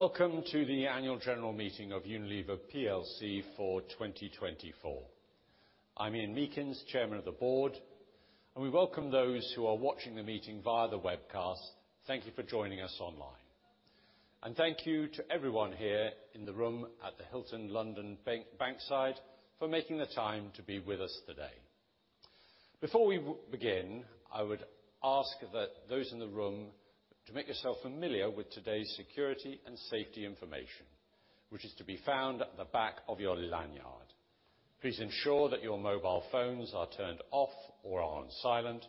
Welcome to the annual general meeting of Unilever PLC for 2024. I'm Ian Meakins, Chairman of the Board, and we welcome those who are watching the meeting via the webcast. Thank you for joining us online. And thank you to everyone here in the room at the Hilton London Bankside for making the time to be with us today. Before we begin, I would ask that those in the room make yourself familiar with today's security and safety information, which is to be found at the back of your lanyard. Please ensure that your mobile phones are turned off or are on silent.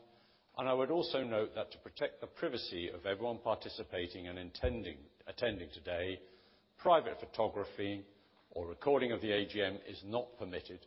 I would also note that to protect the privacy of everyone participating and attending today, private photography or recording of the AGM is not permitted.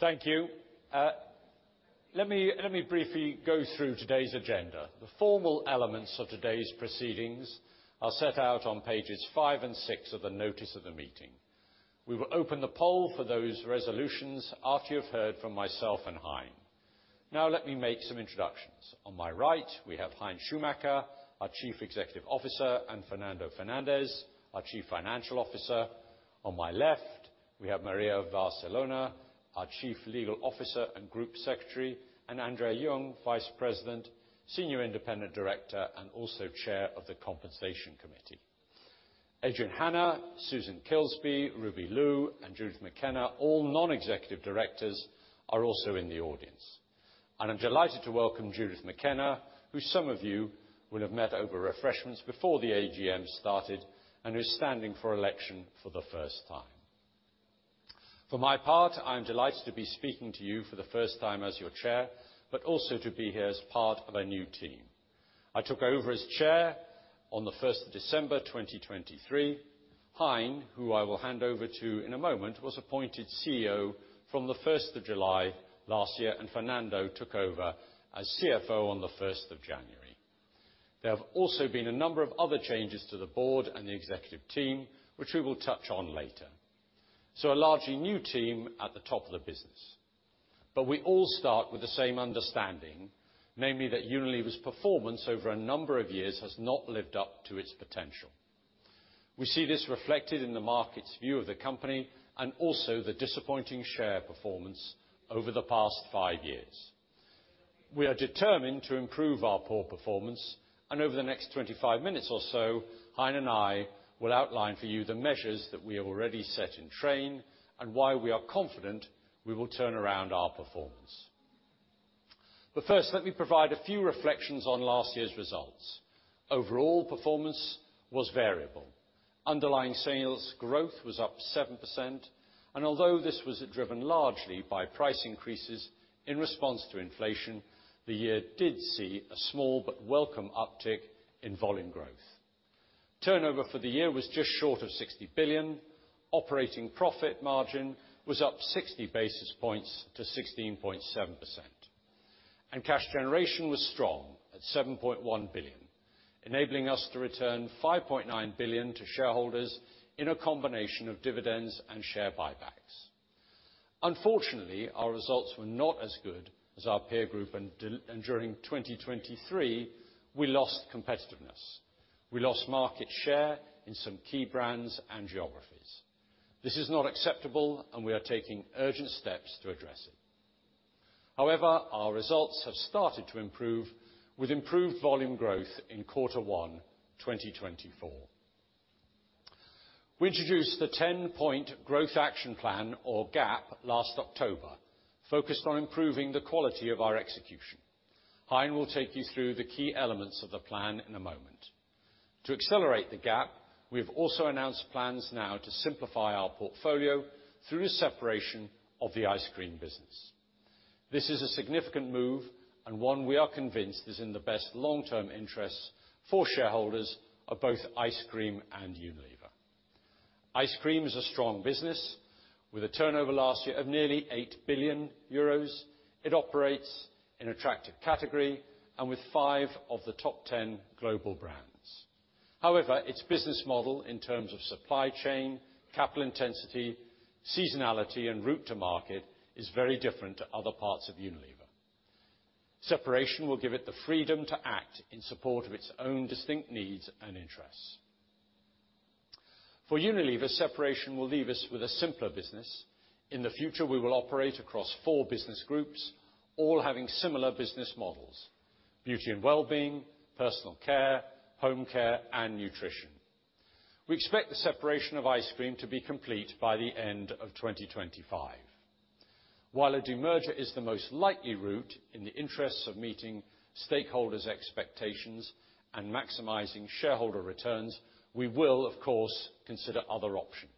Thank you. Let me briefly go through today's agenda. The formal elements of today's proceedings are set out on pages 5 and 6 of the notice of the meeting. We will open the poll for those resolutions after you've heard from myself and Hein. Now let me make some introductions. On my right, we have Hein Schumacher, our Chief Executive Officer, and Fernando Fernandez, our Chief Financial Officer. On my left, we have Maria Varsellona, our Chief Legal Officer and Group Secretary, and Andrea Young, Vice President, Senior Independent Director, and also Chair of the Compensation Committee. Adrian Hennah, Susan Kilsby, Ruby Liu, and Judith McKenna, all Non-Executive Directors, are also in the audience. I'm delighted to welcome Judith McKenna, who some of you will have met over refreshments before the AGM started, and who's standing for election for the first time. For my part, I'm delighted to be speaking to you for the first time as your Chair, but also to be here as part of a new team. I took over as Chair on the 1st of December, 2023. Hein, who I will hand over to in a moment, was appointed CEO from the 1st of July last year, and Fernando took over as CFO on the 1st of January. There have also been a number of other changes to the board and the executive team, which we will touch on later. A largely new team at the top of the business. But we all start with the same understanding, namely that Unilever's performance over a number of years has not lived up to its potential. We see this reflected in the market's view of the company and also the disappointing share performance over the past 5 years. We are determined to improve our poor performance, and over the next 25 minutes or so, Hein and I will outline for you the measures that we have already set in train and why we are confident we will turn around our performance. But first, let me provide a few reflections on last year's results. Overall performance was variable. Underlying sales growth was up 7%, and although this was driven largely by price increases in response to inflation, the year did see a small but welcome uptick in volume growth. Turnover for the year was just short of $60 billion. Operating profit margin was up 60 basis points to 16.7%. Cash generation was strong at $7.1 billion, enabling us to return $5.9 billion to shareholders in a combination of dividends and share buybacks. Unfortunately, our results were not as good as our peer group, and during 2023, we lost competitiveness. We lost market share in some key brands and geographies. This is not acceptable, and we are taking urgent steps to address it. However, our results have started to improve with improved volume growth in quarter 1, 2024. We introduced the 10-point growth action plan, or GAP, last October, focused on improving the quality of our execution. Heine will take you through the key elements of the plan in a moment. To accelerate the GAP, we have also announced plans now to simplify our portfolio through the separation of the ice cream business. This is a significant move and one we are convinced is in the best long-term interests for shareholders of both ice cream and Unilever. Ice cream is a strong business with a turnover last year of nearly €8 billion. It operates in attractive category and with 5 of the top 10 global brands. However, its business model in terms of supply chain, capital intensity, seasonality, and route to market is very different to other parts of Unilever. Separation will give it the freedom to act in support of its own distinct needs and interests. For Unilever, separation will leave us with a simpler business. In the future, we will operate across 4 business groups, all having similar business models: beauty and well-being, personal care, home care, and nutrition. We expect the separation of ice cream to be complete by the end of 2025. While a demerger is the most likely route in the interests of meeting stakeholders' expectations and maximizing shareholder returns, we will, of course, consider other options.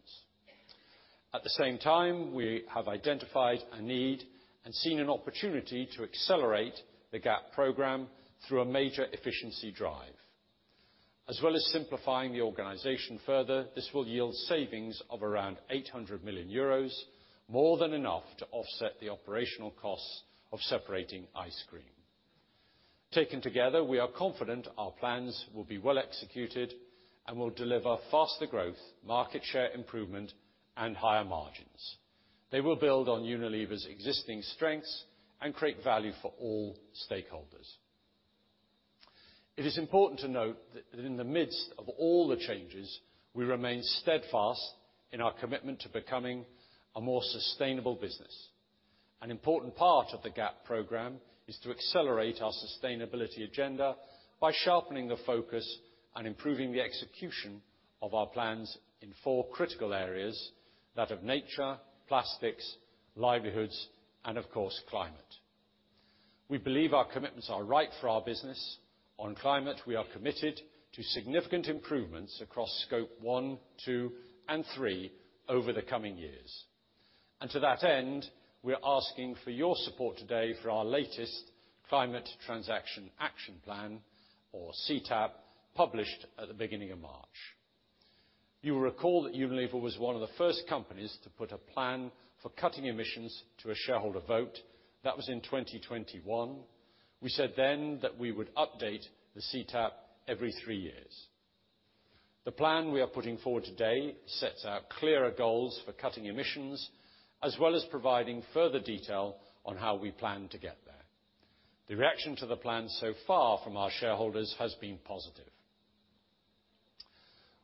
At the same time, we have identified a need and seen an opportunity to accelerate the GAP program through a major efficiency drive. As well as simplifying the organization further, this will yield savings of around €800 million, more than enough to offset the operational costs of separating ice cream. Taken together, we are confident our plans will be well executed and will deliver faster growth, market share improvement, and higher margins. They will build on Unilever's existing strengths and create value for all stakeholders. It is important to note that in the midst of all the changes, we remain steadfast in our commitment to becoming a more sustainable business. An important part of the GAP program is to accelerate our sustainability agenda by sharpening the focus and improving the execution of our plans in 4 critical areas that are nature, plastics, livelihoods, and, of course, climate. We believe our commitments are right for our business. On climate, we are committed to significant improvements across scope 1, 2, and 3 over the coming years. To that end, we are asking for your support today for our latest climate transaction action plan, or CTAP, published at the beginning of March. You will recall that Unilever was one of the first companies to put a plan for cutting emissions to a shareholder vote. That was in 2021. We said then that we would update the CTAP every 3 years. The plan we are putting forward today sets out clearer goals for cutting emissions, as well as providing further detail on how we plan to get there. The reaction to the plan so far from our shareholders has been positive.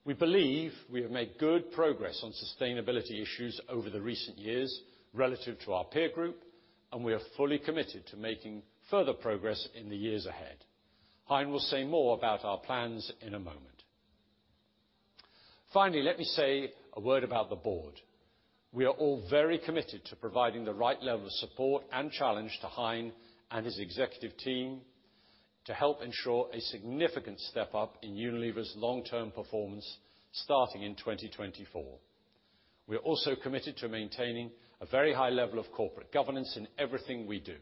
We believe we have made good progress on sustainability issues over the recent years relative to our peer group, and we are fully committed to making further progress in the years ahead. Heine will say more about our plans in a moment. Finally, let me say a word about the board. We are all very committed to providing the right level of support and challenge to Heine and his executive team to help ensure a significant step up in Unilever's long-term performance starting in 2024. We are also committed to maintaining a very high level of corporate governance in everything we do.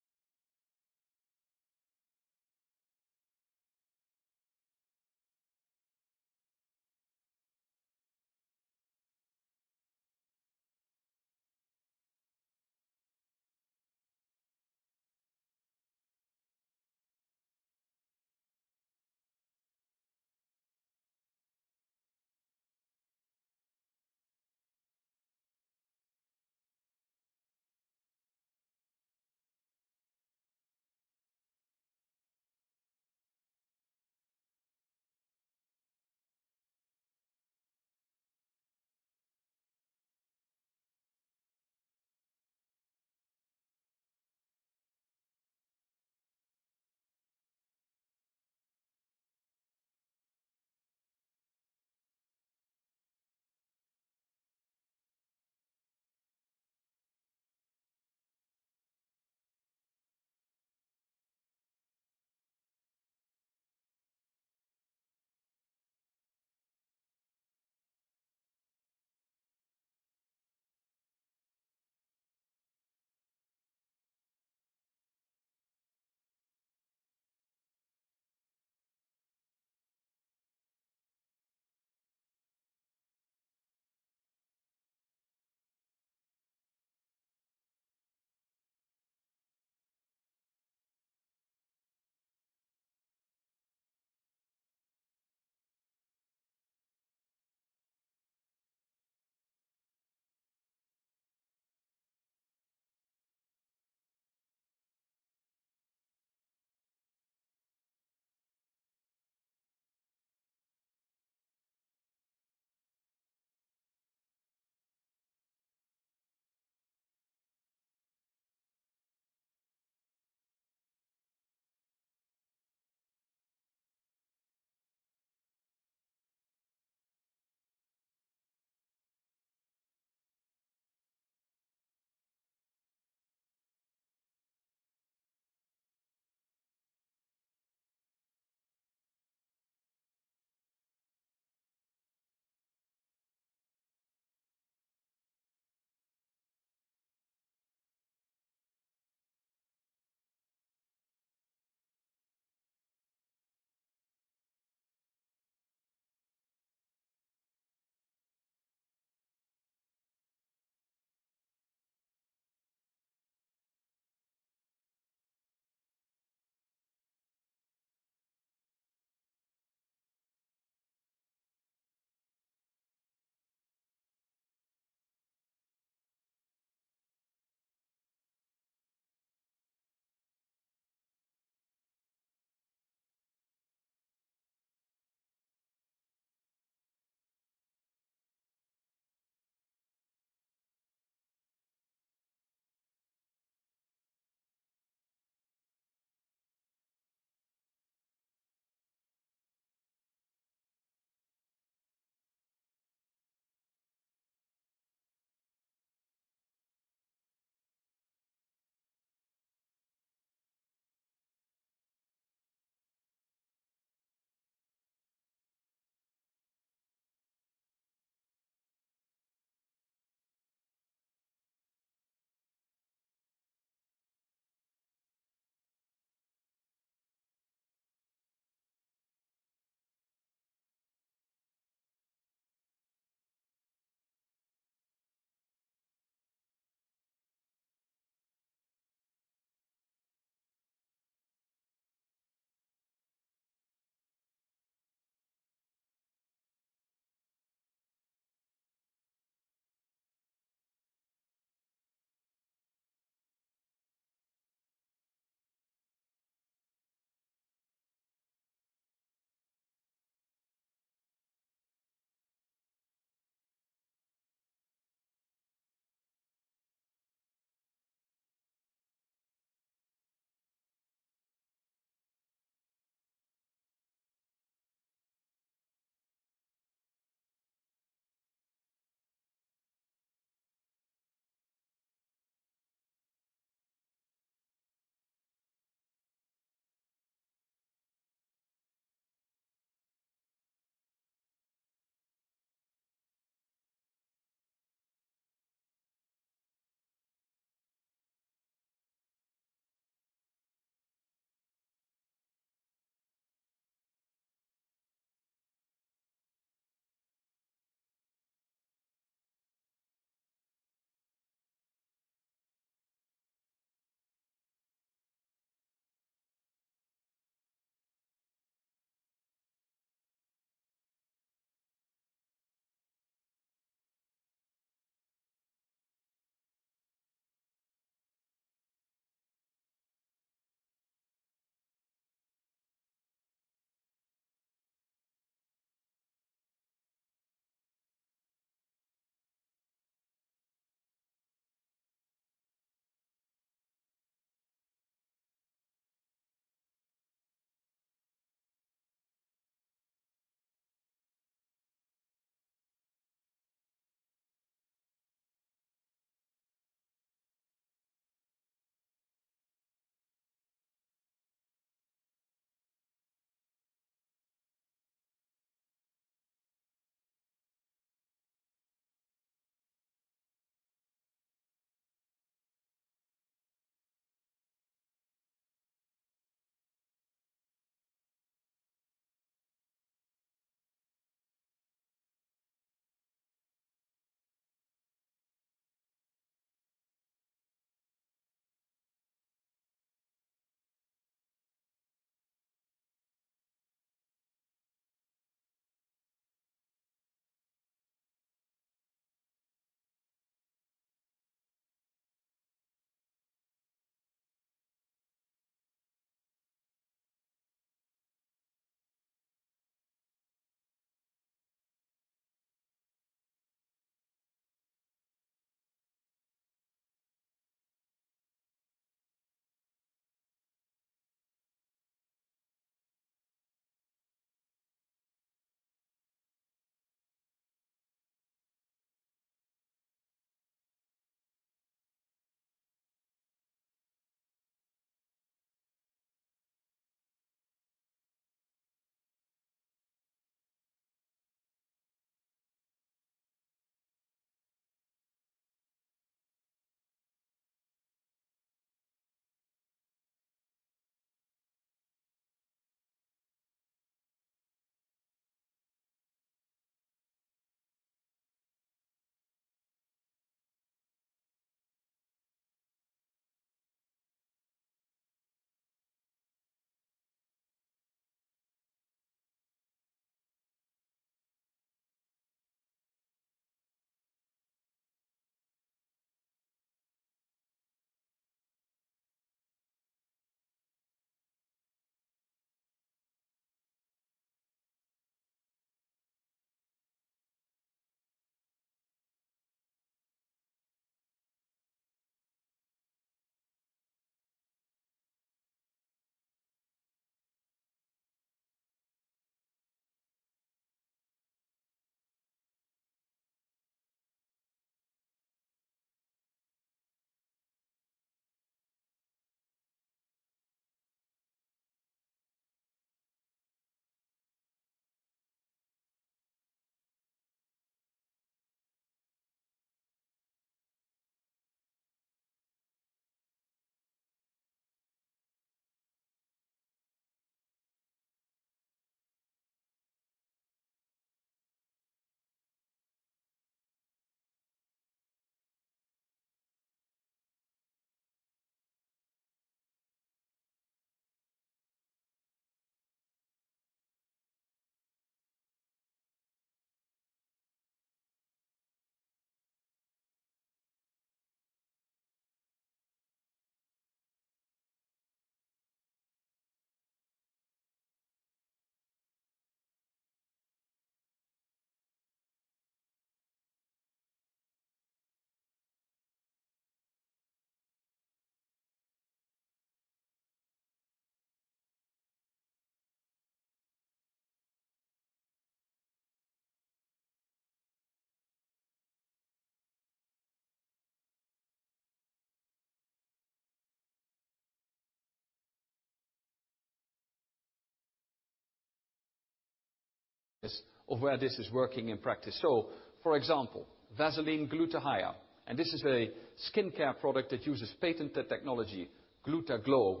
Of where this is working in practice. For example, Vaseline Glutathione, and this is a skincare product that uses patented technology, Glutathione,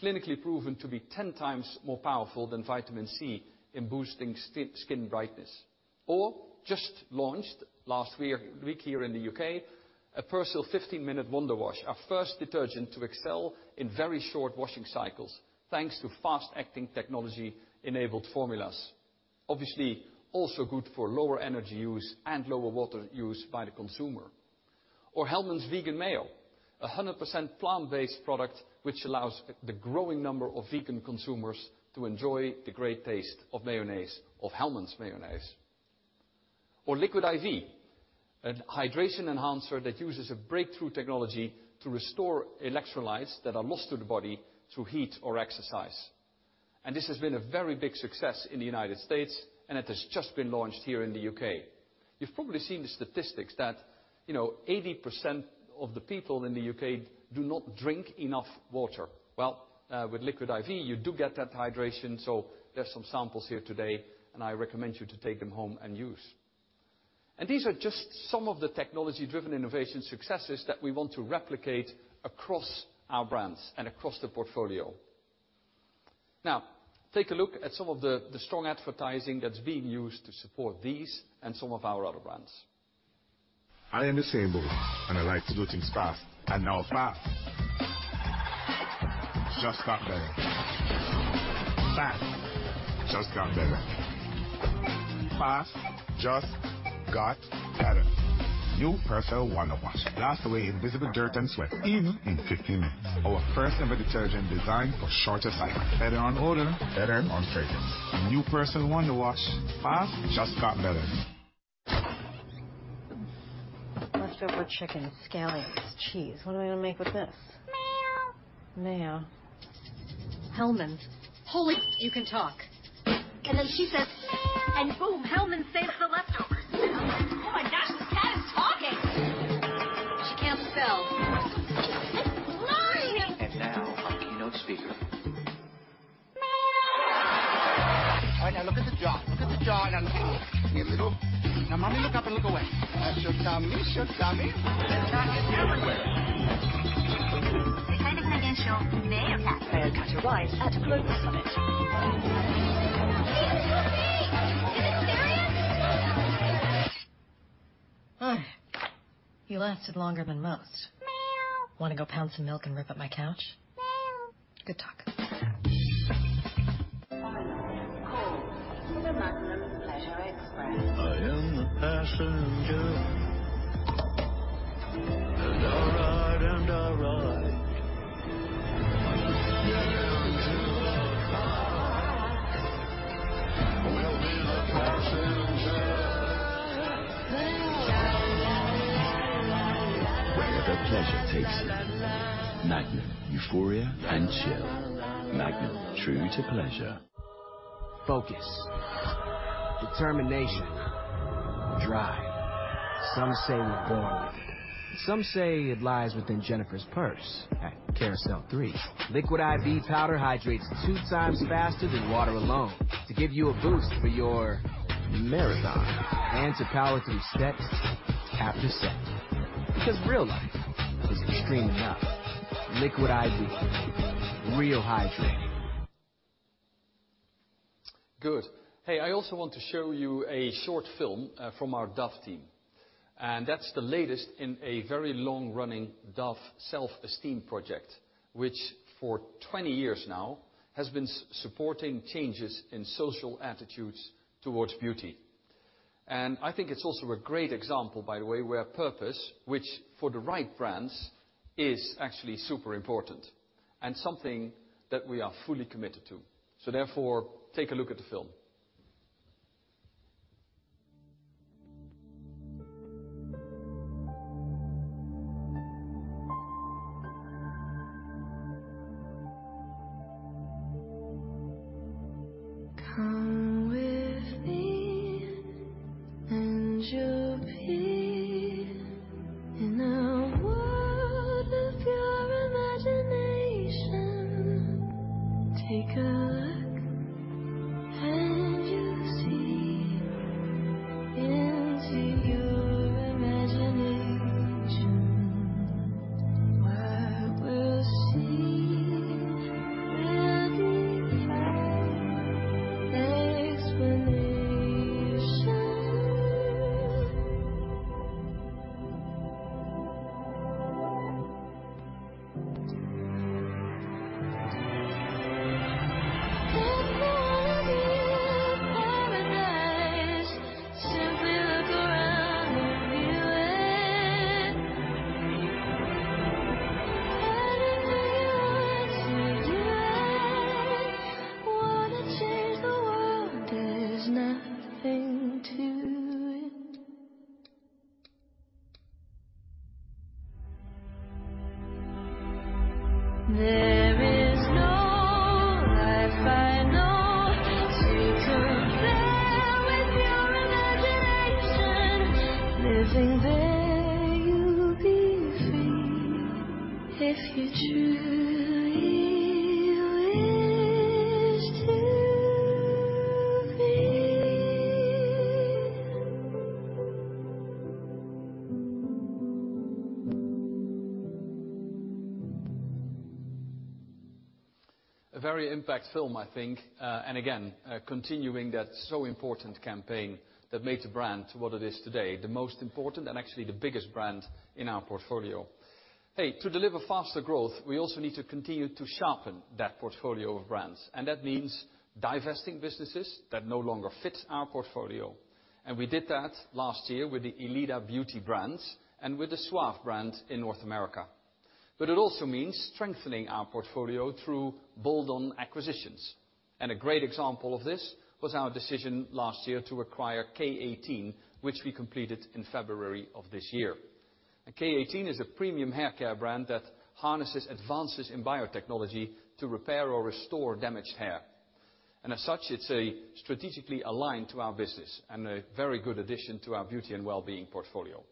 clinically proven to be 10 times more powerful than vitamin C in boosting skin brightness. Persil 15-minute Wonder Wash just launched last week here in the U.K., our first detergent to excel in very short washing cycles thanks to fast-acting technology-enabled formulas. Obviously, also good for lower energy use and lower water use by the consumer. Hellmann's Vegan Mayo, a 100% plant-based product which allows the growing number of vegan consumers to enjoy the great taste of mayonnaise, of Hellmann's mayonnaise. Liquid IV, a hydration enhancer that uses a breakthrough technology to restore electrolytes that are lost to the body through heat or exercise. And this has been a very big success in the United States, and it has just been launched here in the U.K.. You've probably seen the statistics that, you know, 80% of the people in the U.K. do not drink enough water. Well, with Liquid IV, you do get that hydration, so there are some samples here today, and I recommend you take them home and use them. These are just some of the technology-driven innovation successes that we want to replicate across our brands and across the portfolio. Now, take a look at some of the strong advertising that's being used to support these and some of our other brands. I am assembled and I like to do things fast and now fast just got better. Fast just got better. Fast just got better. New Persil Wonder Wash. Blast away invisible dirt and sweat, even in 15 minutes. Our first-ever detergent designed for shorter cycles. Better on order, better on tracking. New Persil Wonder Wash. Fast just got better. Leftover chicken, scallions, cheese. What am I going to make with this? Mail. Mail. Hellmann's. Holy, you can talk. And then she says. Mayo And boom, Hellmann's saves the leftovers. Oh my gosh, this cat is talking. She can't spell. It's blurry. And now our keynote speaker. Mail. All right, now look at the jar. Look at the jar, now look at it. Can you hear me a little? Now, Mommy, look up and look away. I should tell me, should tell me. There's not yet everywhere. They say they can against your Mayo cat. Mayo cat, you're right. Add a glow to some of it. Jesus Christ! Is this serious? Ugh. You lasted longer than most. Mail. Want to go pound some milk and rip up my couch? Mail. Good talk. Final call for the Magnum Pleasure Express. I am the passenger. All right, and all right. Down to the car. We'll be the passengers. Wherever pleasure takes you. Magnum, euphoria, and chill. Magnum, true to pleasure. Focus. Determination. Drive. Some say you're born with it. Some say it lies within Jennifer's purse at Carousel 3. Liquid IV powder hydrates two times faster than water alone to give you a boost for your marathon and to power through set after set. Because real life is extreme enough. Liquid IV. Real hydrating. Good. Hey, I also want to show you a short film from our Dove team. That's the latest in a very long-running Dove self-esteem project, which for 20 years now has been supporting changes in social attitudes towards beauty. I think it's also a great example, by the way, where purpose, which for the right brands is actually super important and something that we are fully committed to. So therefore, take a look at the film. It also means strengthening our portfolio through bolt-on acquisitions. A great example of this was our decision last year to acquire K18, which we completed in February of this year. K18 is a premium hair care brand that harnesses advances in biotechnology to repair or restore damaged hair. As such, it's strategically aligned to our business and a very good addition to our beauty and well-being portfolio.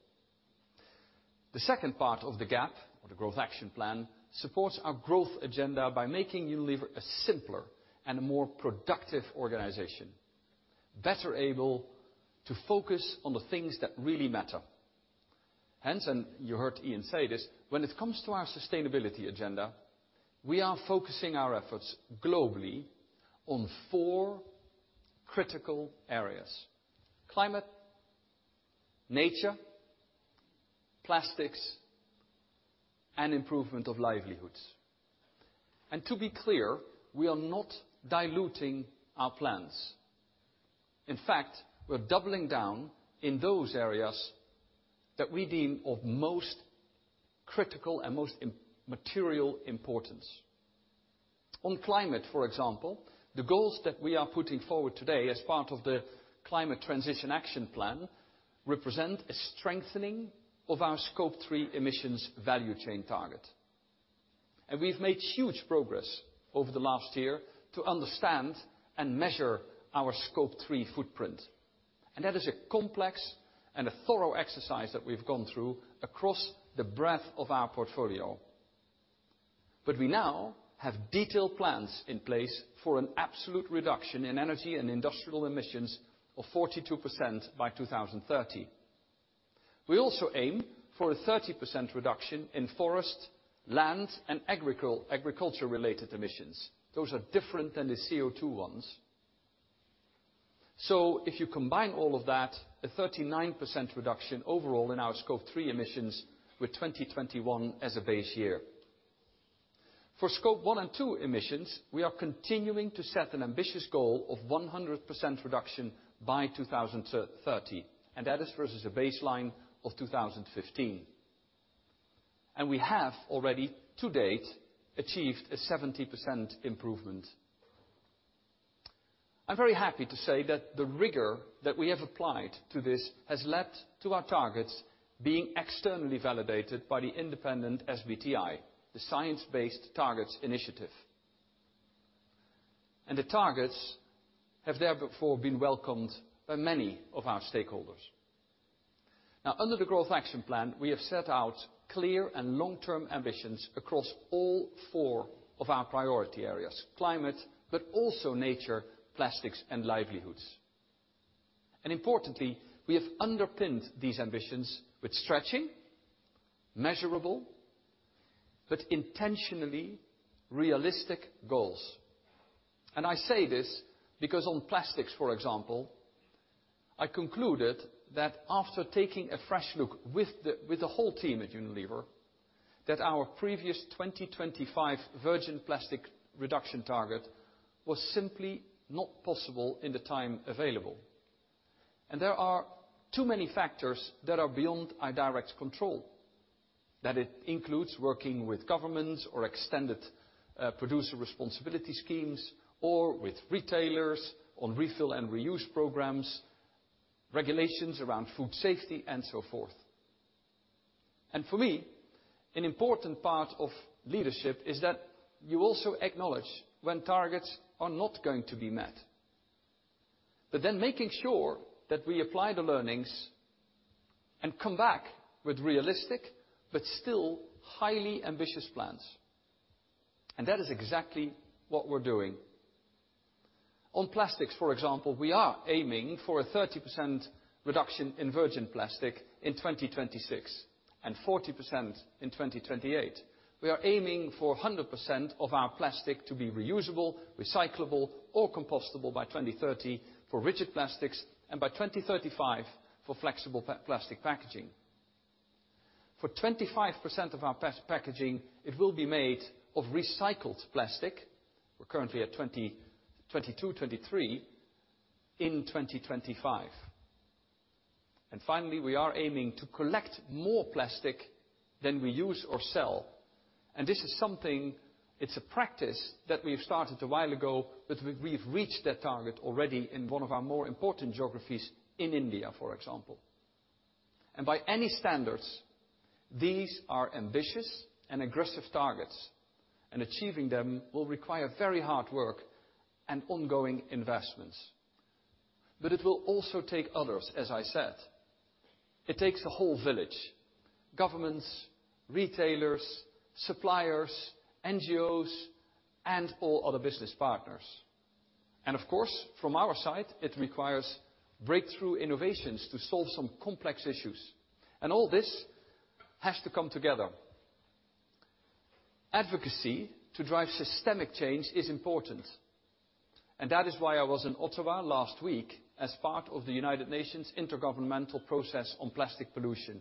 The second part of the GAP, or the Growth Action Plan, supports our growth agenda by making Unilever a simpler and more productive organization, better able to focus on the things that really matter. Hence, and you heard Ian say this, when it comes to our sustainability agenda, we are focusing our efforts globally on four critical areas: climate, nature, plastics, and improvement of livelihoods. And to be clear, we are not diluting our plans. In fact, we're doubling down in those areas that we deem of most critical and most material importance. On climate, for example, the goals that we are putting forward today as part of the Climate Transition Action Plan represent a strengthening of our Scope 3 emissions value chain target. We've made huge progress over the last year to understand and measure our Scope 3 footprint. That is a complex and thorough exercise that we've gone through across the breadth of our portfolio. We now have detailed plans in place for an absolute reduction in energy and industrial emissions of 42% by 2030. We also aim for a 30% reduction in forest, land, and agriculture-related emissions. Those are different than the CO2 ones. If you combine all of that, a 39% reduction overall in our Scope 3 emissions with 2021 as a base year. For Scope 1 and 2 emissions, we are continuing to set an ambitious goal of 100% reduction by 2030, and that is versus a baseline of 2015. We have already, to date, achieved a 70% improvement. I'm very happy to say that the rigor that we have applied to this has led to our targets being externally validated by the independent SBTI, the Science-Based Targets Initiative. The targets have therefore been welcomed by many of our stakeholders. Now, under the Growth Action Plan, we have set out clear and long-term ambitions across all four of our priority areas: climate, but also nature, plastics, and livelihoods. Importantly, we have underpinned these ambitions with stretching, measurable, but intentionally realistic goals. I say this because on plastics, for example, I concluded that after taking a fresh look with the whole team at Unilever, that our previous 2025 virgin plastic reduction target was simply not possible in the time available. There are too many factors that are beyond our direct control, that includes working with governments or extended producer responsibility schemes, or with retailers on refill and reuse programs, regulations around food safety, and so forth. For me, an important part of leadership is that you also acknowledge when targets are not going to be met. But then making sure that we apply the learnings and come back with realistic but still highly ambitious plans. That is exactly what we're doing. On plastics, for example, we are aiming for a 30% reduction in virgin plastic in 2026 and 40% in 2028. We are aiming for 100% of our plastic to be reU.S.A.ble, recyclable, or compostable by 2030 for rigid plastics and by 2035 for flexible plastic packaging. For 25% of our packaging, it will be made of recycled plastic—we're currently at 2022, 2023—in 2025. Finally, we are aiming to collect more plastic than we use or sell. This is something—it's a practice that we have started a while ago, but we have reached that target already in one of our more important geographies, in India, for example. By any standards, these are ambitious and aggressive targets, and achieving them will require very hard work and ongoing investments. But it will also take others, as I said. It takes a whole village: governments, retailers, suppliers, NGOs, and all other business partners. Of course, from our side, it requires breakthrough innovations to solve some complex issues. All this has to come together. Advocacy to drive systemic change is important. That is why I was in Ottawa last week as part of the United Nations Intergovernmental Process on Plastic Pollution.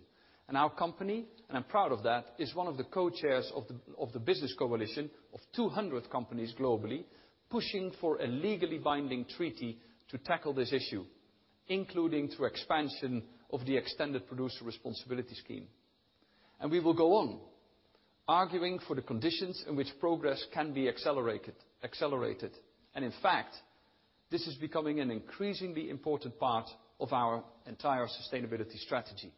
Our company, and I'm proud of that, is one of the co-chairs of the business coalition of 200 companies globally pushing for a legally binding treaty to tackle this issue, including through expansion of the extended producer responsibility scheme. We will go on arguing for the conditions in which progress can be accelerated. In fact, this is becoming an increasingly important part of our entire sustainability strategy.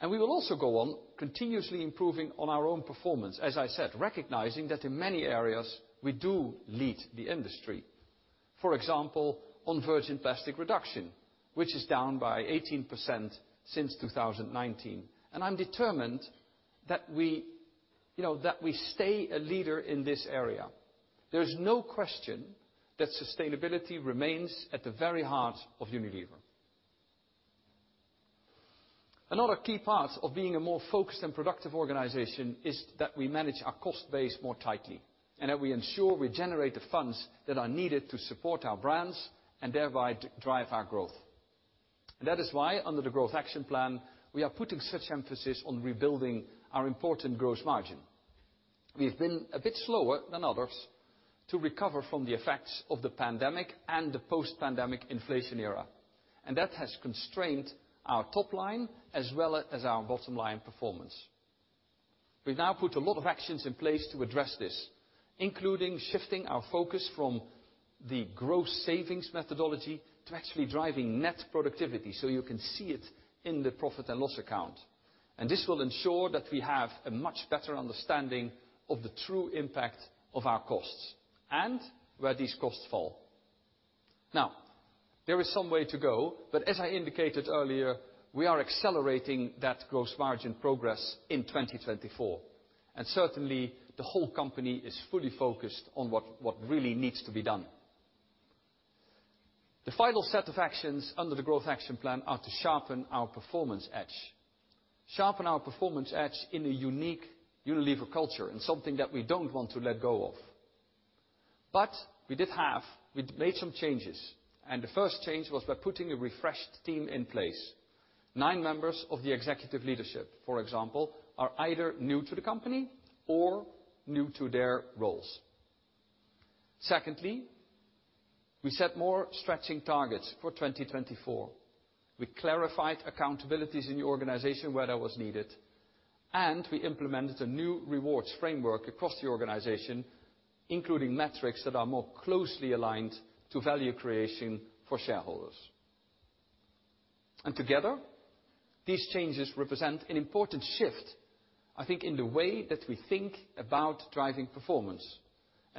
We will also go on continuously improving on our own performance, as I said, recognizing that in many areas we do lead the industry. For example, on virgin plastic reduction, which is down by 18% since 2019. I'm determined that we stay a leader in this area. There is no question that sustainability remains at the very heart of Unilever. Another key part of being a more focused and productive organization is that we manage our cost base more tightly and that we ensure we generate the funds that are needed to support our brands and thereby drive our growth. That is why, under the Growth Action Plan, we are putting such emphasis on rebuilding our important gross margin. We have been a bit slower than others to recover from the effects of the pandemic and the post-pandemic inflation era. That has constrained our top line as well as our bottom line performance. We have now put a lot of actions in place to address this, including shifting our focus from the gross savings methodology to actually driving net productivity so you can see it in the profit and loss account. This will ensure that we have a much better understanding of the true impact of our costs and where these costs fall. Now, there is some way to go, but as I indicated earlier, we are accelerating that gross margin progress in 2024. Certainly, the whole company is fully focused on what really needs to be done. The final set of actions under the Growth Action Plan are to sharpen our performance edge. Sharpen our performance edge in a unique Unilever culture and something that we don't want to let go of. But we did have--we made some changes. The first change was by putting a refreshed team in place. Nine members of the executive leadership, for example, are either new to the company or new to their roles. Secondly, we set more stretching targets for 2024. We clarified accountabilities in the organization where that was needed. We implemented a new rewards framework across the organization, including metrics that are more closely aligned to value creation for shareholders. Together, these changes represent an important shift, I think, in the way that we think about driving performance.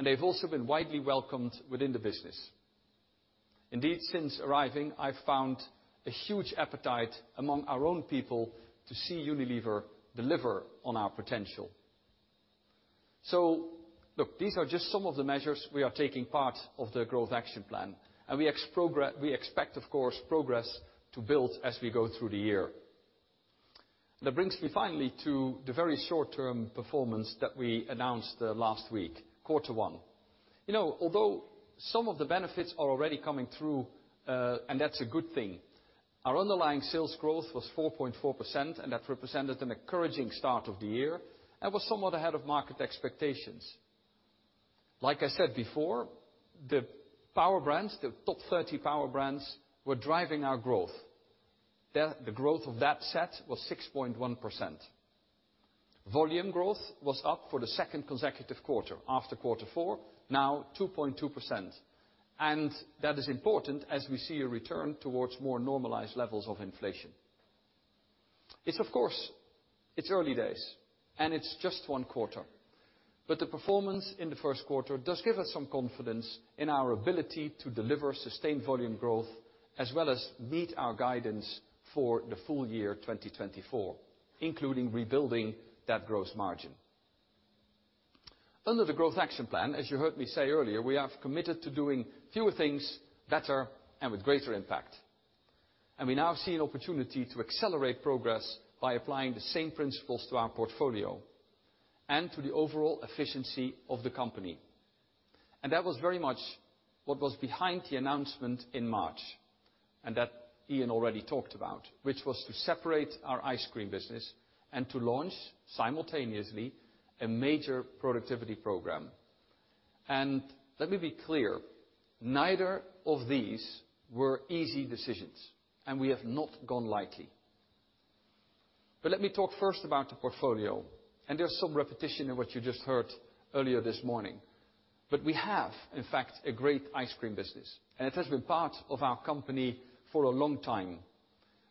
They have also been widely welcomed within the business. Indeed, since arriving, I have found a huge appetite among our own people to see Unilever deliver on our potential. Look, these are just some of the measures we are taking part of the Growth Action Plan. We expect, of course, progress to build as we go through the year. That brings me finally to the very short-term performance that we announced last week, quarter one. You know, although some of the benefits are already coming through, and that's a good thing, our underlying sales growth was 4.4%, and that represented an encouraging start of the year and was somewhat ahead of market expectations. Like I said before, the power brands, the top 30 power brands, were driving our growth. The growth of that set was 6.1%. Volume growth was up for the second consecutive quarter after quarter four, now 2.2%. That is important as we see a return towards more normalized levels of inflation. It's, of course, early days, and it's just one quarter. But the performance in the first quarter does give us some confidence in our ability to deliver sustained volume growth as well as meet our guidance for the full year 2024, including rebuilding that gross margin. Under the Growth Action Plan, as you heard me say earlier, we have committed to doing fewer things better and with greater impact. We now see an opportunity to accelerate progress by applying the same principles to our portfolio and to the overall efficiency of the company. That was very much what was behind the announcement in March and that Ian already talked about, which was to separate our ice cream business and to launch simultaneously a major productivity program. Let me be clear: neither of these were easy decisions, and we have not gone lightly. But let me talk first about the portfolio. There is some repetition in what you just heard earlier this morning. We have, in fact, a great ice cream business, and it has been part of our company for a long time,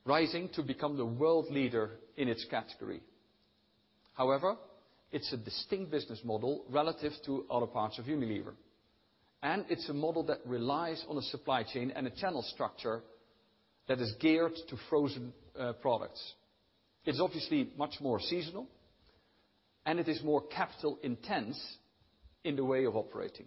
rising to become the world leader in its category. However, it's a distinct business model relative to other parts of Unilever. It's a model that relies on a supply chain and a channel structure that is geared to frozen products. It's obviously much more seasonal, and it is more capital-intense in the way of operating.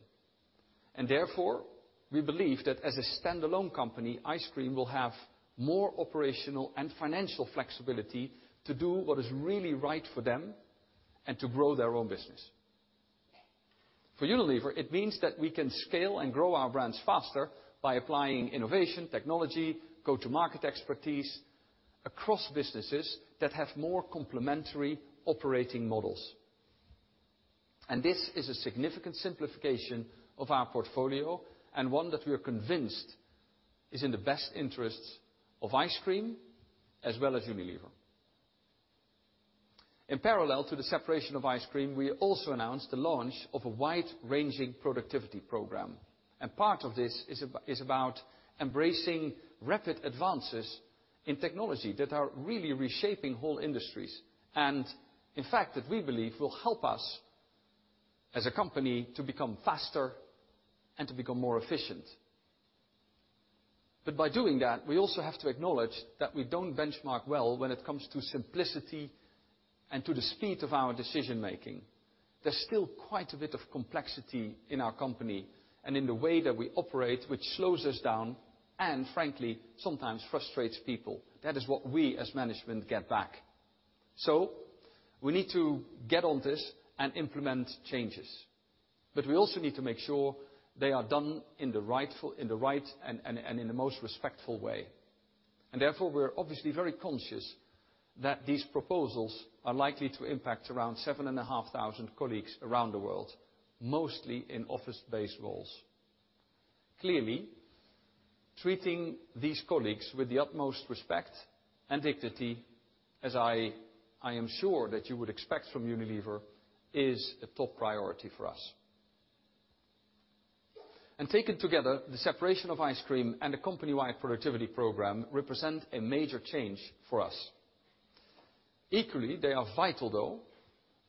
Therefore, we believe that as a standalone company, ice cream will have more operational and financial flexibility to do what is really right for them and to grow their own business. For Unilever, it means that we can scale and grow our brands faster by applying innovation, technology, go-to-market expertise across businesses that have more complementary operating models. This is a significant simplification of our portfolio and one that we are convinced is in the best interests of ice cream as well as Unilever. In parallel to the separation of ice cream, we also announced the launch of a wide-ranging productivity program. Part of this is about embracing rapid advances in technology that are really reshaping whole industries and, in fact, that we believe will help us as a company to become faster and to become more efficient. By doing that, we also have to acknowledge that we don't benchmark well when it comes to simplicity and to the speed of our decision-making. There's still quite a bit of complexity in our company and in the way that we operate, which slows us down and, frankly, sometimes frustrates people. That is what we as management get back. We need to get on this and implement changes. But we also need to make sure they are done in the right and in the most respectful way. Therefore, we're obviously very conscious that these proposals are likely to impact around 7,500 colleagues around the world, mostly in office-based roles. Clearly, treating these colleagues with the utmost respect and dignity, as I am sure that you would expect from Unilever, is a top priority for us. Taken together, the separation of ice cream and the company-wide productivity program represent a major change for us. Equally, they are vital, though,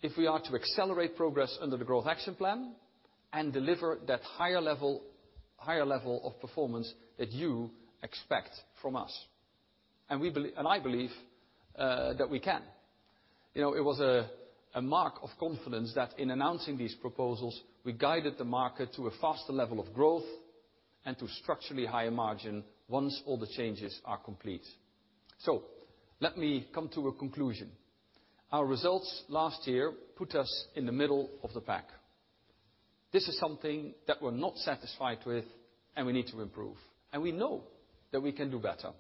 if we are to accelerate progress under the Growth Action Plan and deliver that higher level of performance that you expect from us. We believe—and I believe—that we can. You know, it was a mark of confidence that in announcing these proposals, we guided the market to a faster level of growth and to structurally higher margin once all the changes are complete. So let me come to a conclusion. Our results last year put us in the middle of the pack. This is something that we're not satisfied with, and we need to improve. We know that we can do better.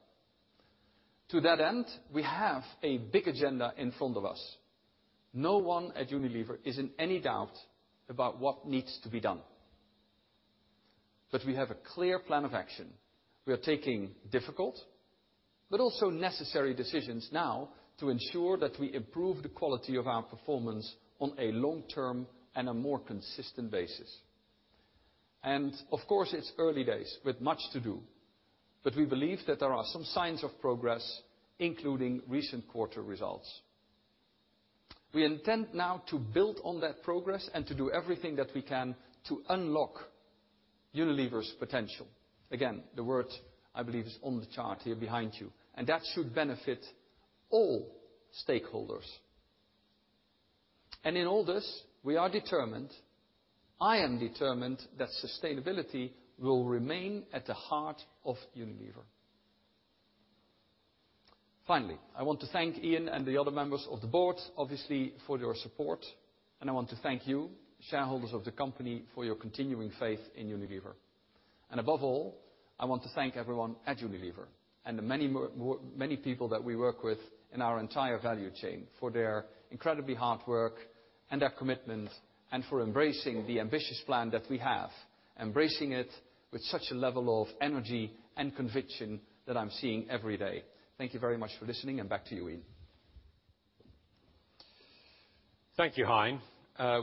To that end, we have a big agenda in front of us. No one at Unilever is in any doubt about what needs to be done. We have a clear plan of action. We are taking difficult but also necessary decisions now to ensure that we improve the quality of our performance on a long-term and a more consistent basis. Of course, it's early days with much to do. We believe that there are some signs of progress, including recent quarter results. We intend now to build on that progress and to do everything that we can to unlock Unilever's potential. Again, the word, I believe, is on the chart here behind you. That should benefit all stakeholders. In all this, we are determined--I am determined--that sustainability will remain at the heart of Unilever. Finally, I want to thank Ian and the other members of the board, obviously, for your support. I want to thank you, shareholders of the company, for your continuing faith in Unilever. Above all, I want to thank everyone at Unilever and the many people that we work with in our entire value chain for their incredibly hard work and their commitment and for embracing the ambitious plan that we have, embracing it with such a level of energy and conviction that I'm seeing every day. Thank you very much for listening, and back to you, Ian. Thank you, Hein.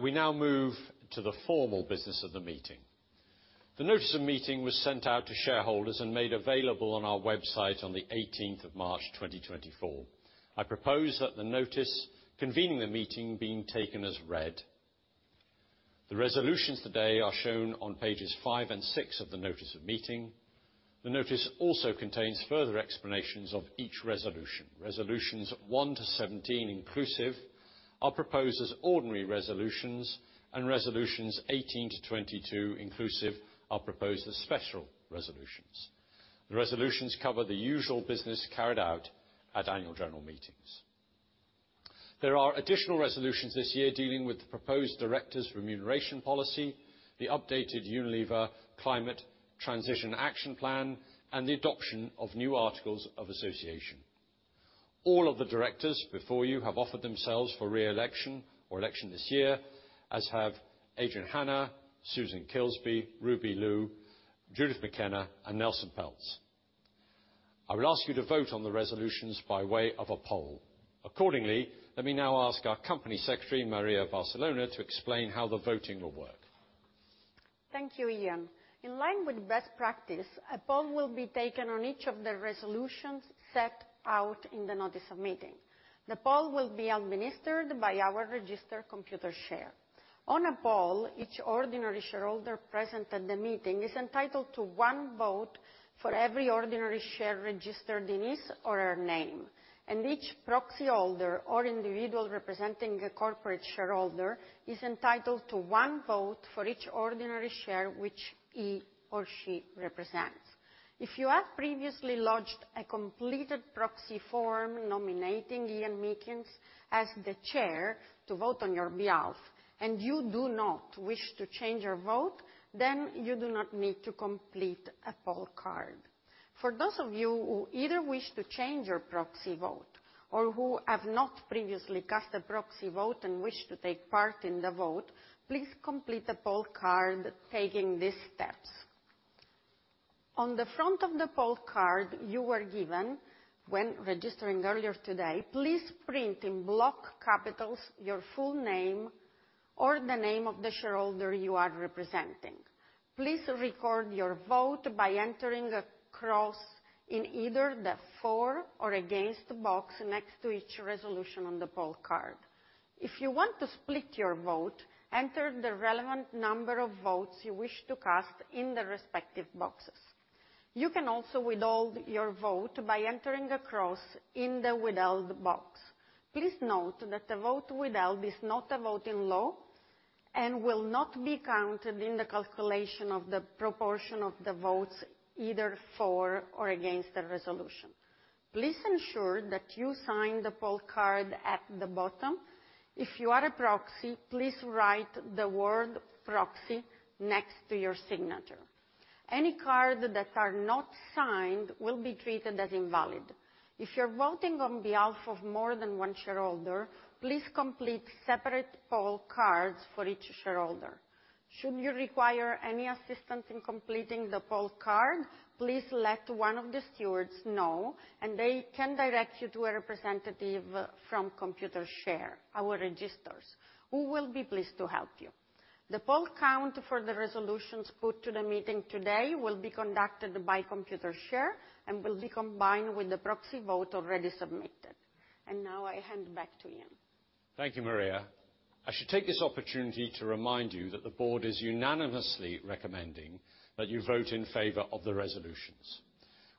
We now move to the formal business of the meeting. The notice of meeting was sent out to shareholders and made available on our website on the 18th of March, 2024. I propose that the notice convening the meeting be taken as read. The resolutions today are shown on pages five and six of the notice of meeting. The notice also contains further explanations of each resolution. Resolutions one to 17, inclusive, are proposed as ordinary resolutions, and resolutions 18 to 22, inclusive, are proposed as special resolutions. The resolutions cover the usual business carried out at annual general meetings. There are additional resolutions this year dealing with the proposed director's remuneration policy, the updated Unilever Climate Transition Action Plan, and the adoption of new articles of association. All of the directors before you have offered themselves for re-election or election this year, as have Adrian Hannah, SU.S.A.n Kilsby, Ruby Lu, Judith McKenna, and Nelson Peltz. I will ask you to vote on the resolutions by way of a poll. Accordingly, let me now ask our company secretary, Maria Varsellona, to explain how the voting will work. Thank you, Ian. In line with best practice, a poll will be taken on each of the resolutions set out in the notice of meeting. The poll will be administered by our registered Computershare. On a poll, each ordinary shareholder present at the meeting is entitled to one vote for every ordinary share registered in his or her name. Each proxy holder or individual representing a corporate shareholder is entitled to one vote for each ordinary share which he or she represents. If you have previously lodged a completed proxy form nominating Ian Meakins as the chair to vote on your behalf and you do not wish to change your vote, then you do not need to complete a poll card. For those of you who either wish to change your proxy vote or who have not previously cast a proxy vote and wish to take part in the vote, please complete the poll card taking these steps. On the front of the poll card you were given when registering earlier today, please print in block capitals your full name or the name of the shareholder you are representing. Please record your vote by entering a cross in either the for or against box next to each resolution on the poll card. If you want to split your vote, enter the relevant number of votes you wish to cast in the respective boxes. You can also withhold your vote by entering a cross in the withheld box. Please note that the vote withheld is not a vote in law and will not be counted in the calculation of the proportion of the votes either for or against the resolution. Please ensure that you sign the poll card at the bottom. If you are a proxy, please write the word "proxy" next to your signature. Any cards that are not signed will be treated as invalid. If you're voting on behalf of more than one shareholder, please complete separate poll cards for each shareholder. Should you require any assistance in completing the poll card, please let one of the stewards know, and they can direct you to a representative from Computershare, our registrars, who will be pleased to help you. The poll count for the resolutions put to the meeting today will be conducted by Computershare and will be combined with the proxy votes already submitted. Now I hand back to Ian. Thank you, Maria. I should take this opportunity to remind you that the Board is unanimously recommending that you vote in favor of the resolutions.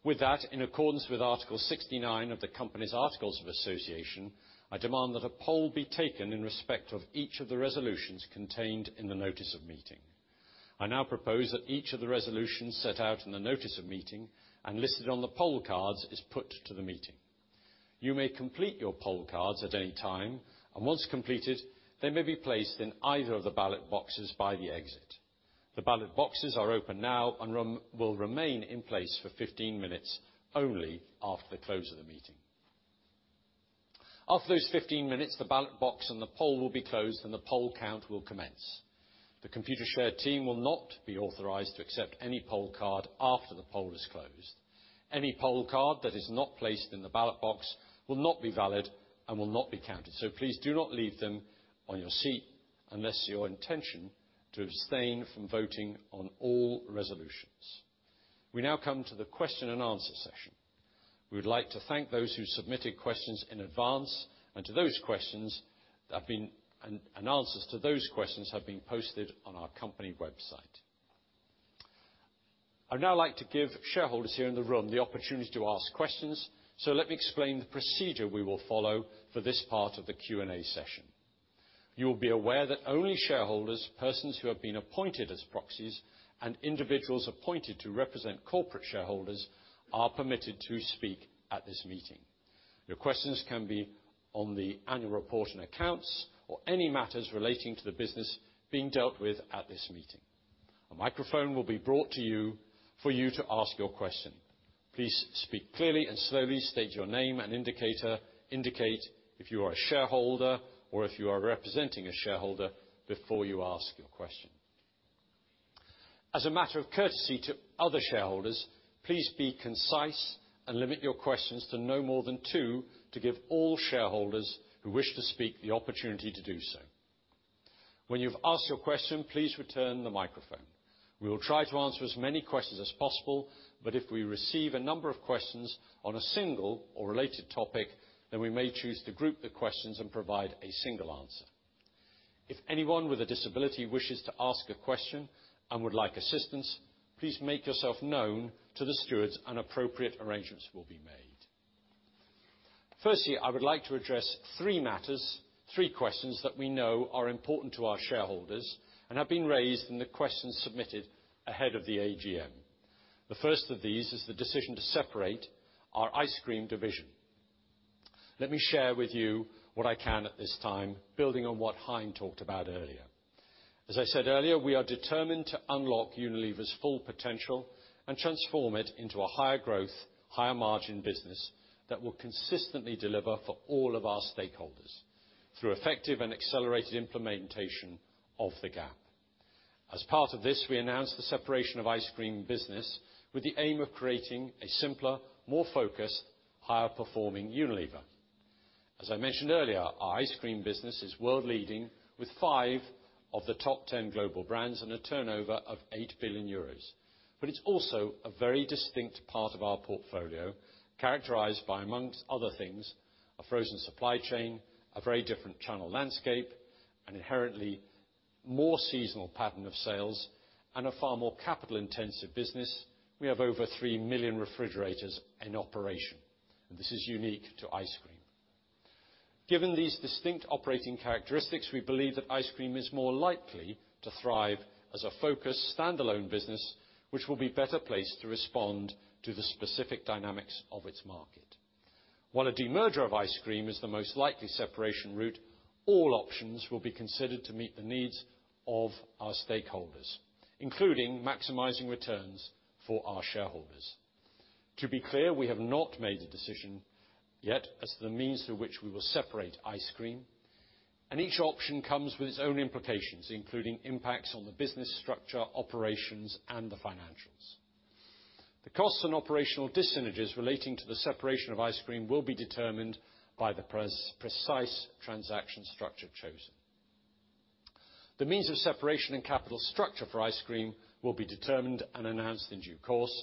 With that, in accordance with Article 69 of the company's Articles of Association, I demand that a poll be taken in respect of each of the resolutions contained in the notice of meeting. I now propose that each of the resolutions set out in the notice of meeting and listed on the poll cards is put to the meeting. You may complete your poll cards at any time, and once completed, they may be placed in either of the ballot boxes by the exit. The ballot boxes are open now and will remain in place for 15 minutes only after the close of the meeting. After those 15 minutes, the ballot box and the poll will be closed, and the poll count will commence. The Computer Share team will not be authorized to accept any poll card after the poll is closed. Any poll card that is not placed in the ballot box will not be valid and will not be counted. Please do not leave them on your seat unless your intention is to abstain from voting on all resolutions. We now come to the question and answer session. We would like to thank those who submitted questions in advance, and answers to those questions have been posted on our company website. I would now like to give shareholders here in the room the opportunity to ask questions. Let me explain the procedure we will follow for this part of the Q&A session. You will be aware that only shareholders, persons who have been appointed as proxies, and individuals appointed to represent corporate shareholders are permitted to speak at this meeting. Your questions can be on the annual report and accounts or any matters relating to the business being dealt with at this meeting. A microphone will be brought to you for you to ask your question. Please speak clearly and slowly. State your name and indicate if you are a shareholder or if you are representing a shareholder before you ask your question. As a matter of courtesy to other shareholders, please be concise and limit your questions to no more than two to give all shareholders who wish to speak the opportunity to do so. When you've asked your question, please return the microphone. We will try to answer as many questions as possible, but if we receive a number of questions on a single or related topic, then we may choose to group the questions and provide a single answer. If anyone with a disability wishes to ask a question and would like assistance, please make yourself known to the stewards, and appropriate arrangements will be made. Firstly, I would like to address three matters, three questions that we know are important to our shareholders and have been raised in the questions submitted ahead of the AGM. The first of these is the decision to separate our ice cream division. Let me share with you what I can at this time, building on what Hein talked about earlier. As I said earlier, we are determined to unlock Unilever's full potential and transform it into a higher growth, higher margin business that will consistently deliver for all of our stakeholders through effective and accelerated implementation of the GAAP. As part of this, we announced the separation of ice cream business with the aim of creating a simpler, more focused, higher performing Unilever. As I mentioned earlier, our ice cream business is world-leading with five of the top 10 global brands and a turnover of €8 billion. But it's also a very distinct part of our portfolio, characterized by, amongst other things, a frozen supply chain, a very different channel landscape, an inherently more seasonal pattern of sales, and a far more capital-intensive business. We have over 3 million refrigerators in operation, and this is unique to ice cream. Given these distinct operating characteristics, we believe that ice cream is more likely to thrive as a focused, standalone business which will be better placed to respond to the specific dynamics of its market. While a demerger of ice cream is the most likely separation route, all options will be considered to meet the needs of our stakeholders, including maximizing returns for our shareholders. To be clear, we have not made a decision yet as to the means through which we will separate ice cream. Each option comes with its own implications, including impacts on the business structure, operations, and the financials. The costs and operational disagreements relating to the separation of ice cream will be determined by the precise transaction structure chosen. The means of separation and capital structure for ice cream will be determined and announced in due course.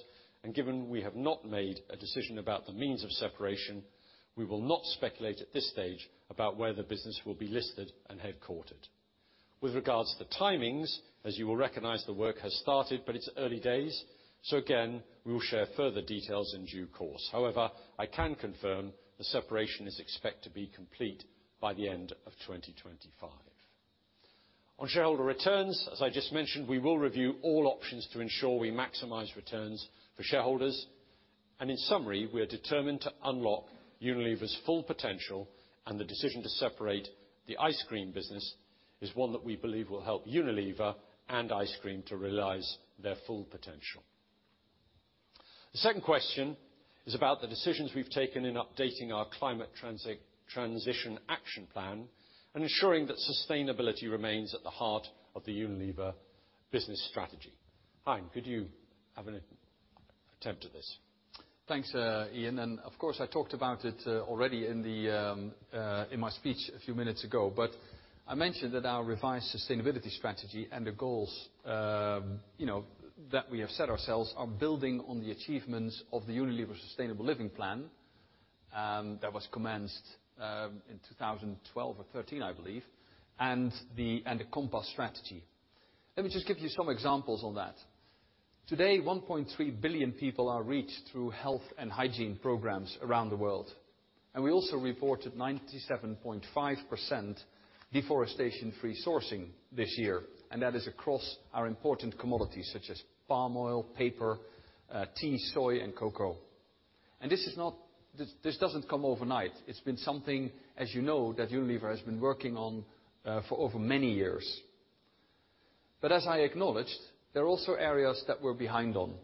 Given we have not made a decision about the means of separation, we will not speculate at this stage about where the business will be listed and headquartered. With regards to timings, as you will recognize, the work has started, but it's early days. Again, we will share further details in due course. However, I can confirm the separation is expected to be complete by the end of 2025. On shareholder returns, as I just mentioned, we will review all options to ensure we maximize returns for shareholders. In summary, we are determined to unlock Unilever's full potential, and the decision to separate the ice cream business is one that we believe will help Unilever and ice cream to realize their full potential. The second question is about the decisions we've taken in updating our climate transition action plan and ensuring that sustainability remains at the heart of the Unilever business strategy. Hein, could you have an attempt at this? Thanks, Ian. Of course, I talked about it already in my speech a few minutes ago. I mentioned that our revised sustainability strategy and the goals that we have set ourselves are building on the achievements of the Unilever Sustainable Living Plan that was commenced in 2012 or '13, I believe, and the Compass Strategy. Let me just give you some examples on that. Today, 1.3 billion people are reached through health and hygiene programs around the world. We also reported 97.5% deforestation-free sourcing this year, and that is across our important commodities such as palm oil, paper, tea, soy, and cocoa. This doesn't come overnight. It's been something, as you know, that Unilever has been working on for over many years. As I acknowledged, there are also areas that we're behind on,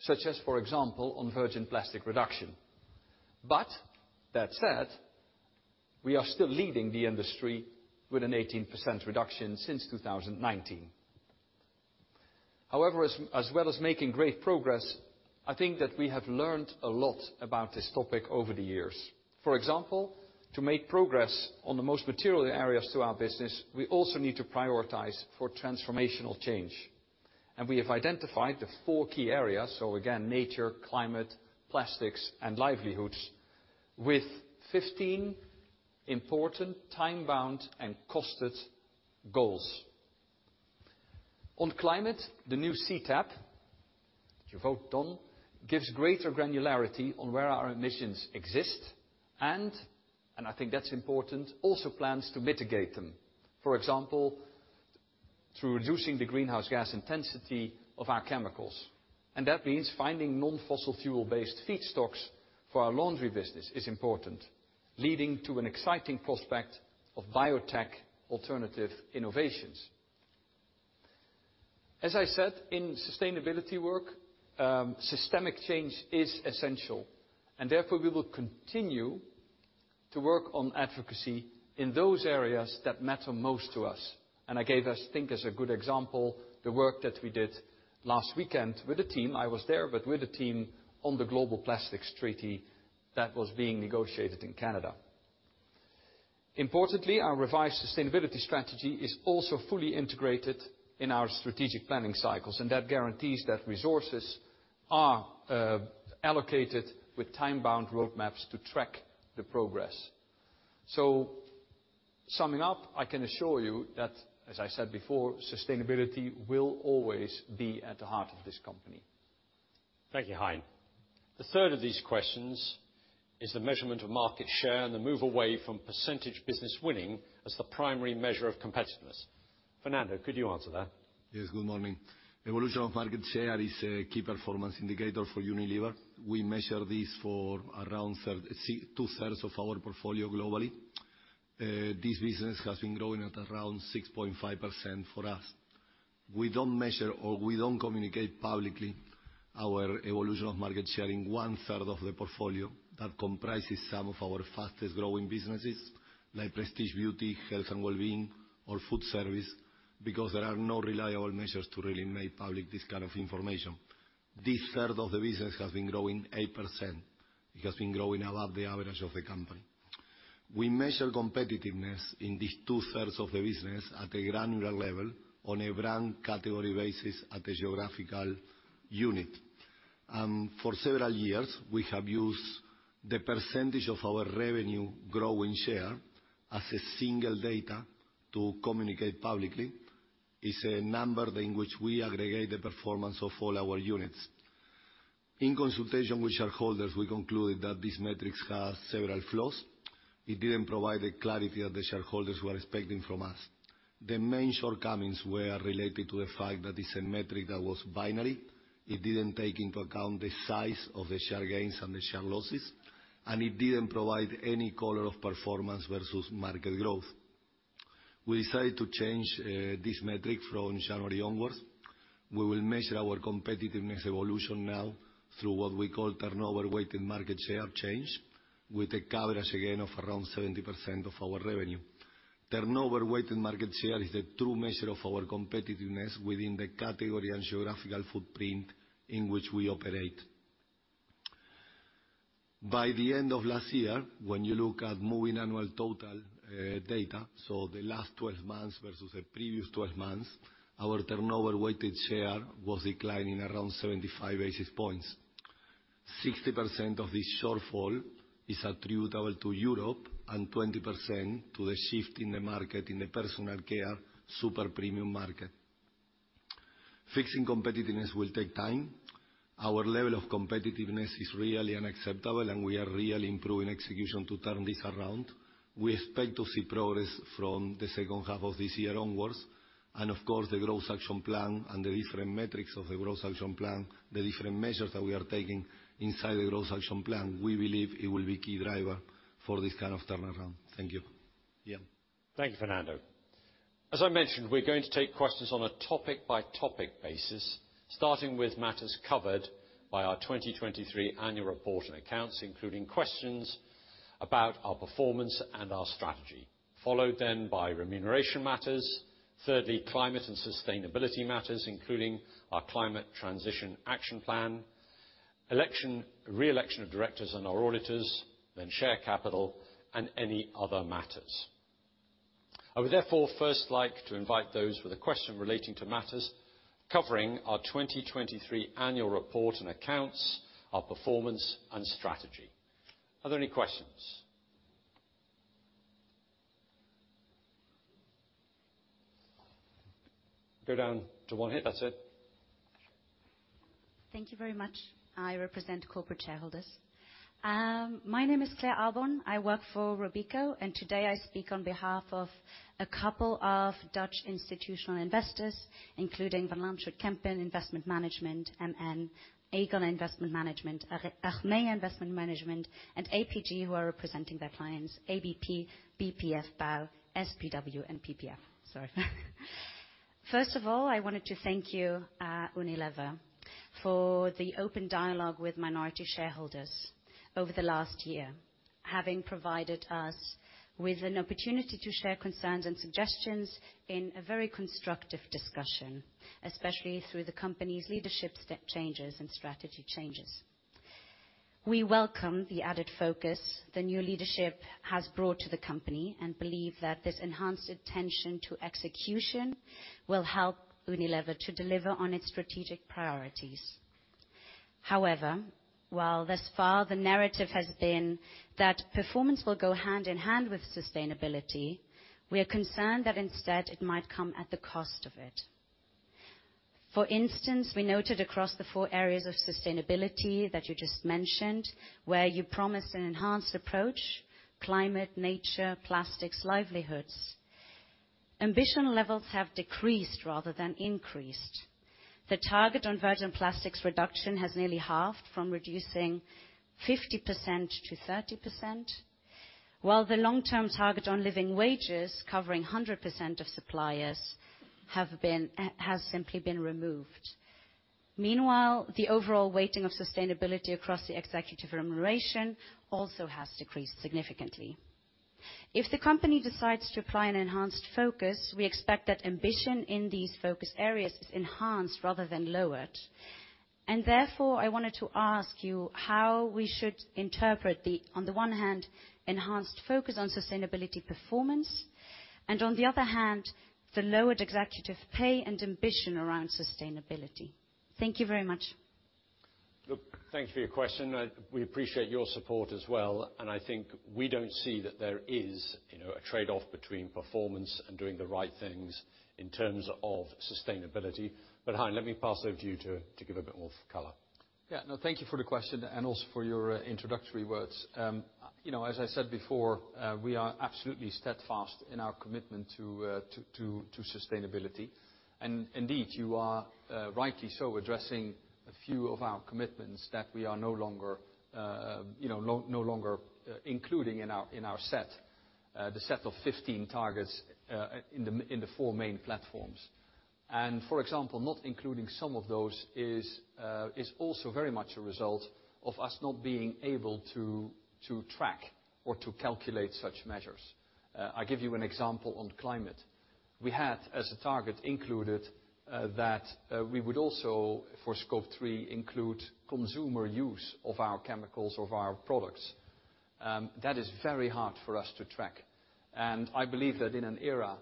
such as, for example, on virgin plastic reduction. That said, we are still leading the industry with an 18% reduction since 2019. However, as well as making great progress, I think that we have learned a lot about this topic over the years. For example, to make progress on the most material areas to our business, we also need to prioritize for transformational change. We have identified the four key areas - nature, climate, plastics, and livelihoods - with 15 important, time-bound, and costed goals. On climate, the new CTAP that you vote on gives greater granularity on where our emissions exist and, I think that's important, also plans to mitigate them, for example, through reducing the greenhouse gas intensity of our chemicals. That means finding non-fossil fuel-based feedstocks for our laundry business is important, leading to an exciting prospect of biotech alternative innovations. As I said, in sustainability work, systemic change is essential. Therefore, we will continue to work on advocacy in those areas that matter most to us. I gave us, I think as a good example, the work that we did last weekend with a team. I was there, but with a team on the Global Plastics Treaty that was being negotiated in Canada. Importantly, our revised sustainability strategy is also fully integrated in our strategic planning cycles, and that guarantees that resources are allocated with time-bound roadmaps to track the progress. So summing up, I can assure you that, as I said before, sustainability will always be at the heart of this company. Thank you, Hein. The third of these questions is the measurement of market share and the move away from percentage business winning as the primary measure of competitiveness. Fernando, could you answer that? Yes, good morning. Evolution of market share is a key performance indicator for Unilever. We measure this for around two-thirds of our portfolio globally. This business has been growing at around 6.5% for us. We don't measure or we don't communicate publicly our evolution of market share in one-third of the portfolio that comprises some of our fastest-growing businesses like prestige beauty, health and well-being, or food service because there are no reliable measures to really make public this kind of information. This third of the business has been growing 8%. It has been growing above the average of the company. We measure competitiveness in these two-thirds of the business at a granular level, on a brand category basis, at a geographical unit. For several years, we have used the percentage of our revenue growing share as a single data to communicate publicly. It's a number in which we aggregate the performance of all our units. In consultation with shareholders, we concluded that this metric has several flaws. It didn't provide the clarity that the shareholders were expecting from us. The main shortcomings were related to the fact that it's a metric that was binary. It didn't take into account the size of the share gains and the share losses, and it didn't provide any color of performance versus market growth. We decided to change this metric from January onwards. We will measure our competitiveness evolution now through what we call turnover-weighted market share change with a coverage, again, of around 70% of our revenue. Turnover-weighted market share is the true measure of our competitiveness within the category and geographical footprint in which we operate. By the end of last year, when you look at moving annual total data, so the last 12 months versus the previous 12 months, our turnover-weighted share was declining around 75 basis points. 60% of this shortfall is attributable to Europe and 20% to the shift in the market in the personal care super premium market. Fixing competitiveness will take time. Our level of competitiveness is really unacceptable, and we are really improving execution to turn this around. We expect to see progress from the second half of this year onwards. Of course, the growth action plan and the different metrics of the growth action plan, the different measures that we are taking inside the growth action plan, we believe it will be a key driver for this kind of turnaround. Thank you, Ian. Thank you, Fernando. As I mentioned, we're going to take questions on a topic-by-topic basis, starting with matters covered by our 2023 annual report and accounts, including questions about our performance and our strategy, followed then by remuneration matters. Thirdly, climate and sustainability matters, including our climate transition action plan, reelection of directors and our auditors, then share capital, and any other matters. I would therefore first like to invite those with a question relating to matters covering our 2023 annual report and accounts, our performance, and strategy. Are there any questions? Go down to one here. That's it. Thank you very much. I represent corporate shareholders. My name is Claire Alborn. I work for Robeco, and today I speak on behalf of a couple of Dutch institutional investors, including Van Lanschot Kempen Investment Management, MN, Aegon Investment Management, Achmea Investment Management, and APG, who are representing their clients, ABP, BPF, BOUW, SPW, and PPF. First of all, I wanted to thank you, Unilever, for the open dialogue with minority shareholders over the last year, having provided us with an opportunity to share concerns and suggestions in a very constructive discussion, especially through the company's leadership changes and strategy changes. We welcome the added focus the new leadership has brought to the company and believe that this enhanced attention to execution will help Unilever to deliver on its strategic priorities. However, while thus far the narrative has been that performance will go hand in hand with sustainability, we are concerned that instead it might come at the cost of it. For instance, we noted across the four areas of sustainability that you just mentioned, where you promised an enhanced approach: climate, nature, plastics, livelihoods, ambition levels have decreased rather than increased. The target on virgin plastics reduction has nearly halved from reducing 50% to 30%, while the long-term target on living wages, covering 100% of suppliers, has simply been removed. Meanwhile, the overall weighting of sustainability across the executive remuneration also has decreased significantly. If the company decides to apply an enhanced focus, we expect that ambition in these focus areas is enhanced rather than lowered. Therefore, I wanted to ask you how we should interpret the, on the one hand, enhanced focus on sustainability performance and, on the other hand, the lowered executive pay and ambition around sustainability. Thank you very much. Look, thank you for your question. We appreciate your support as well. I think we don't see that there is a trade-off between performance and doing the right things in terms of sustainability. But Hein, let me pass over to you to give a bit more color. No, thank you for the question and also for your introductory words. As I said before, we are absolutely steadfast in our commitment to sustainability. Indeed, you are rightly so addressing a few of our commitments that we are no longer including in our set, the set of 15 targets in the four main platforms. For example, not including some of those is also very much a result of us not being able to track or to calculate such measures. I'll give you an example on climate. We had as a target included that we would also, for scope three, include consumer use of our chemicals or of our products. That is very hard for us to track. I believe that in an era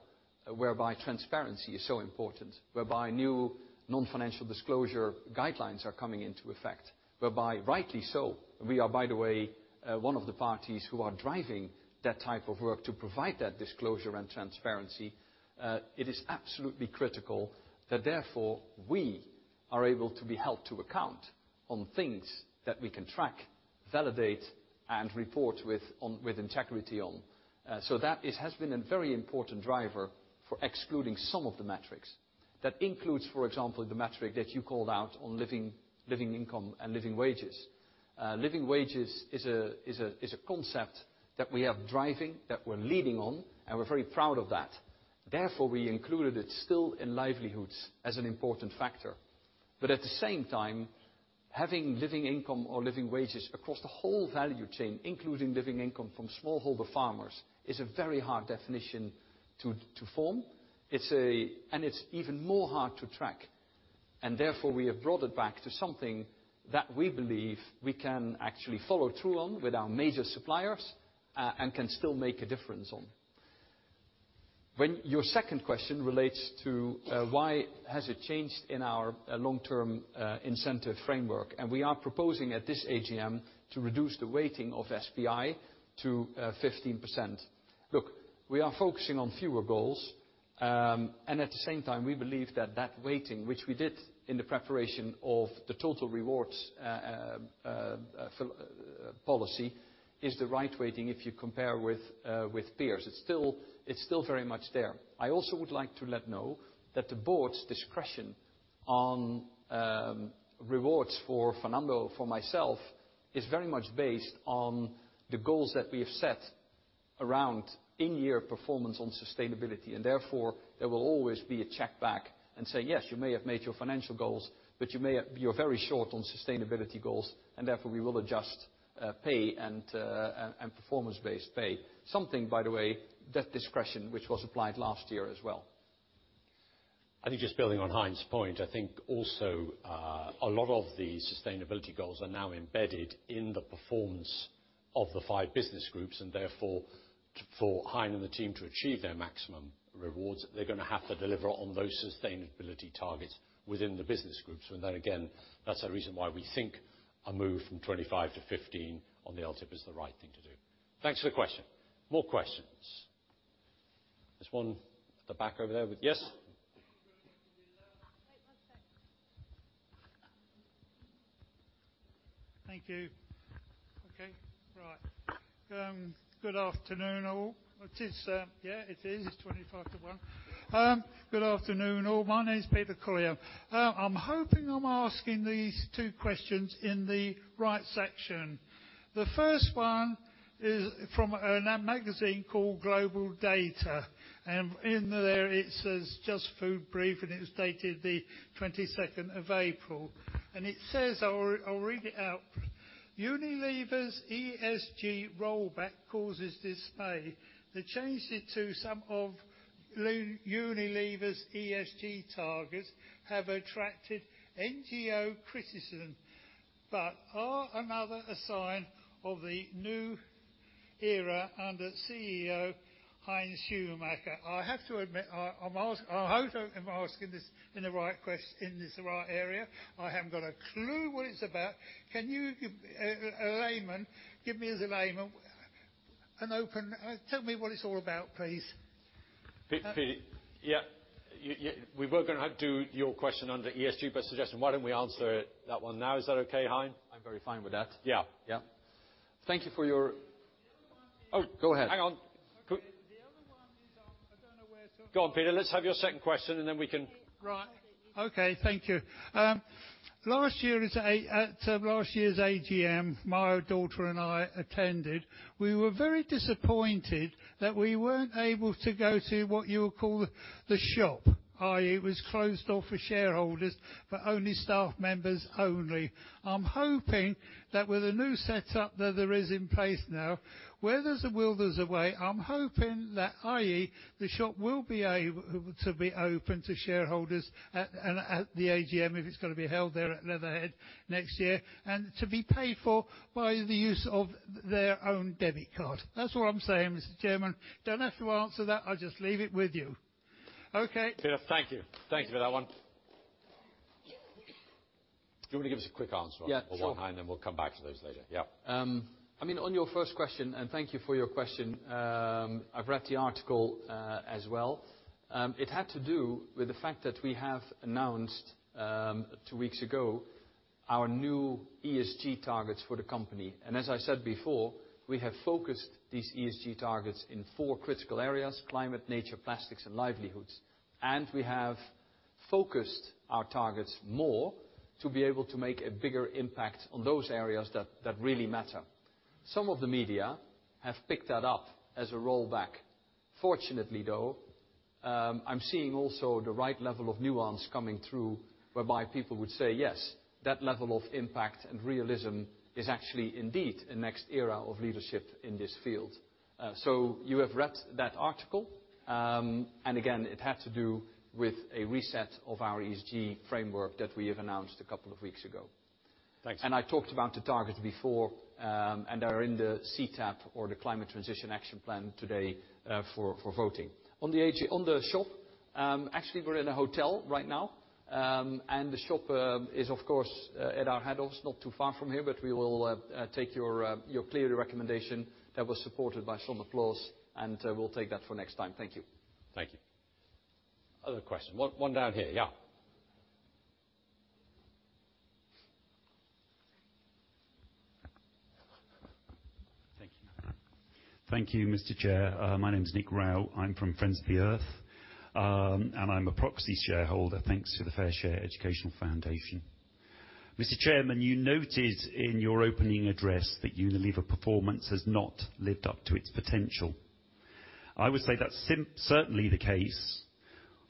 whereby transparency is so important, whereby new non-financial disclosure guidelines are coming into effect, whereby rightly so we are, by the way, one of the parties who are driving that type of work to provide that disclosure and transparency, it is absolutely critical that therefore we are able to be held to account on things that we can track, validate, and report with integrity on. That has been a very important driver for excluding some of the metrics. That includes, for example, the metric that you called out on living income and living wages. Living wages is a concept that we have driving, that we're leading on, and we're very proud of that. Therefore, we included it still in livelihoods as an important factor. But at the same time, having living income or living wages across the whole value chain, including living income from smallholder farmers, is a very hard definition to form. It's even more hard to track. Therefore, we have brought it back to something that we believe we can actually follow through on with our major suppliers and can still make a difference on. Your second question relates to why has it changed in our long-term incentive framework. We are proposing at this AGM to reduce the weighting of SPI to 15%. Look, we are focusing on fewer goals. At the same time, we believe that weighting, which we did in the preparation of the total rewards policy, is the right weighting if you compare with peers. It's still very much there. I also would like to let you know that the board's discretion on rewards for Fernando, for myself, is very much based on the goals that we have set around in-year performance on sustainability. Therefore, there will always be a check back and say, "Yes, you may have made your financial goals, but you're very short on sustainability goals. Therefore, we will adjust pay and performance-based pay." Something, by the way, that discretion which was applied last year as well. I think just building on Hein's point, I think also a lot of the sustainability goals are now embedded in the performance of the five business groups. Therefore, for Hein and the team to achieve their maximum rewards, they're going to have to deliver on those sustainability targets within the business groups. Again, that's a reason why we think a move from 25% to 15% on the LTIP is the right thing to do. Thanks for the question. More questions? There's one at the back over there with yes? Wait one second. Thank you. Okay. Right. Good afternoon, all. It is, yeah, it is 25 to 1. Good afternoon, all. My name's Peter Kulve. I'm hoping I'm asking these two questions in the right section. The first one is from a magazine called GlobalData. In there, it says Just Food Brief, and it was dated the 22nd of April. It says I'll read it out. Unilever's ESG rollback causes dismay. The change to some of Unilever's ESG targets have attracted NGO criticism but are another sign of the new era under CEO Hein Schumacher. I have to admit, I'm hoping I'm asking this in the right area. I haven't got a clue what it's about. Can you, as a layman, give me as a layman an open tell me what it's all about, please. Peter, yeah. We were going to do your question under ESG, but I'm suggesting why don't we answer that one now? Is that okay, Hein? I'm very fine with that. Yeah. Yeah. Thank you for your... oh, go ahead. Hang on. The other one is I don't know where to. Go on, Peter. Let's have your second question, and then we can. Right. Okay. Thank you. Last year at last year's AGM, my daughter and I attended, we were very disappointed that we weren't able to go to what you would call the shop, i.e., it was closed off for shareholders but only staff members only. I'm hoping that with the new setup that there is in place now, where there's a wilderness away, I'm hoping that, i.e., the shop will be able to be open to shareholders at the AGM if it's going to be held there at Leatherhead next year and to be paid for by the use of their own debit card. That's what I'm saying, Mr. Chairman. Don't have to answer that. I'll just leave it with you. Okay. Peter, thank you. Thank you for that one. Do you want to give us a quick answer on that one, Hein? Yes. Then we'll come back to those later. Yeah. I mean, on your first question, and thank you for your question, I've read the article as well. It had to do with the fact that we have announced two weeks ago our new ESG targets for the company. And as I said before, we have focused these ESG targets in four critical areas: climate, nature, plastics, and livelihoods. And we have focused our targets more to be able to make a bigger impact on those areas that really matter. Some of the media have picked that up as a rollback. Fortunately, though, I'm seeing also the right level of nuance coming through whereby people would say, "Yes, that level of impact and realism is actually indeed a next era of leadership in this field." So you have read that article. Again, it had to do with a reset of our ESG framework that we have announced a couple of weeks ago. Thanks. I talked about the targets before, and they're in the CTAP or the Climate Transition Action Plan today for voting. On the shop, actually, we're in a hotel right now. The shop is, of course, at our head office, not too far from here. But we will take your clear recommendation that was supported by some applause, and we'll take that for next time. Thank you. Thank you. Other question? One down here. Yeah. Thank you. Thank you, Mr. Chair. My name's Nick Rao. I'm from Friends of the Earth, and I'm a proxy shareholder, thanks to the Fair Share Educational Foundation. Mr. Chairman, you noted in your opening address that Unilever performance has not lived up to its potential. I would say that's certainly the case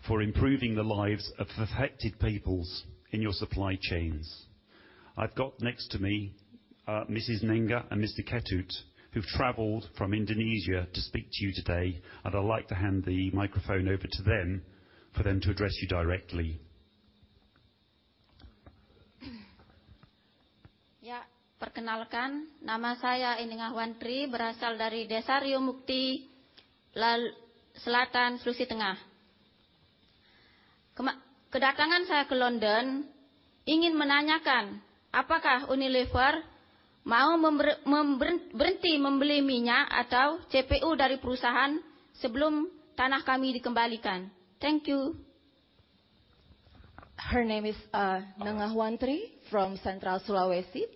for improving the lives of affected peoples in your supply chains. I've got next to me Mrs. Nangah and Mr. Ketut, who've traveled from Indonesia to speak to you today. I'd like to hand the microphone over to them for them to address you directly. Ya, perkenalkan. Nama saya Inengah Wandri, berasal dari Desa RiomU.K.ti, Selatan, Sulawesi Tengah. Kedatangan saya ke London ingin menanyakan, apakah Unilever mau berhenti membeli minyak atau CPO dari perU.S.A.haan sebelum tanah kami dikembalikan? Thank you. Her name is Nengah Wandri from Central Sulawesi.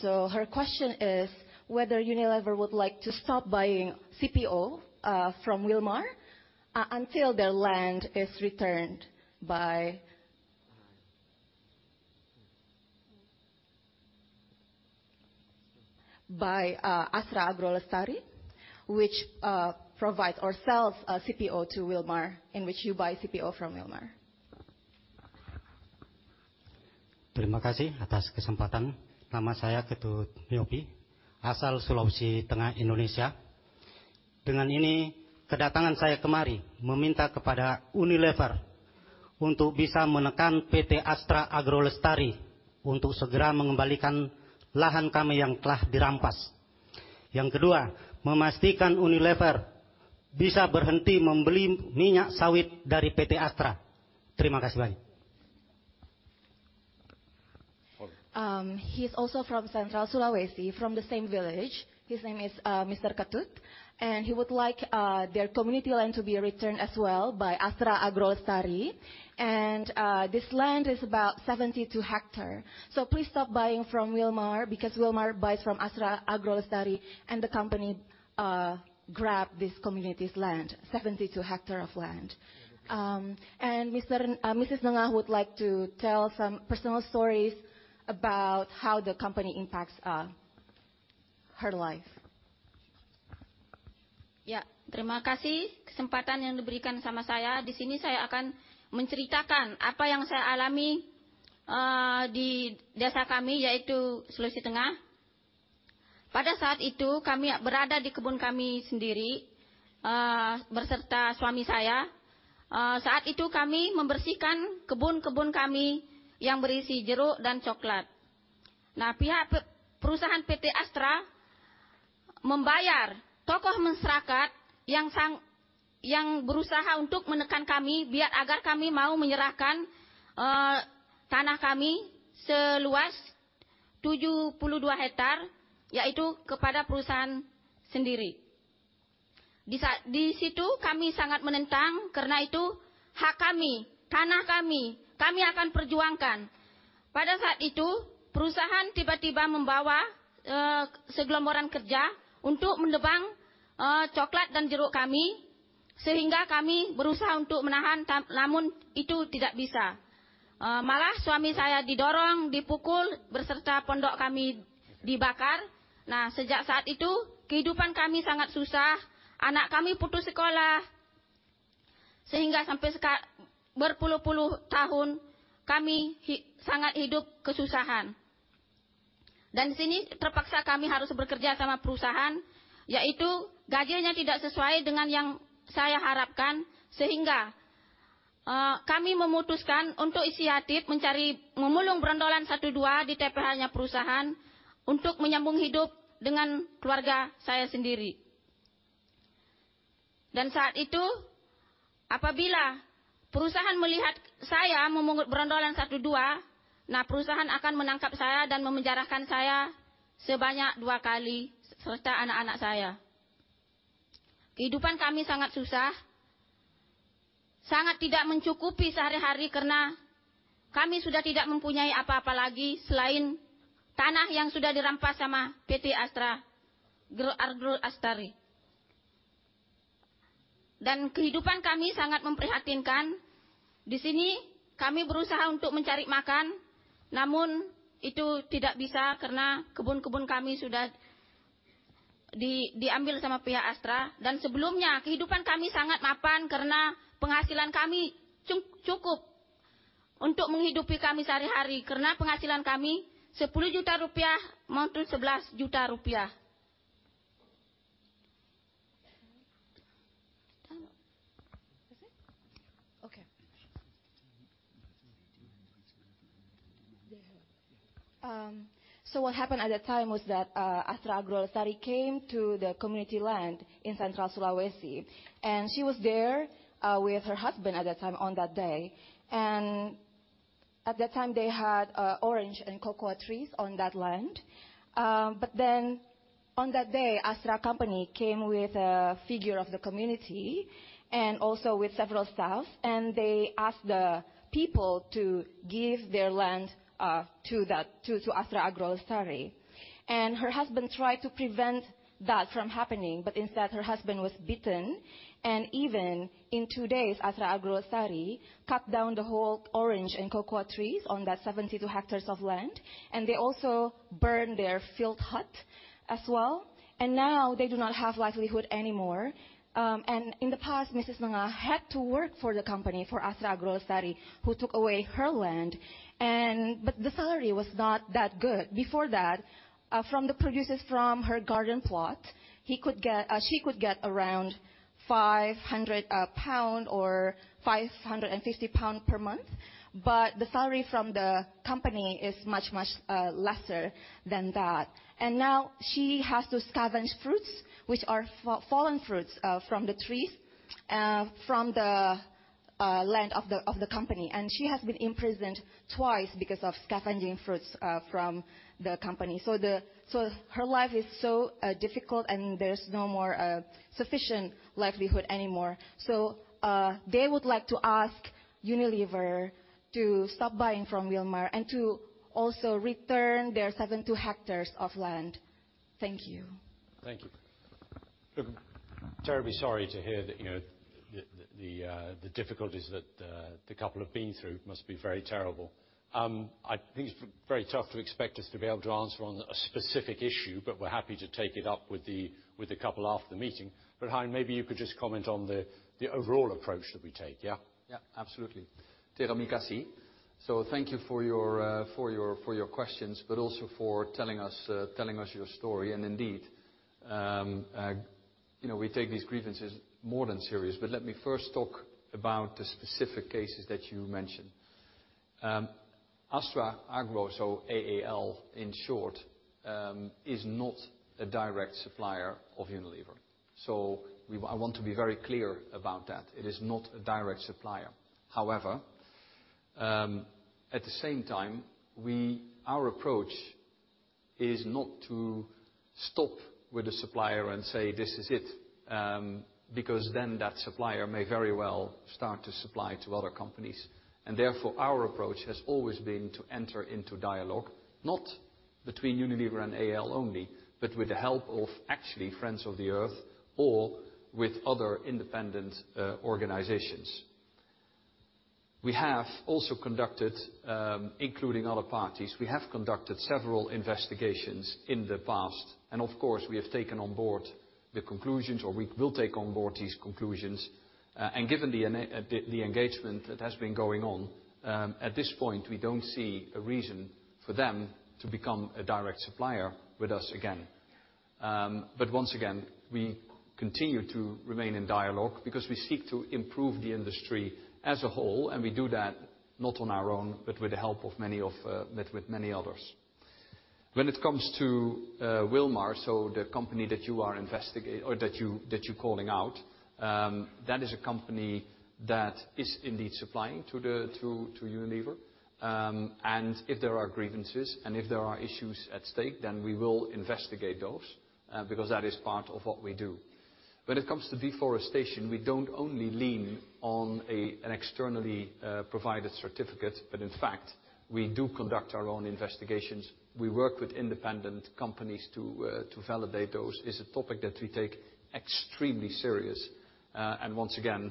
So her question is whether Unilever would like to stop buying CPO from Wilmar until their land is returned by Astra Agro Lestari, which provides or sells CPO to Wilmar, in which you buy CPO from Wilmar. Terima kasih atas kesempatan. Nama saya Ketut Nyopi, asal Sulawesi Tengah, Indonesia. Dengan ini, kedatangan saya ke mari meminta kepada Unilever untU.K. bisa menekan PT Astra Agrolestari untU.K. segera mengembalikan lahan kami yang telah dirampas. Yang kedua, memastikan Unilever bisa berhenti membeli minyak sawit dari PT Astra. Terima kasih banyak. He's also from Central Sulawesi, from the same village. His name is Mr. Ketut. He would like their community land to be returned as well by Astra Agrolestari. This land is about 72 hectares. So please stop buying from Wilmar because Wilmar buys from Astra Agrolestari, and the company grabbed this community's land, 72 hectares of land. Mrs. Nengah would like to tell some personal stories about how the company impacts her life. Ya, terima kasih kesempatan yang diberikan sama saya. Di sini, saya akan menceritakan apa yang saya alami di desa kami, yaitu Sulawesi Tengah. Pada saat itu, kami berada di kebun kami sendiri beserta suami saya. Saat itu, kami membersihkan kebun-kebun kami yang berisi jerU.K. dan cokelat. Nah, pihak perU.S.A.haan PT Astra membayar tokoh masyarakat yang berU.S.A.ha untU.K. menekan kami agar kami mau menyerahkan tanah kami seluas 72 hektare, yaitu kepada perU.S.A.haan sendiri. Di situ, kami sangat menentang. Karena itu, hak kami, tanah kami, kami akan perjuangkan. Pada saat itu, perU.S.A.haan tiba-tiba membawa segelombong pekerja untU.K. menebang cokelat dan jerU.K. kami, sehingga kami berU.S.A.ha untU.K. menahan, namun itu tidak bisa. Malah, suami saya didorong, dipU.K.ul, beserta pondok kami dibakar. Sejak saat itu, kehidupan kami sangat sU.S.A.h. Anak kami putus sekolah, sehingga sampai berpuluh-puluh tahun kami sangat hidup kesU.S.A.han. Di sini, terpaksa kami harus bekerja sama perU.S.A.haan, yaitu gajinya tidak sesuai dengan yang saya harapkan. Sehingga kami memutuskan untU.K. inisiatif mencari memungut brondolan di TPH-nya perU.S.A.haan untU.K. menyambung hidup dengan keluarga saya sendiri. Saat itu, apabila perU.S.A.haan melihat saya memungut brondolan, perU.S.A.haan akan menangkap saya dan memenjarakan saya sebanyak dua kali serta anak-anak saya. Kehidupan kami sangat sU.S.A.h, sangat tidak mencU.K.upi sehari-hari karena kami sudah tidak mempunyai apa-apa lagi selain tanah yang sudah dirampas sama PT Astra Agrolestari. Dan kehidupan kami sangat memprihatinkan. Di sini, kami berU.S.A.ha untU.K. mencari makan, namun itu tidak bisa karena kebun-kebun kami sudah diambil sama pihak Astra. Dan sebelumnya, kehidupan kami sangat mapan karena penghasilan kami cU.K.up untU.K. menghidupi kami sehari-hari, karena penghasilan kami Rp10 juta maupun Rp11 juta. What happened at that time was that Astra Agrolestari came to the community land in Central Sulawesi. She was there with her husband at that time, on that day. At that time, they had orange and cocoa trees on that land. But then on that day, Astra Company came with a figure of the community and also with several staff. They asked the people to give their land to Astra Agrolestari. Her husband tried to prevent that from happening. But instead, her husband was bitten. Even in two days, Astra Agrolestari cut down the whole orange and cocoa trees on that 72 hectares of land. They also burned their filth hut as well. Now, they do not have livelihood anymore. In the past, Mrs. Nengah had to work for the company, for Astra Agrolestari, who took away her land. But the salary was not that good. Before that, from the producers from her garden plot, she could get around 500 pounds or 550 pounds per month. But the salary from the company is much, much lesser than that. Now, she has to scavenge fruits, which are fallen fruits from the trees from the land of the company. She has been imprisoned twice because of scavenging fruits from the company. So her life is so difficult, and there's no more sufficient livelihood anymore. They would like to ask Unilever to stop buying from Wilmar and to also return their 72 hectares of land. Thank you. Thank you. Terribly sorry to hear that the difficulties that the couple have been through must be very terrible. I think it's very tough to expect us to be able to answer on a specific issue, but we're happy to take it up with the couple after the meeting. But Hein, maybe you could just comment on the overall approach that we take. Yeah? Yeah, absolutely. Terima kasih. So thank you for your questions, but also for telling us your story. Indeed, we take these grievances more than serious. But let me first talk about the specific cases that you mentioned. Astra Agro, so AAL in short, is not a direct supplier of Unilever. So I want to be very clear about that. It is not a direct supplier. However, at the same time, our approach is not to stop with the supplier and say, "This is it," because then that supplier may very well start to supply to other companies. Therefore, our approach has always been to enter into dialogue, not between Unilever and AAL only, but with the help of, actually, Friends of the Earth or with other independent organizations. We have also conducted, including other parties, we have conducted several investigations in the past. Of course, we have taken on board the conclusions, or we will take on board these conclusions. Given the engagement that has been going on, at this point, we don't see a reason for them to become a direct supplier with us again. But once again, we continue to remain in dialogue because we seek to improve the industry as a whole. We do that not on our own, but with the help of many others. When it comes to Wilmar, so the company that you are investigating or that you're calling out, that is a company that is indeed supplying to Unilever. If there are grievances and if there are issues at stake, then we will investigate those because that is part of what we do. When it comes to deforestation, we don't only lean on an externally provided certificate. But in fact, we do conduct our own investigations. We work with independent companies to validate those. It's a topic that we take extremely seriously. Once again,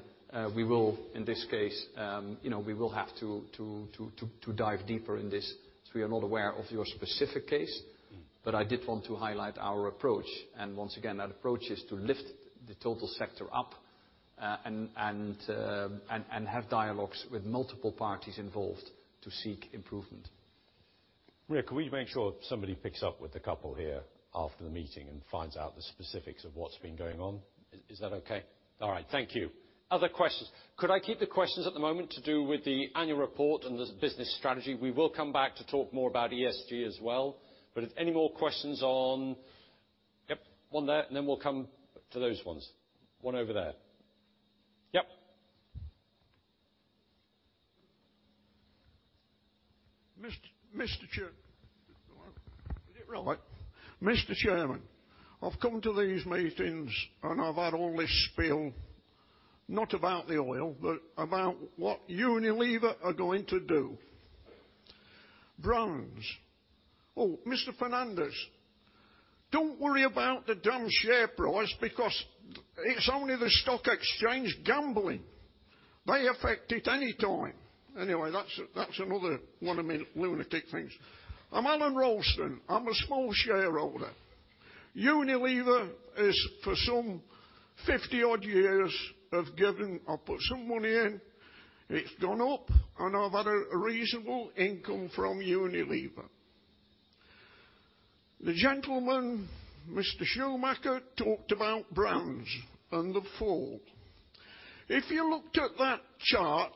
we will, in this case, we will have to dive deeper in this. So we are not aware of your specific case. But I did want to highlight our approach. Once again, that approach is to lift the total sector up and have dialogues with multiple parties involved to seek improvement. Rick, can we make sure somebody picks up with the couple here after the meeting and finds out the specifics of what's been going on? Is that okay? All right. Thank you. Other questions? Could I keep the questions at the moment to do with the annual report and the business strategy? We will come back to talk more about ESG as well. But if any more questions on, one there. And then we'll come to those ones. One over there. Mr. Chairman. Mr. Chairman, I've come to these meetings, and I've had all this spiel, not about the oil, but about what Unilever are going to do. Browns. Oh, Mr. Fernandez, don't worry about the dumb share price because it's only the stock exchange gambling. They affect it anytime. Anyway, that's another one of my lunatic things. I'm Alan Rolfstein. I'm a small shareholder. Unilever has, for some 50-odd years of giving I've put some money in. It's gone up, and I've had a reasonable income from Unilever. The gentleman, Mr. Schumacher, talked about Browns and the Fool. If you looked at that chart,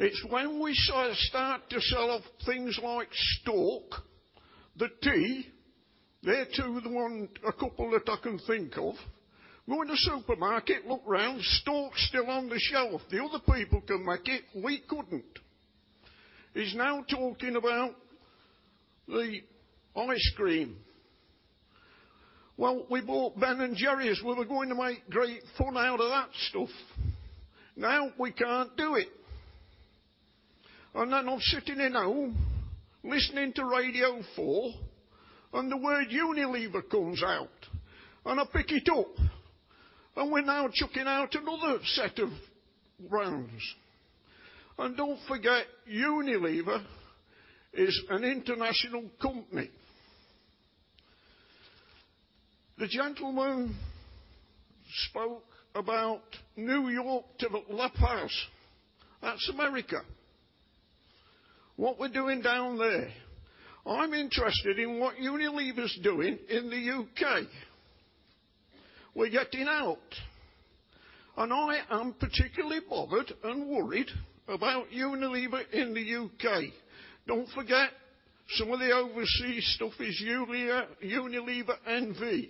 it's when we start to sell off things like stock, the tea - they're two of the ones, a couple that I can think of - going to supermarket, look around, stock's still on the shelf. The other people can make it. We couldn't. He's now talking about the ice cream. We bought Ben and Jerry's. We were going to make great fun out of that stuff. Now, we can't do it. I'm sitting at home listening to Radio 4, and the word Unilever comes out, and I pick it up. We're now chucking out another set of Browns. Don't forget, Unilever is an international company. The gentleman spoke about New York to La Paz. That's America. What we're doing down there. I'm interested in what Unilever's doing in the U.K.. We're getting out. I am particularly bothered and worried about Unilever in the U.K.. Don't forget, some of the overseas stuff is Unilever NV.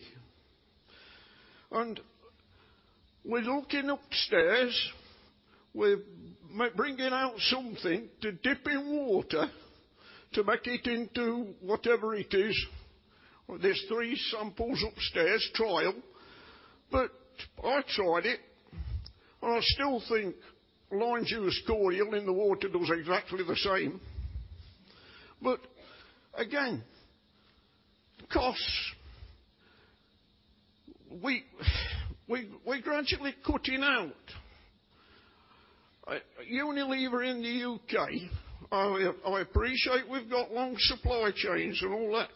We're looking upstairs. We're bringing out something to dip in water to make it into whatever it is. There's three samples upstairs, trial. I tried it, and I still think Lime Juice Cordial in the water does exactly the same. Again, costs, we're gradually cutting out. Unilever in the U.K., I appreciate we've got long supply chains and all that.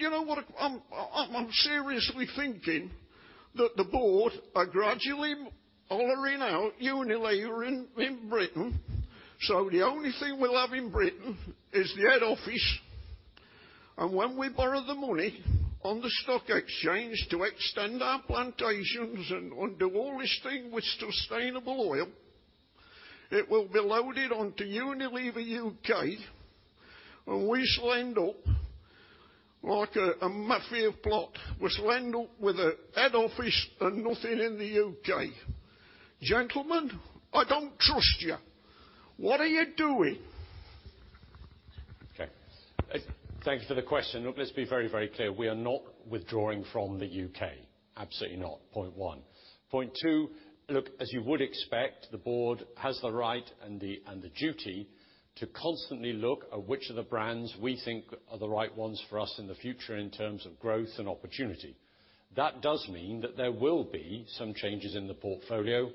You know what? I'm seriously thinking that the board are gradually hollowing out Unilever in Britain. So the only thing we'll have in Britain is the head office. When we borrow the money on the stock exchange to extend our plantations and do all this thing with sustainable oil, it will be loaded onto Unilever U.K.. We'll end up like a Mafia plot. We'll end up with a head office and nothing in the U.K.. Gentlemen, I don't trust you. What are you doing? Okay. Thank you for the question. Look, let's be very, very clear. We are not withdrawing from the U.K.. Absolutely not. Point one. Point two, look, as you would expect, the board has the right and the duty to constantly look at which of the brands we think are the right ones for us in the future in terms of growth and opportunity. That does mean that there will be some changes in the portfolio.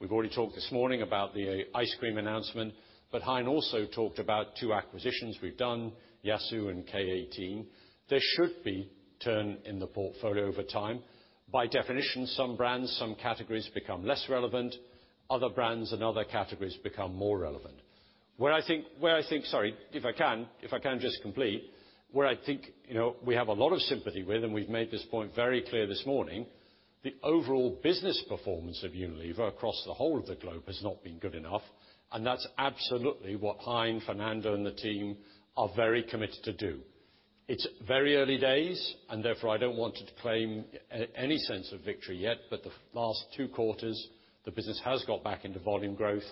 We've already talked this morning about the ice cream announcement. But Hein also talked about two acquisitions we've done, Yasoo and K18. There should be a turn in the portfolio over time. By definition, some brands, some categories become less relevant. Other brands and other categories become more relevant. I think, sorry, if I can just complete, where I think we have a lot of sympathy with, and we've made this point very clear this morning, the overall business performance of Unilever across the whole of the globe has not been good enough. That's absolutely what Hein, Fernando, and the team are very committed to do. It's very early days, and therefore, I don't want to claim any sense of victory yet. But the last two quarters, the business has got back into volume growth.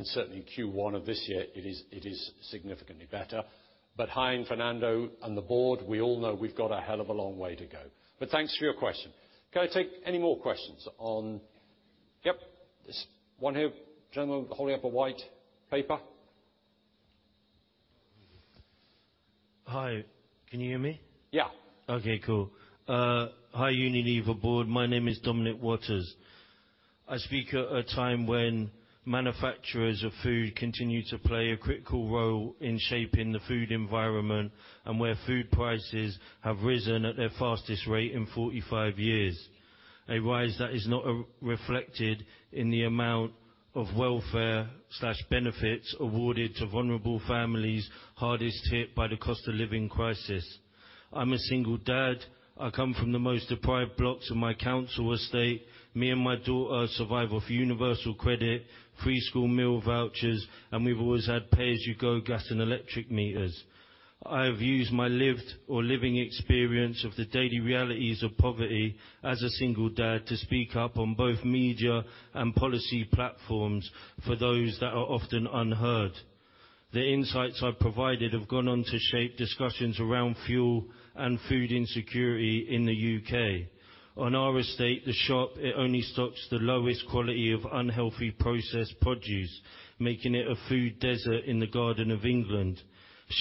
Certainly, Q1 of this year, it is significantly better. But Hein, Fernando, and the board, we all know we've got a hell of a long way to go. Thanks for your question. Can I take any more questions? Yes, there's one here. Gentleman holding up a white paper. Hi. Can you hear me? Yeah. Okay. Cool. Hi, Unilever board. My name is Dominic Watters. I speak at a time when manufacturers of food continue to play a critical role in shaping the food environment and where food prices have risen at their fastest rate in 45 years, a rise that is not reflected in the amount of welfare/benefits awarded to vulnerable families hardest hit by the cost of living crisis. I'm a single dad. I come from the most deprived blocks of my council estate. Me and my daughter survive off universal credit, free school meal vouchers, and we've always had pay-as-you-go gas and electric meters. I have used my lived or living experience of the daily realities of poverty as a single dad to speak up on both media and policy platforms for those that are often unheard. The insights I've provided have gone on to shape discussions around fuel and food insecurity in the U.K.. On our estate, the shop only stocks the lowest quality of unhealthy processed produce, making it a food desert in the Garden of England.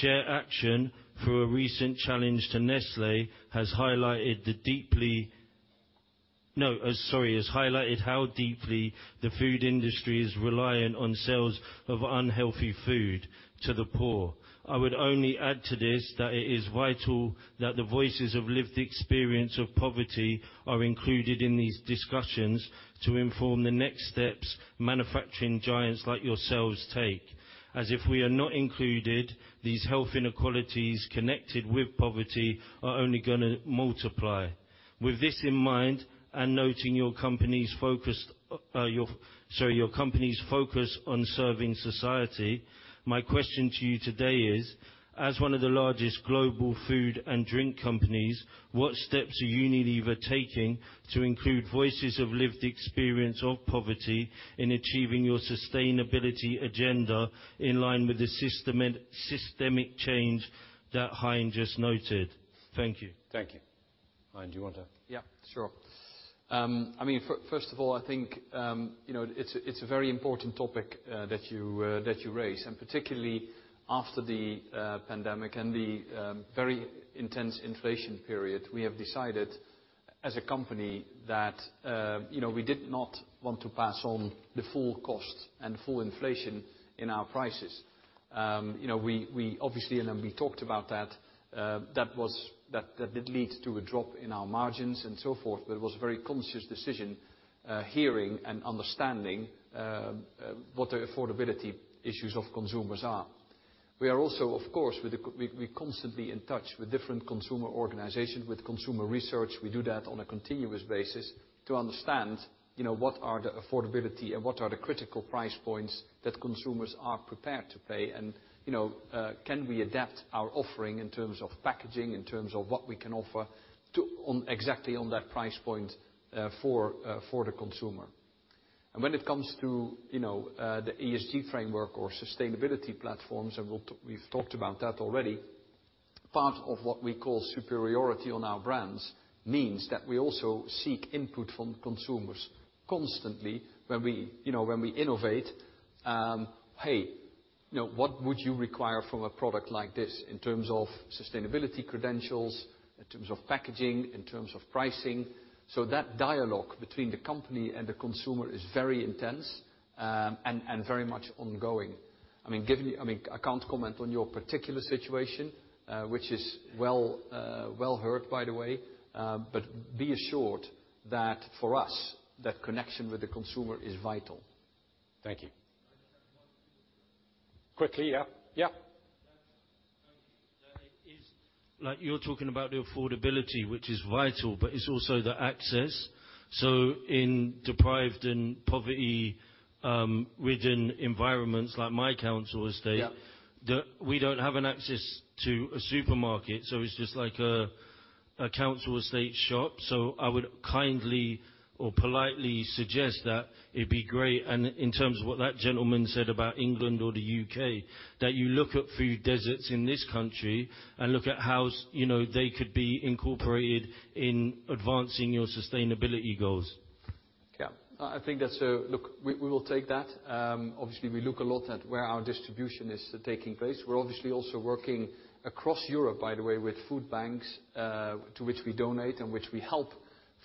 ShareAction, through a recent challenge to Nestlé, has highlighted how deeply the food industry is reliant on sales of unhealthy food to the poor. I would only add to this that it is vital that the voices of lived experience of poverty are included in these discussions to inform the next steps manufacturing giants like yourselves take. If we are not included, these health inequalities connected with poverty are only going to multiply. With this in mind and noting your company's focus, sorry, your company's focus on serving society, my question to you today is, as one of the largest global food and drink companies, what steps is Unilever taking to include voices of lived experience of poverty in achieving your sustainability agenda in line with the systemic change that Hein just noted? Thank you. Thank you. Hein, do you want to? Yeah, sure. I mean, first of all, I think it's a very important topic that you raise. And particularly after the pandemic and the very intense inflation period, we have decided as a company that we did not want to pass on the full cost and full inflation in our prices. Obviously, and then we talked about that, that did lead to a drop in our margins and so forth. But it was a very conscious decision hearing and understanding what the affordability issues of consumers are. We are also, of course, we're constantly in touch with different consumer organizations, with consumer research. We do that on a continuous basis to understand what are the affordability and what are the critical price points that consumers are prepared to pay. Can we adapt our offering in terms of packaging, in terms of what we can offer exactly on that price point for the consumer? When it comes to the ESG framework or sustainability platforms, and we've talked about that already, part of what we call superiority on our brands means that we also seek input from consumers constantly when we innovate. What would you require from a product like this in terms of sustainability credentials, in terms of packaging, in terms of pricing? That dialogue between the company and the consumer is very intense and very much ongoing. I mean, I can't comment on your particular situation, which is well heard, by the way. Be assured that for us, that connection with the consumer is vital. Thank you. Quickly, yeah. Yeah. Thank you. You're talking about the affordability, which is vital, but it's also the access. In deprived and poverty-ridden environments like my council estate, we don't have access to a supermarket. It's just like a council estate shop. I would kindly or politely suggest that it'd be great, and in terms of what that gentleman said about England or the U.K., that you look at food deserts in this country and look at how they could be incorporated in advancing your sustainability goals. Yeah. I think that's a look, we will take that. Obviously, we look a lot at where our distribution is taking place. We're obviously also working across Europe, by the way, with food banks to which we donate and which we help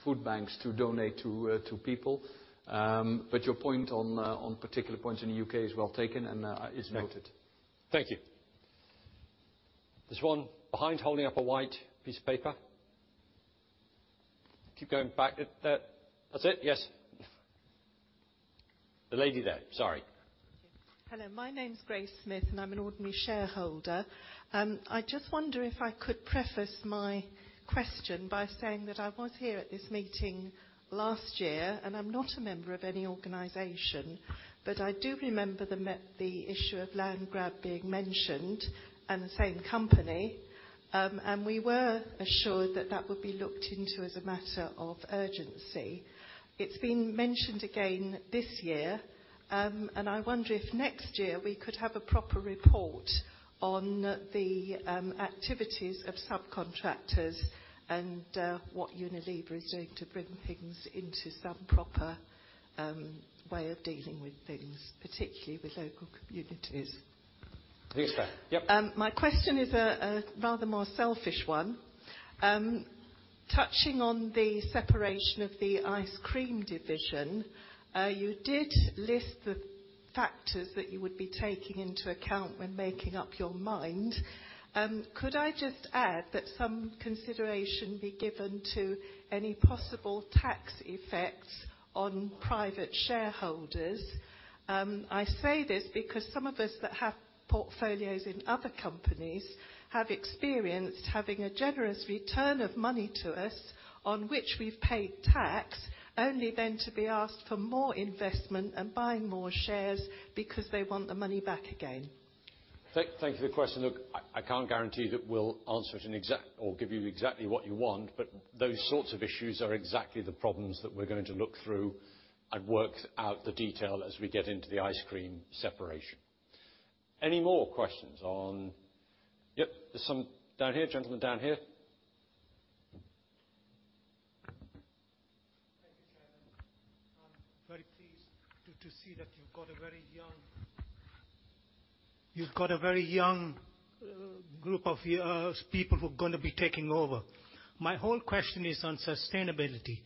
food banks to donate to people. But your point on particular points in the U.K. is well taken, and it's noted. Thank you. This one, behind holding up a white piece of paper. Keep going back. That's it? Yes. The lady there. Sorry. Hello. My name's Grace Smith, and I'm an ordinary shareholder. I just wonder if I could preface my question by saying that I was here at this meeting last year, and I'm not a member of any organization. I do remember the issue of land grab being mentioned and the same company. We were assured that that would be looked into as a matter of urgency. It's been mentioned again this year. I wonder if next year we could have a proper report on the activities of subcontractors and what Unilever is doing to bring things into some proper way of dealing with things, particularly with local communities. I think it's fair. Yep. My question is a rather more selfish one. Touching on the separation of the ice cream division, you did list the factors that you would be taking into account when making up your mind. Could I just add that some consideration be given to any possible tax effects on private shareholders? I say this because some of us that have portfolios in other companies have experienced having a generous return of money to us on which we've paid tax, only then to be asked for more investment and buying more shares because they want the money back again. Thank you for the question. Look, I can't guarantee that we'll answer it or give you exactly what you want. But those sorts of issues are exactly the problems that we're going to look through and work out the detail as we get into the ice cream separation. Any more questions? Yep, there's some down here. Gentleman down here. Thank you, Chairman. Very pleased to see that you've got a very young group of people who are going to be taking over. My whole question is on sustainability.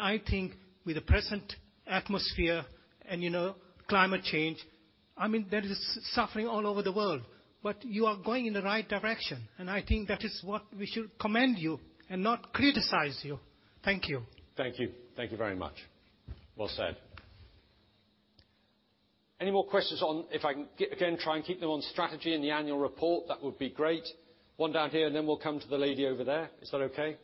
I think with the present atmosphere and climate change, I mean, there is suffering all over the world. But you are going in the right direction. I think that is what we should commend you and not criticize you. Thank you. Thank you. Thank you very much. Well said. Any more questions on if I can again try and keep them on strategy and the annual report, that would be great. One down here, and then we'll come to the lady over there. Is that okay?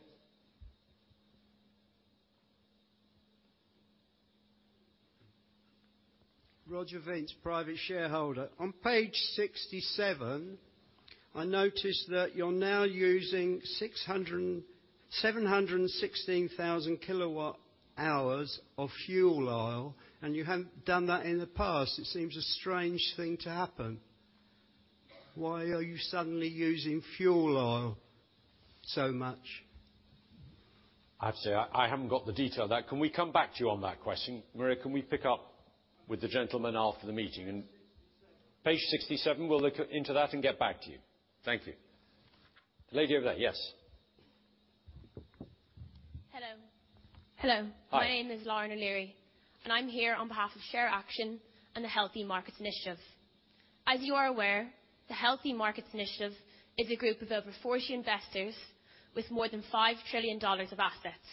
Roger Vance, Private Shareholder. On page 67, I noticed that you're now using 716,000 kilowatt-hours of fuel oil. You haven't done that in the past. It seems a strange thing to happen. Why are you suddenly using fuel oil so much? I have to say, I haven't got the detail of that. Can we come back to you on that question, Maria? Can we pick up with the gentleman after the meeting? And page 67, we'll look into that and get back to you. Thank you. The lady over there, yes. Hello. Hello. My name is Lauren O'Leary, and I'm here on behalf of Share Action and the Healthy Markets Initiative. As you are aware, the Healthy Markets Initiative is a group of over 40 investors with more than $5 trillion of assets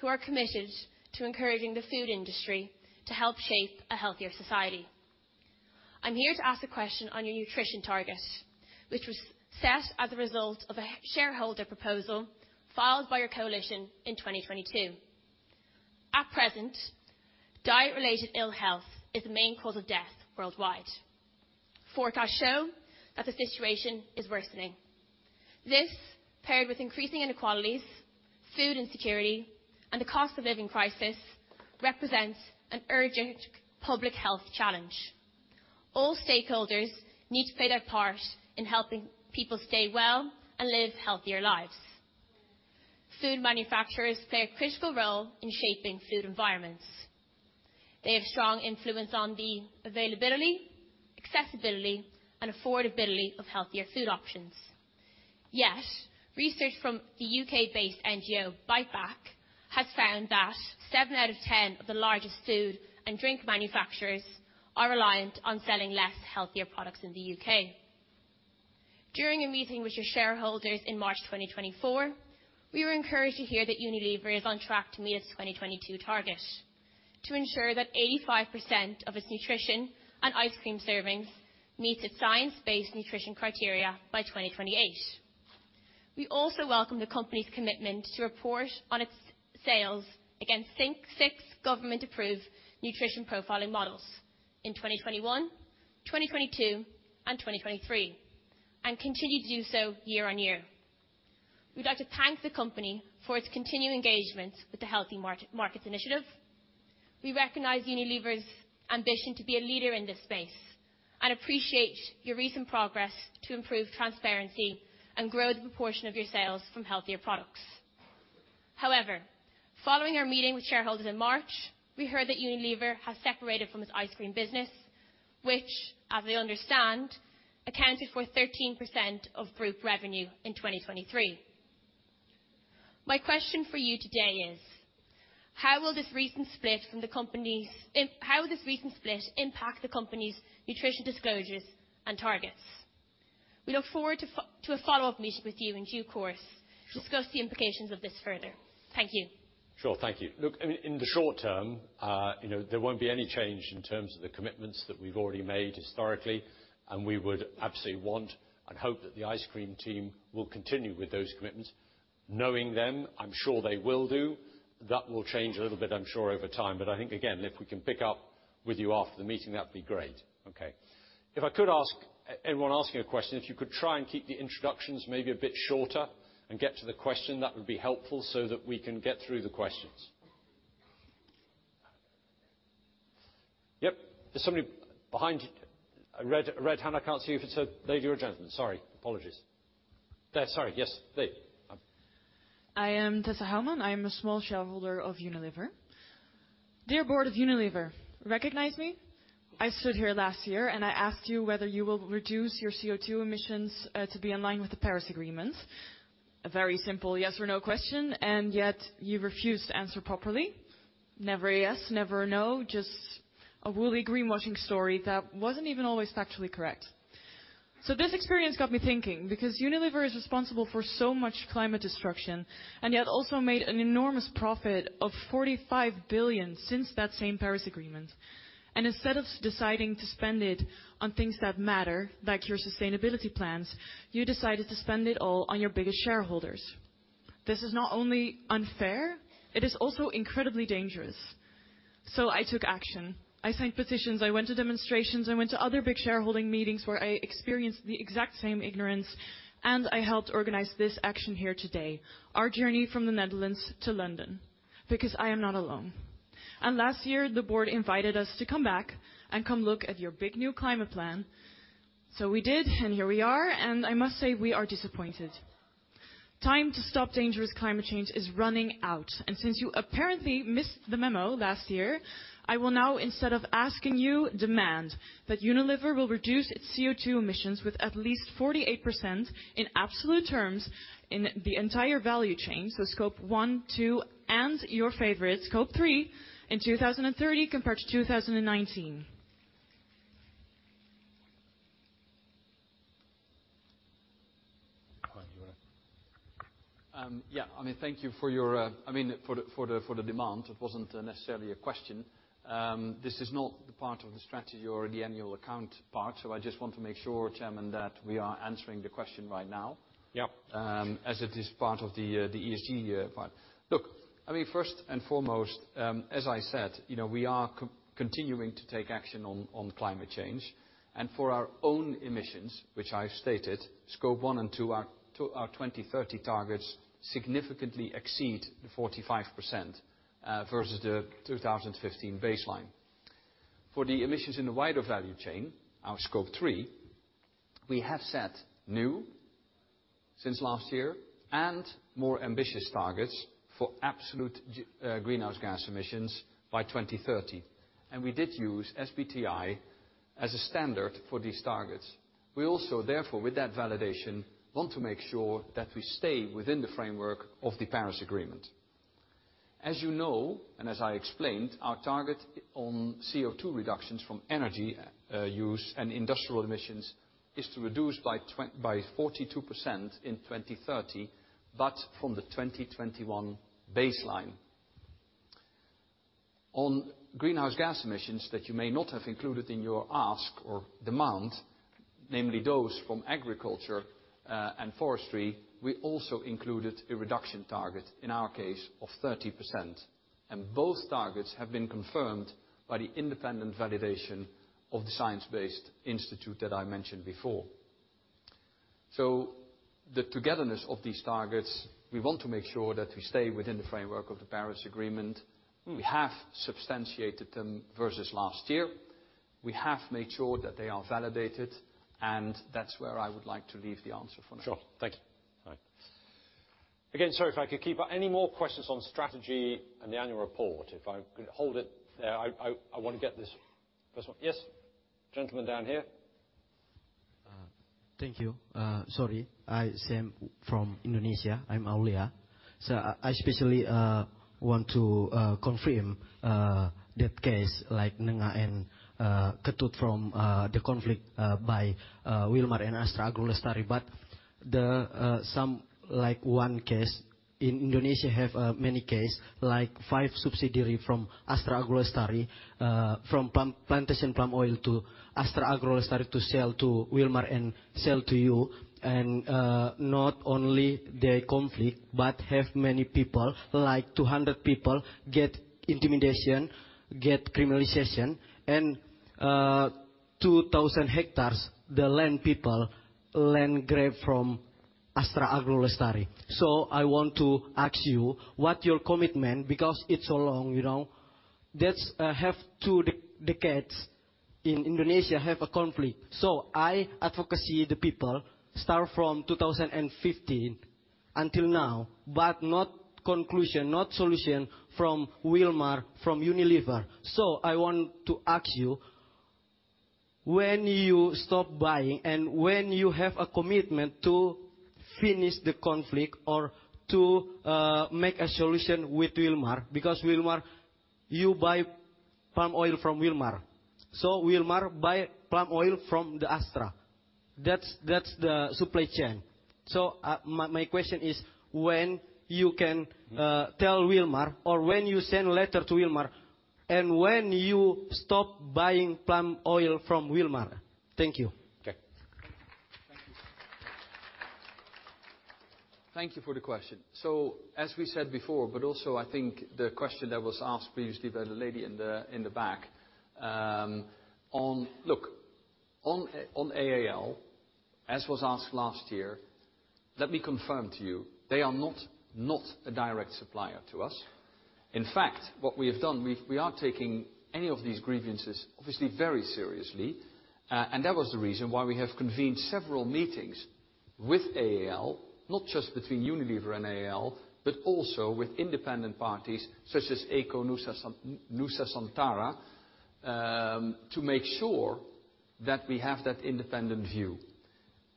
who are committed to encouraging the food industry to help shape a healthier society. I'm here to ask a question on your nutrition target, which was set as a result of a shareholder proposal filed by your coalition in 2022. At present, diet-related ill health is the main cause of death worldwide. Forecasts show that the situation is worsening. This, paired with increasing inequalities, food insecurity, and the cost of living crisis, represents an urgent public health challenge. All stakeholders need to play their part in helping people stay well and live healthier lives. Food manufacturers play a critical role in shaping food environments. They have strong influence on the availability, accessibility, and affordability of healthier food options. Yet, research from the U.K.-based NGO Bite Back has found that 7 out of 10 of the largest food and drink manufacturers are reliant on selling less healthier products in the U.K.. During a meeting with your shareholders in March 2024, we were encouraged to hear that Unilever is on track to meet its 2022 target to ensure that 85% of its nutrition and ice cream servings meet its science-based nutrition criteria by 2028. We also welcome the company's commitment to report on its sales against 6 government-approved nutrition profiling models in 2021, 2022, and 2023, and continue to do so year on year. We'd like to thank the company for its continued engagement with the Healthy Markets Initiative. We recognize Unilever's ambition to be a leader in this space and appreciate your recent progress to improve transparency and grow the proportion of your sales from healthier products. However, following our meeting with shareholders in March, we heard that Unilever has separated from its ice cream business, which, as they understand, accounted for 13% of group revenue in 2023. My question for you today is, how will this recent split impact the company's nutrition disclosures and targets? We look forward to a follow-up meeting with you in due course to discuss the implications of this further. Thank you. Sure. Thank you. Look, I mean, in the short term, there won't be any change in terms of the commitments that we've already made historically. We would absolutely want and hope that the ice cream team will continue with those commitments. Knowing them, I'm sure they will do. That will change a little bit, I'm sure, over time. I think, again, if we can pick up with you after the meeting, that'd be great. Okay. If I could ask anyone asking a question, if you could try and keep the introductions maybe a bit shorter and get to the question, that would be helpful so that we can get through the questions. Yep. Is somebody behind you? I read Hannah. I can't see if it's a lady or a gentleman. Sorry. Apologies. There. Sorry. Yes. There. I am Tessa Hellman. I am a small shareholder of Unilever. Dear board of Unilever, recognize me? I stood here last year, and I asked you whether you will reduce your CO2 emissions to be in line with the Paris Agreement. A very simple yes or no question. Yet, you refused to answer properly. Never a yes, never a no, just a woolly greenwashing story that wasn't even always factually correct. This experience got me thinking because Unilever is responsible for so much climate destruction and yet also made an enormous profit of $45 billion since that same Paris Agreement. Instead of deciding to spend it on things that matter, like your sustainability plans, you decided to spend it all on your biggest shareholders. This is not only unfair, it is also incredibly dangerous. I took action. I signed petitions. I went to demonstrations. I went to other big shareholding meetings where I experienced the exact same ignorance. I helped organize this action here today, our journey from the Netherlands to London, because I am not alone. Last year, the board invited us to come back and come look at your big new climate plan. So we did, and here we are. I must say, we are disappointed. Time to stop dangerous climate change is running out. Since you apparently missed the memo last year, I will now, instead of asking you, demand that Unilever will reduce its CO2 emissions with at least 48% in absolute terms in the entire value chain, so scope one, two, and your favorite, scope three, in 2030 compared to 2019. Hi. You want to? Yeah. I mean, thank you for your demand. It wasn't necessarily a question. This is not the part of the strategy or the annual account part. So I just want to make sure, Chairman, that we are answering the question right now as it is part of the ESG part. Look, I mean, first and foremost, as I said, we are continuing to take action on climate change. And for our own emissions, which I've stated, scope one and two are 2030 targets significantly exceed the 45% versus the 2015 baseline. For the emissions in the wider value chain, our scope three, we have set new since last year and more ambitious targets for absolute greenhouse gas emissions by 2030. And we did use SBTI as a standard for these targets. We also, therefore, with that validation, want to make sure that we stay within the framework of the Paris Agreement. As you know and as I explained, our target on CO2 reductions from energy use and industrial emissions is to reduce by 42% in 2030 but from the 2021 baseline. On greenhouse gas emissions that you may not have included in your ask or demand, namely those from agriculture and forestry, we also included a reduction target, in our case, of 30%. Both targets have been confirmed by the independent validation of the science-based institute that I mentioned before. The togetherness of these targets, we want to make sure that we stay within the framework of the Paris Agreement. We have substantiated them versus last year. We have made sure that they are validated. That's where I would like to leave the answer for now. Sure. Thank you. All right. Again, sorry if I could keep up. Any more questions on strategy and the annual report? If I could hold it there, I want to get this first one. Yes, gentleman down here. Thank you. Sorry. I'm Sam from Indonesia. I'm Aulia. I especially want to confirm that case like Nengah and Ketut from the conflict by Wilmar and Astra Agrolestari. But some like one case. In Indonesia, we have many cases like five subsidiaries from Astra Agrolestari, from plantation palm oil to Astra Agrolestari to sell to Wilmar and sell to you. Not only the conflict but have many people, like 200 people, get intimidation, get criminalization. 2,000 hectares, the land people, land grabbed from Astra Agrolestari. I want to ask you what your commitment because it's long. That's have two decades in Indonesia have a conflict. I advocacy the people start from 2015 until now but not conclusion, not solution from Wilmar, from Unilever. I want to ask you, when you stop buying and when you have a commitment to finish the conflict or to make a solution with Wilmar because Wilmar, you buy palm oil from Wilmar. Wilmar buy palm oil from the Astra. That's the supply chain. My question is, when you can tell Wilmar or when you send a letter to Wilmar and when you stop buying palm oil from Wilmar? Thank you. Thank you for the question. As we said before, but also I think the question that was asked previously by the lady in the back on AAL, as was asked last year, let me confirm to you, they are not a direct supplier to us. In fact, what we have done, we are taking any of these grievances, obviously, very seriously. That was the reason why we have convened several meetings with AAL, not just between Unilever and AAL but also with independent parties such as Eco, Nusa Santara, to make sure that we have that independent view.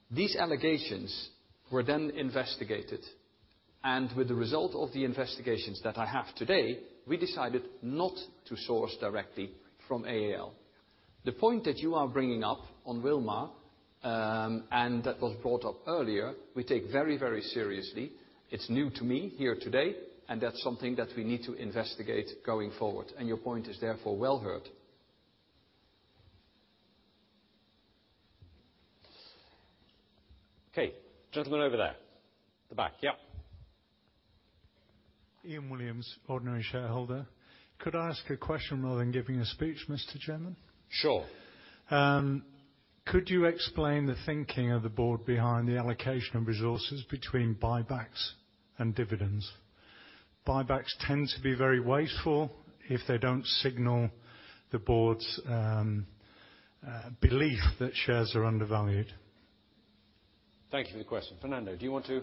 These allegations were then investigated. With the result of the investigations that I have today, we decided not to source directly from AAL. The point that you are bringing up on Wilmar and that was brought up earlier, we take very, very seriously. It's new to me here today. That's something that we need to investigate going forward. Your point is, therefore, well heard. Okay. Gentleman over there, the back. Yep. Ian Williams, ordinary shareholder. Could I ask a question rather than giving a speech, Mr. Chairman? Sure. Could you explain the thinking of the board behind the allocation of resources between buybacks and dividends? Buybacks tend to be very wasteful if they don't signal the board's belief that shares are undervalued. Thank you for the question. Fernando, do you want to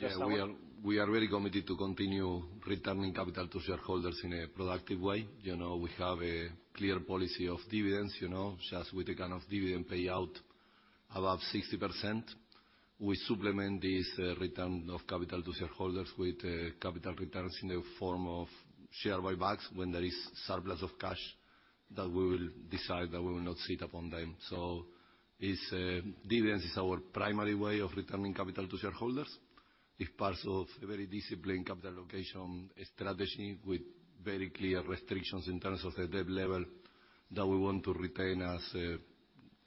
just summarize? We are really committed to continue returning capital to shareholders in a productive way. We have a clear policy of dividends, with the kind of dividend payout above 60%. We supplement this return of capital to shareholders with capital returns in the form of share buybacks when there is surplus of cash that we will decide that we will not sit upon. So dividends is our primary way of returning capital to shareholders. It's part of a very disciplined capital allocation strategy with very clear restrictions in terms of the debt level that we want to retain as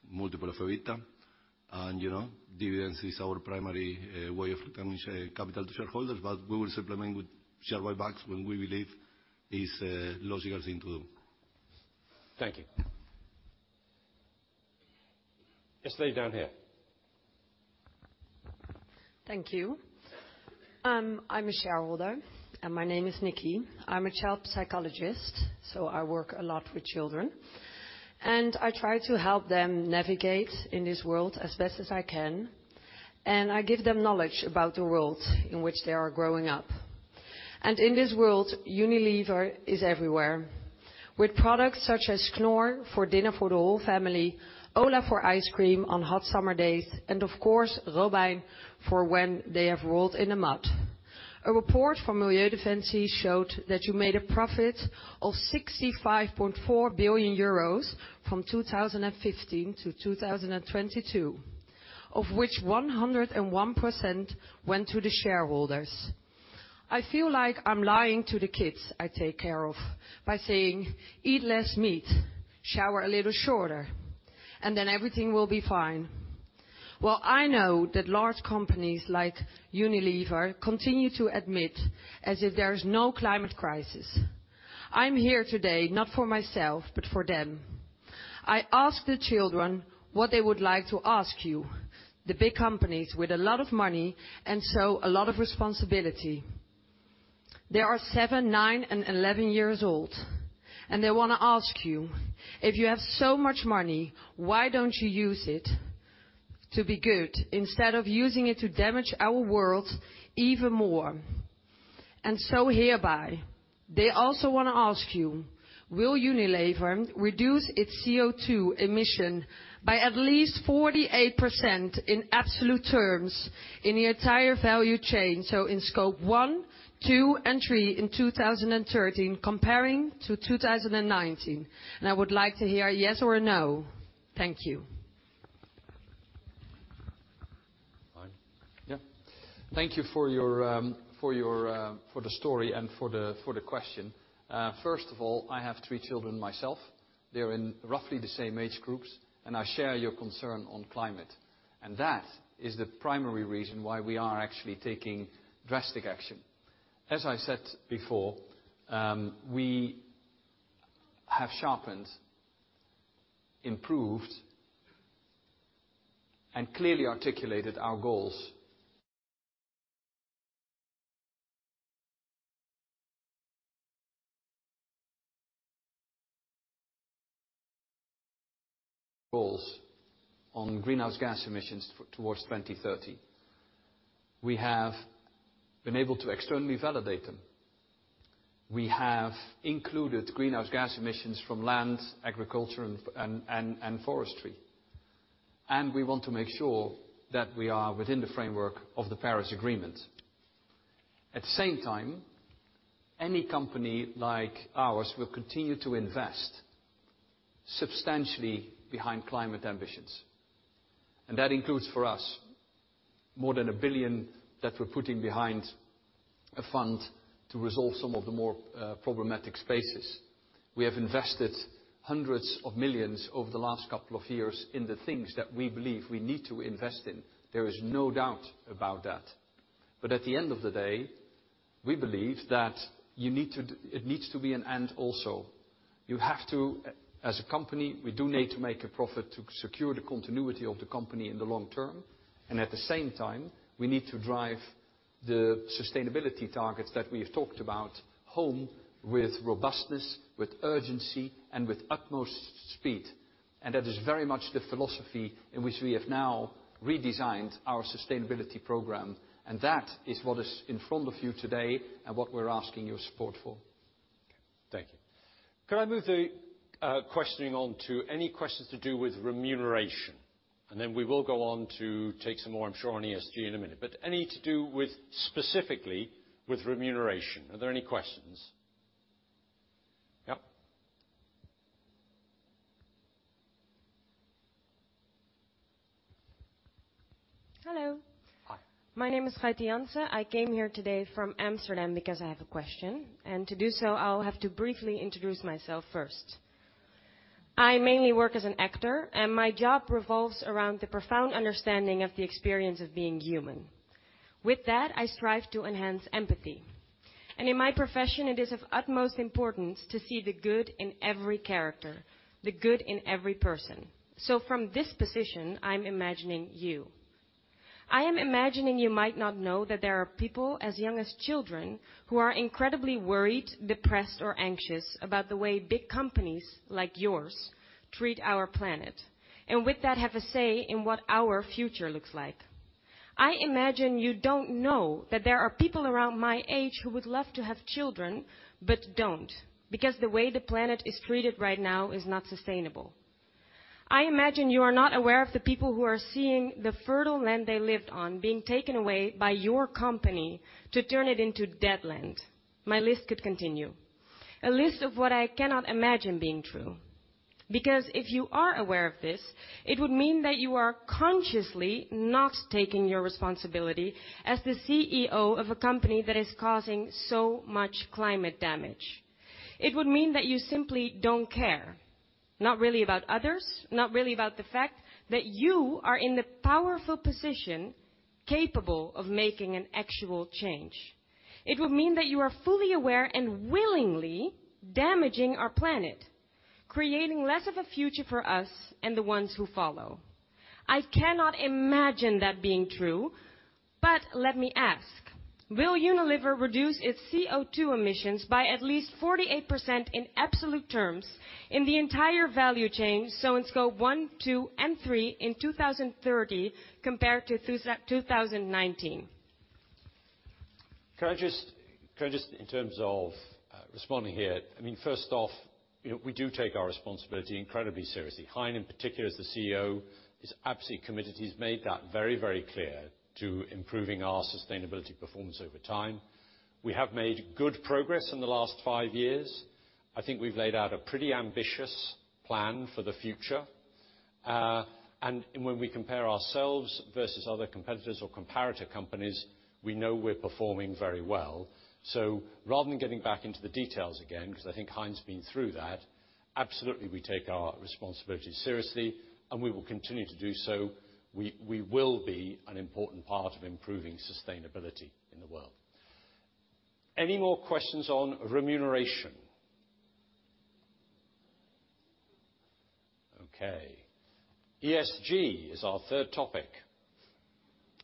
multiple of EBITDA. Dividends is our primary way of returning capital to shareholders. But we will supplement with share buybacks when we believe it's a logical thing to do. Thank you. Yes, lady down here. Thank you. I'm a shareholder, and my name is Nikki. I'm a child psychologist, so I work a lot with children. I try to help them navigate in this world as best as I can. I give them knowledge about the world in which they are growing up. In this world, Unilever is everywhere, with products such as Knorr for dinner for the whole family, Ola for ice cream on hot summer days, and, of course, Robijn for when they have rolled in the mud. A report from Milieu Defensie showed that you made a profit of €65.4 billion from 2015 to 2022, of which 101% went to the shareholders. I feel like I'm lying to the kids I take care of by saying, "Eat less meat. Shower a little shorter." "And then everything will be fine." Well, I know that large companies like Unilever continue to admit as if there is no climate crisis. I'm here today not for myself but for them. I ask the children what they would like to ask you, the big companies with a lot of money and so a lot of responsibility. They are 7, 9, and 11 years old. They want to ask you, "If you have so much money, why don't you use it to be good instead of using it to damage our world even more?" Hereby, they also want to ask you, "Will Unilever reduce its CO2 emission by at least 48% in absolute terms in the entire value chain, so in scope one, two, and three in 2030 comparing to 2019?" I would like to hear a yes or a no. Thank you. Fine. Yeah. Thank you for the story and for the question. First of all, I have three children myself. They're in roughly the same age groups. I share your concern on climate. That is the primary reason why we are actually taking drastic action. As I said before, we have sharpened, improved, and clearly articulated our goals on greenhouse gas emissions towards 2030. We have been able to externally validate them. We have included greenhouse gas emissions from land, agriculture, and forestry. We want to make sure that we are within the framework of the Paris Agreement. At the same time, any company like ours will continue to invest substantially behind climate ambitions. That includes, for us, more than $1 billion that we're putting behind a fund to resolve some of the more problematic spaces. We have invested hundreds of millions over the last couple of years in the things that we believe we need to invest in. There is no doubt about that. But at the end of the day, we believe that it needs to be an end also. You have to, as a company, we do need to make a profit to secure the continuity of the company in the long term. At the same time, we need to drive the sustainability targets that we have talked about home with robustness, with urgency, and with utmost speed. That is very much the philosophy in which we have now redesigned our sustainability program. That is what is in front of you today and what we're asking your support for. Thank you. Can I move the questioning on to any questions to do with remuneration? Then we will go on to take some more, I'm sure, on ESG in a minute. But any to do with specifically with remuneration? Are there any questions? Yes. Hello. Hi. My name is Gijde Janssen. I came here today from Amsterdam because I have a question. To do so, I'll have to briefly introduce myself first. I mainly work as an actor. My job revolves around the profound understanding of the experience of being human. With that, I strive to enhance empathy. In my profession, it is of utmost importance to see the good in every character, the good in every person. From this position, I'm imagining you. I am imagining you might not know that there are people as young as children who are incredibly worried, depressed, or anxious about the way big companies like yours treat our planet and with that have a say in what our future looks like. I imagine you don't know that there are people around my age who would love to have children but don't because the way the planet is treated right now is not sustainable. I imagine you are not aware of the people who are seeing the fertile land they lived on being taken away by your company to turn it into deadland. My list could continue. A list of what I cannot imagine being true. Because if you are aware of this, it would mean that you are consciously not taking your responsibility as the CEO of a company that is causing so much climate damage. It would mean that you simply don't care, not really about others, not really about the fact that you are in the powerful position capable of making an actual change. It would mean that you are fully aware and willingly damaging our planet, creating less of a future for us and the ones who follow. I cannot imagine that being true. But let me ask, will Unilever reduce its CO2 emissions by at least 48% in absolute terms in the entire value chain so in scope one, two, and three in 2030 compared to 2019? Can I just in terms of responding here, I mean, first off, we do take our responsibility incredibly seriously. Hein in particular as the CEO is absolutely committed. He's made that very, very clear to improving our sustainability performance over time. We have made good progress in the last five years. I think we've laid out a pretty ambitious plan for the future. When we compare ourselves versus other competitors or comparator companies, we know we're performing very well. So rather than getting back into the details again because I think Hein's been through that, absolutely, we take our responsibility seriously. We will continue to do so. We will be an important part of improving sustainability in the world. Any more questions on remuneration? Okay. ESG is our third topic.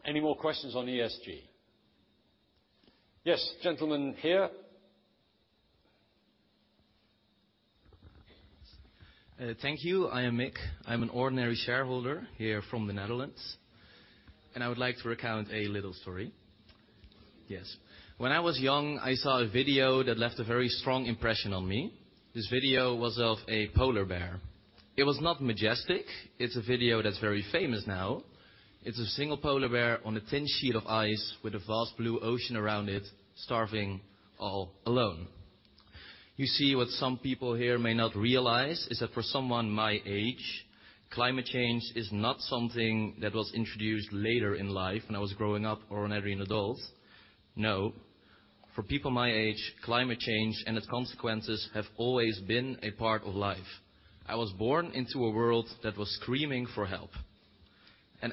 Any more questions on ESG? Yes, gentlemen here? Thank you. I am Mick. I'm an ordinary shareholder here from the Netherlands. I would like to recount a little story. When I was young, I saw a video that left a very strong impression on me. This video was of a polar bear. It was not majestic. It's a video that's very famous now. It's a single polar bear on a thin sheet of ice with a vast blue ocean around it, starving all alone. You see, what some people here may not realize is that for someone my age, climate change is not something that was introduced later in life when I was growing up or an adult. No. For people my age, climate change and its consequences have always been a part of life. I was born into a world that was screaming for help.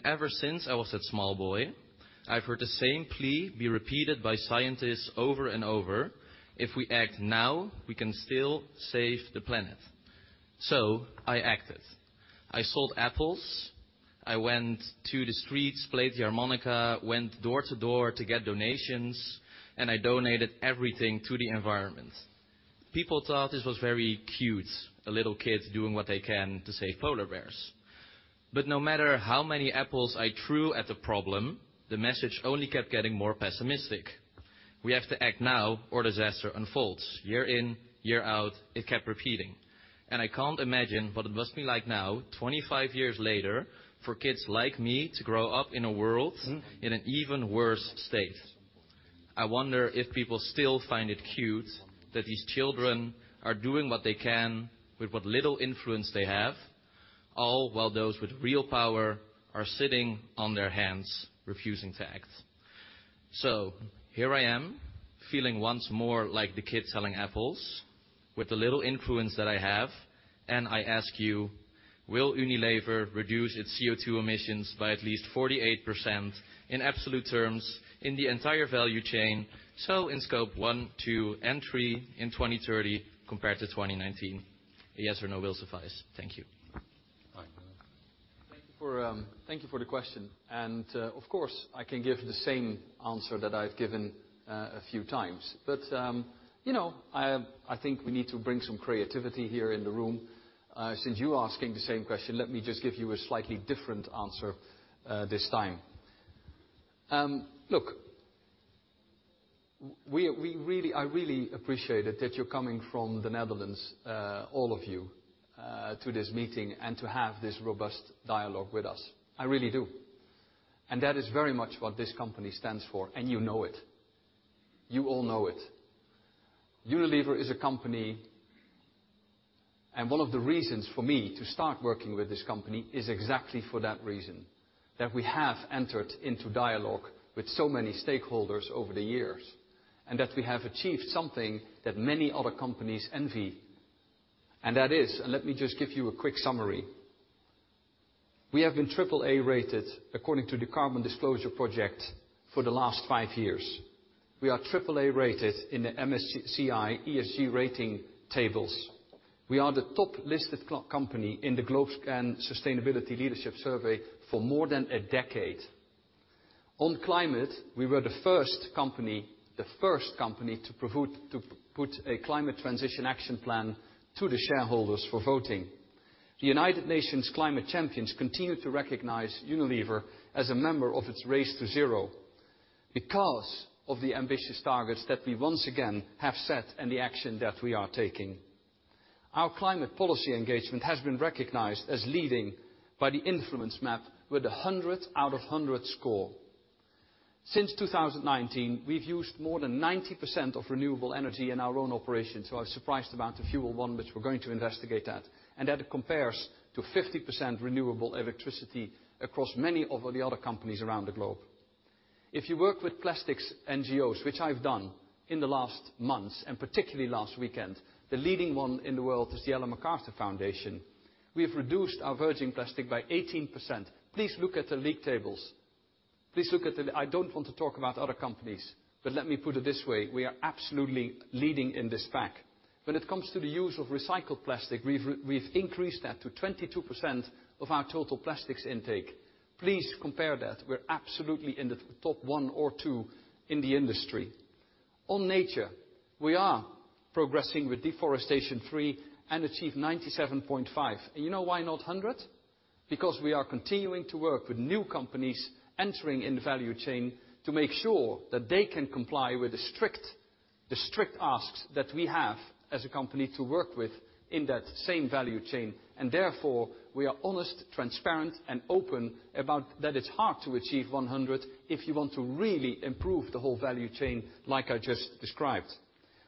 Ever since I was that small boy, I've heard the same plea be repeated by scientists over and over, "If we act now, we can still save the planet." So I acted. I sold apples. I went to the streets, played the harmonica, went door to door to get donations. I donated everything to the environment. People thought this was very cute, a little kid doing what they can to save polar bears. But no matter how many apples I threw at the problem, the message only kept getting more pessimistic. "We have to act now or disaster unfolds. Year in, year out," it kept repeating. I can't imagine what it must be like now, 25 years later, for kids like me to grow up in a world in an even worse state. I wonder if people still find it cute that these children are doing what they can with what little influence they have, all while those with real power are sitting on their hands refusing to act. So here I am feeling once more like the kid selling apples with the little influence that I have. I ask you, will Unilever reduce its CO2 emissions by at least 48% in absolute terms in the entire value chain so in scope one, two, and three in 2030 compared to 2019? A yes or no will suffice. Thank you. Thank you for the question. Of course, I can give the same answer that I've given a few times. But I think we need to bring some creativity here in the room. Since you're asking the same question, let me just give you a slightly different answer this time. Look, I really appreciate that you're coming from the Netherlands, all of you, to this meeting and to have this robust dialogue with us. I really do. That is very much what this company stands for. You know it. You all know it. Unilever is a company. One of the reasons for me to start working with this company is exactly for that reason, that we have entered into dialogue with so many stakeholders over the years and that we have achieved something that many other companies envy. Let me just give you a quick summary. We have been AAA rated according to the Carbon Disclosure Project for the last five years. We are AAA rated in the MSCI ESG rating tables. We are the top-listed company in the GlobeScan Sustainability Leadership Survey for more than a decade. On climate, we were the first company to put a climate transition action plan to the shareholders for voting. The United Nations Climate Champions continue to recognize Unilever as a member of its Race to Zero because of the ambitious targets that we once again have set and the action that we are taking. Our climate policy engagement has been recognized as leading by the InfluenceMap with a 100 out of 100 score. Since 2019, we've used more than 90% of renewable energy in our own operations. I was surprised about the fuel one, which we're going to investigate that. And that compares to 50% renewable electricity across many of the other companies around the globe. If you work with plastics NGOs, which I've done in the last months and particularly last weekend, the leading one in the world is the Ellen MacArthur Foundation, we have reduced our virgin plastic by 18%. Please look at the leak tables. Please look at the I don't want to talk about other companies. But let me put it this way. We are absolutely leading in this fact when it comes to the use of recycled plastic. We've increased that to 22% of our total plastics intake. Please compare that. We're absolutely in the top one or two in the industry. On nature, we are progressing with deforestation-free and achieve 97.5%. And you know why not 100%? Because we are continuing to work with new companies entering in the value chain to make sure that they can comply with the strict asks that we have as a company to work with in that same value chain. Therefore, we are honest, transparent, and open about that it's hard to achieve 100% if you want to really improve the whole value chain like I just described.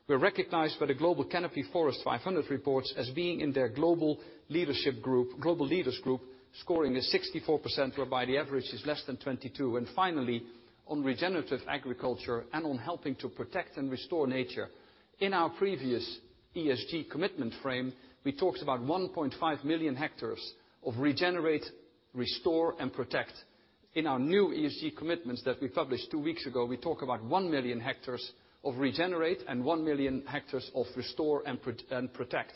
We're recognized by the Global Canopy Forest 500 reports as being in their global leadership group, global leaders group, scoring a 64%, whereby the average is less than 22%. Finally, on regenerative agriculture and on helping to protect and restore nature. In our previous ESG commitment frame, we talked about 1.5 million hectares of regenerate, restore, and protect. In our new ESG commitments that we published two weeks ago, we talk about 1 million hectares of regenerate and 1 million hectares of restore and protect.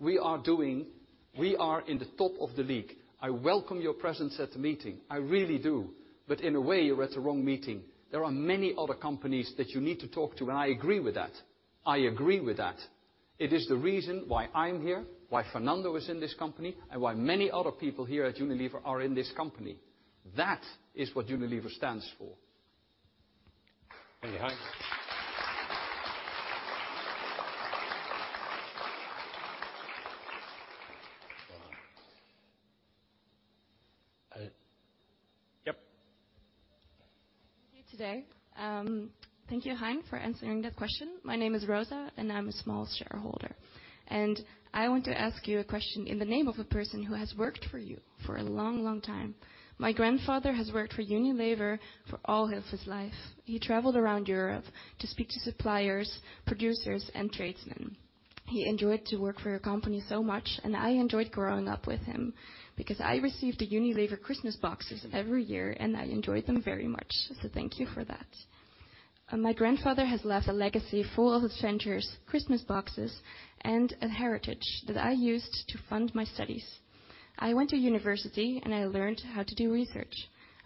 We are doing, we are in the top of the league. I welcome your presence at the meeting. I really do. But in a way, you're at the wrong meeting. There are many other companies that you need to talk to. I agree with that. I agree with that. It is the reason why I'm here, why Fernando is in this company, and why many other people here at Unilever are in this company. That is what Unilever stands for. Thank you, Hein. Yep. Thank you today. Thank you, Hein, for answering that question. My name is Rosa, and I'm a small shareholder. I want to ask you a question in the name of a person who has worked for you for a long, long time. My grandfather has worked for Unilever for all of his life. He traveled around Europe to speak to suppliers, producers, and tradesmen. He enjoyed working for your company so much, and I enjoyed growing up with him because I received the Unilever Christmas boxes every year. I enjoyed them very much, so thank you for that. My grandfather has left a legacy full of adventures, Christmas boxes, and a heritage that I used to fund my studies. I went to university and learned how to do research.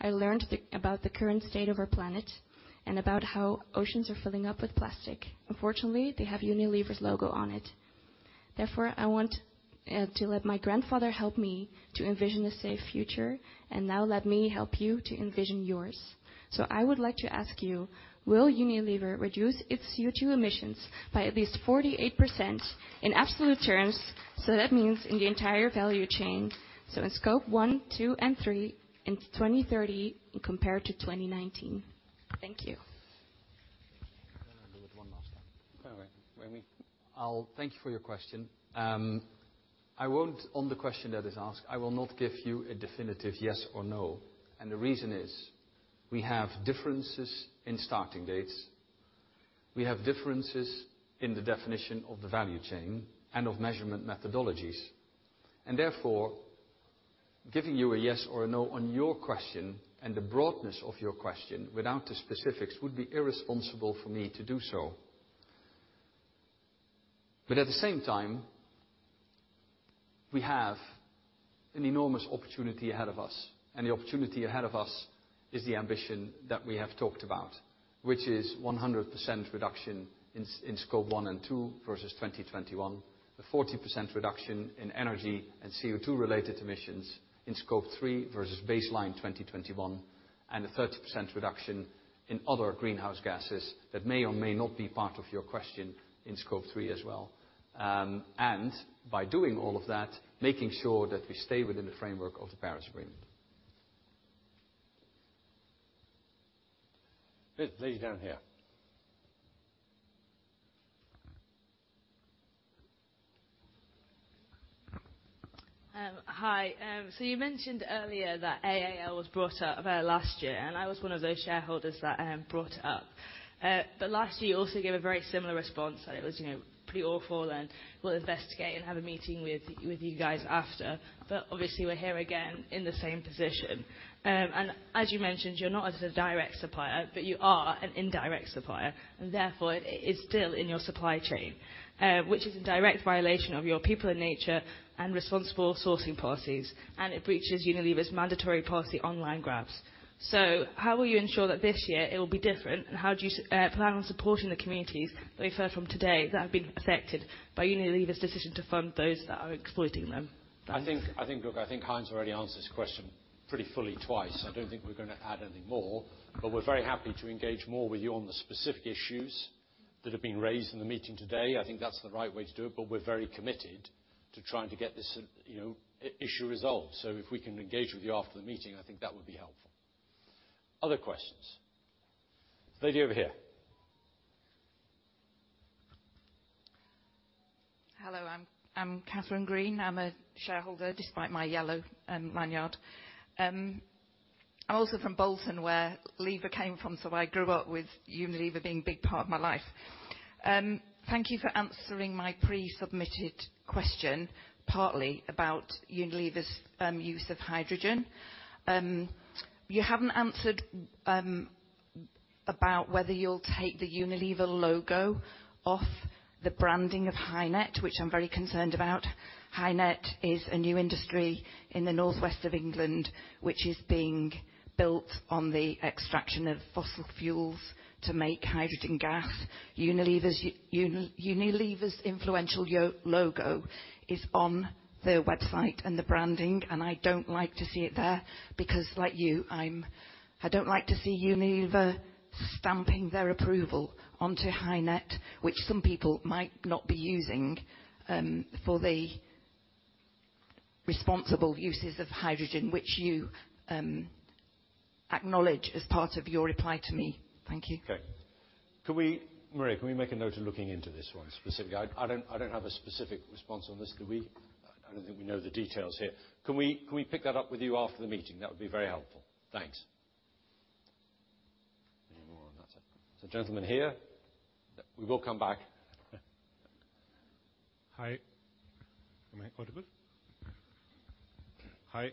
I learned about the current state of our planet and about how oceans are filling up with plastic. Unfortunately, they have Unilever's logo on it. Therefore, I want to let my grandfather help me to envision a safe future and now let me help you to envision yours. I would like to ask you, will Unilever reduce its CO2 emissions by at least 48% in absolute terms? That means in the entire value chain, in scope one, two, and three in 2030 compared to 2019. Thank you. Can I do it one last time? All right. Thank you for your question. On the question that is asked, I will not give you a definitive yes or no. The reason is we have differences in starting dates. We have differences in the definition of the value chain and of measurement methodologies. Therefore, giving you a yes or a no on your question and the broadness of your question without the specifics would be irresponsible for me to do so. But at the same time, we have an enormous opportunity ahead of us. The opportunity ahead of us is the ambition that we have talked about, which is 100% reduction in scope one and two versus 2021, a 40% reduction in energy and CO2-related emissions in scope three versus baseline 2021, and a 30% reduction in other greenhouse gases that may or may not be part of your question in scope three as well. By doing all of that, making sure that we stay within the framework of the Paris Agreement. Ladies down here. Hi. You mentioned earlier that AAL was brought up last year. I was one of those shareholders that brought it up. But last year, you also gave a very similar response. It was pretty awful. We'll investigate and have a meeting with you guys after. But obviously, we're here again in the same position. As you mentioned, you're not a direct supplier. But you are an indirect supplier. Therefore, it is still in your supply chain, which is in direct violation of your people in nature and responsible sourcing policies. It breaches Unilever's mandatory policy online grabs. How will you ensure that this year, it will be different? How do you plan on supporting the communities that we've heard from today that have been affected by Unilever's decision to fund those that are exploiting them? I think, look, I think Hein's already answered this question pretty fully twice. I don't think we're going to add anything more. But we're very happy to engage more with you on the specific issues that have been raised in the meeting today. I think that's the right way to do it. But we're very committed to trying to get this issue resolved. So if we can engage with you after the meeting, I think that would be helpful. Other questions? Lady over here. Hello. I'm Catherine Green. I'm a shareholder despite my yellow lanyard. I'm also from Bolton, where Unilever came from. So I grew up with Unilever being a big part of my life. Thank you for answering my pre-submitted question, partly about Unilever's use of hydrogen. You haven't answered about whether you'll take the Unilever logo off the branding of HyNet, which I'm very concerned about. HyNet is a new industry in the northwest of England, which is being built on the extraction of fossil fuels to make hydrogen gas. Unilever's influential logo is on their website and the branding. I don't like to see it there because, like you, I don't like to see Unilever stamping their approval onto HyNet, which some people might not be using for the responsible uses of hydrogen, which you acknowledge as part of your reply to me. Thank you. Okay. Maria, can we make a note of looking into this one specifically? I don't have a specific response on this. I don't think we know the details here. Can we pick that up with you after the meeting? That would be very helpful. Thanks. Any more on that? Is there a gentleman here? We will come back. Hi. Am I audible? Hi.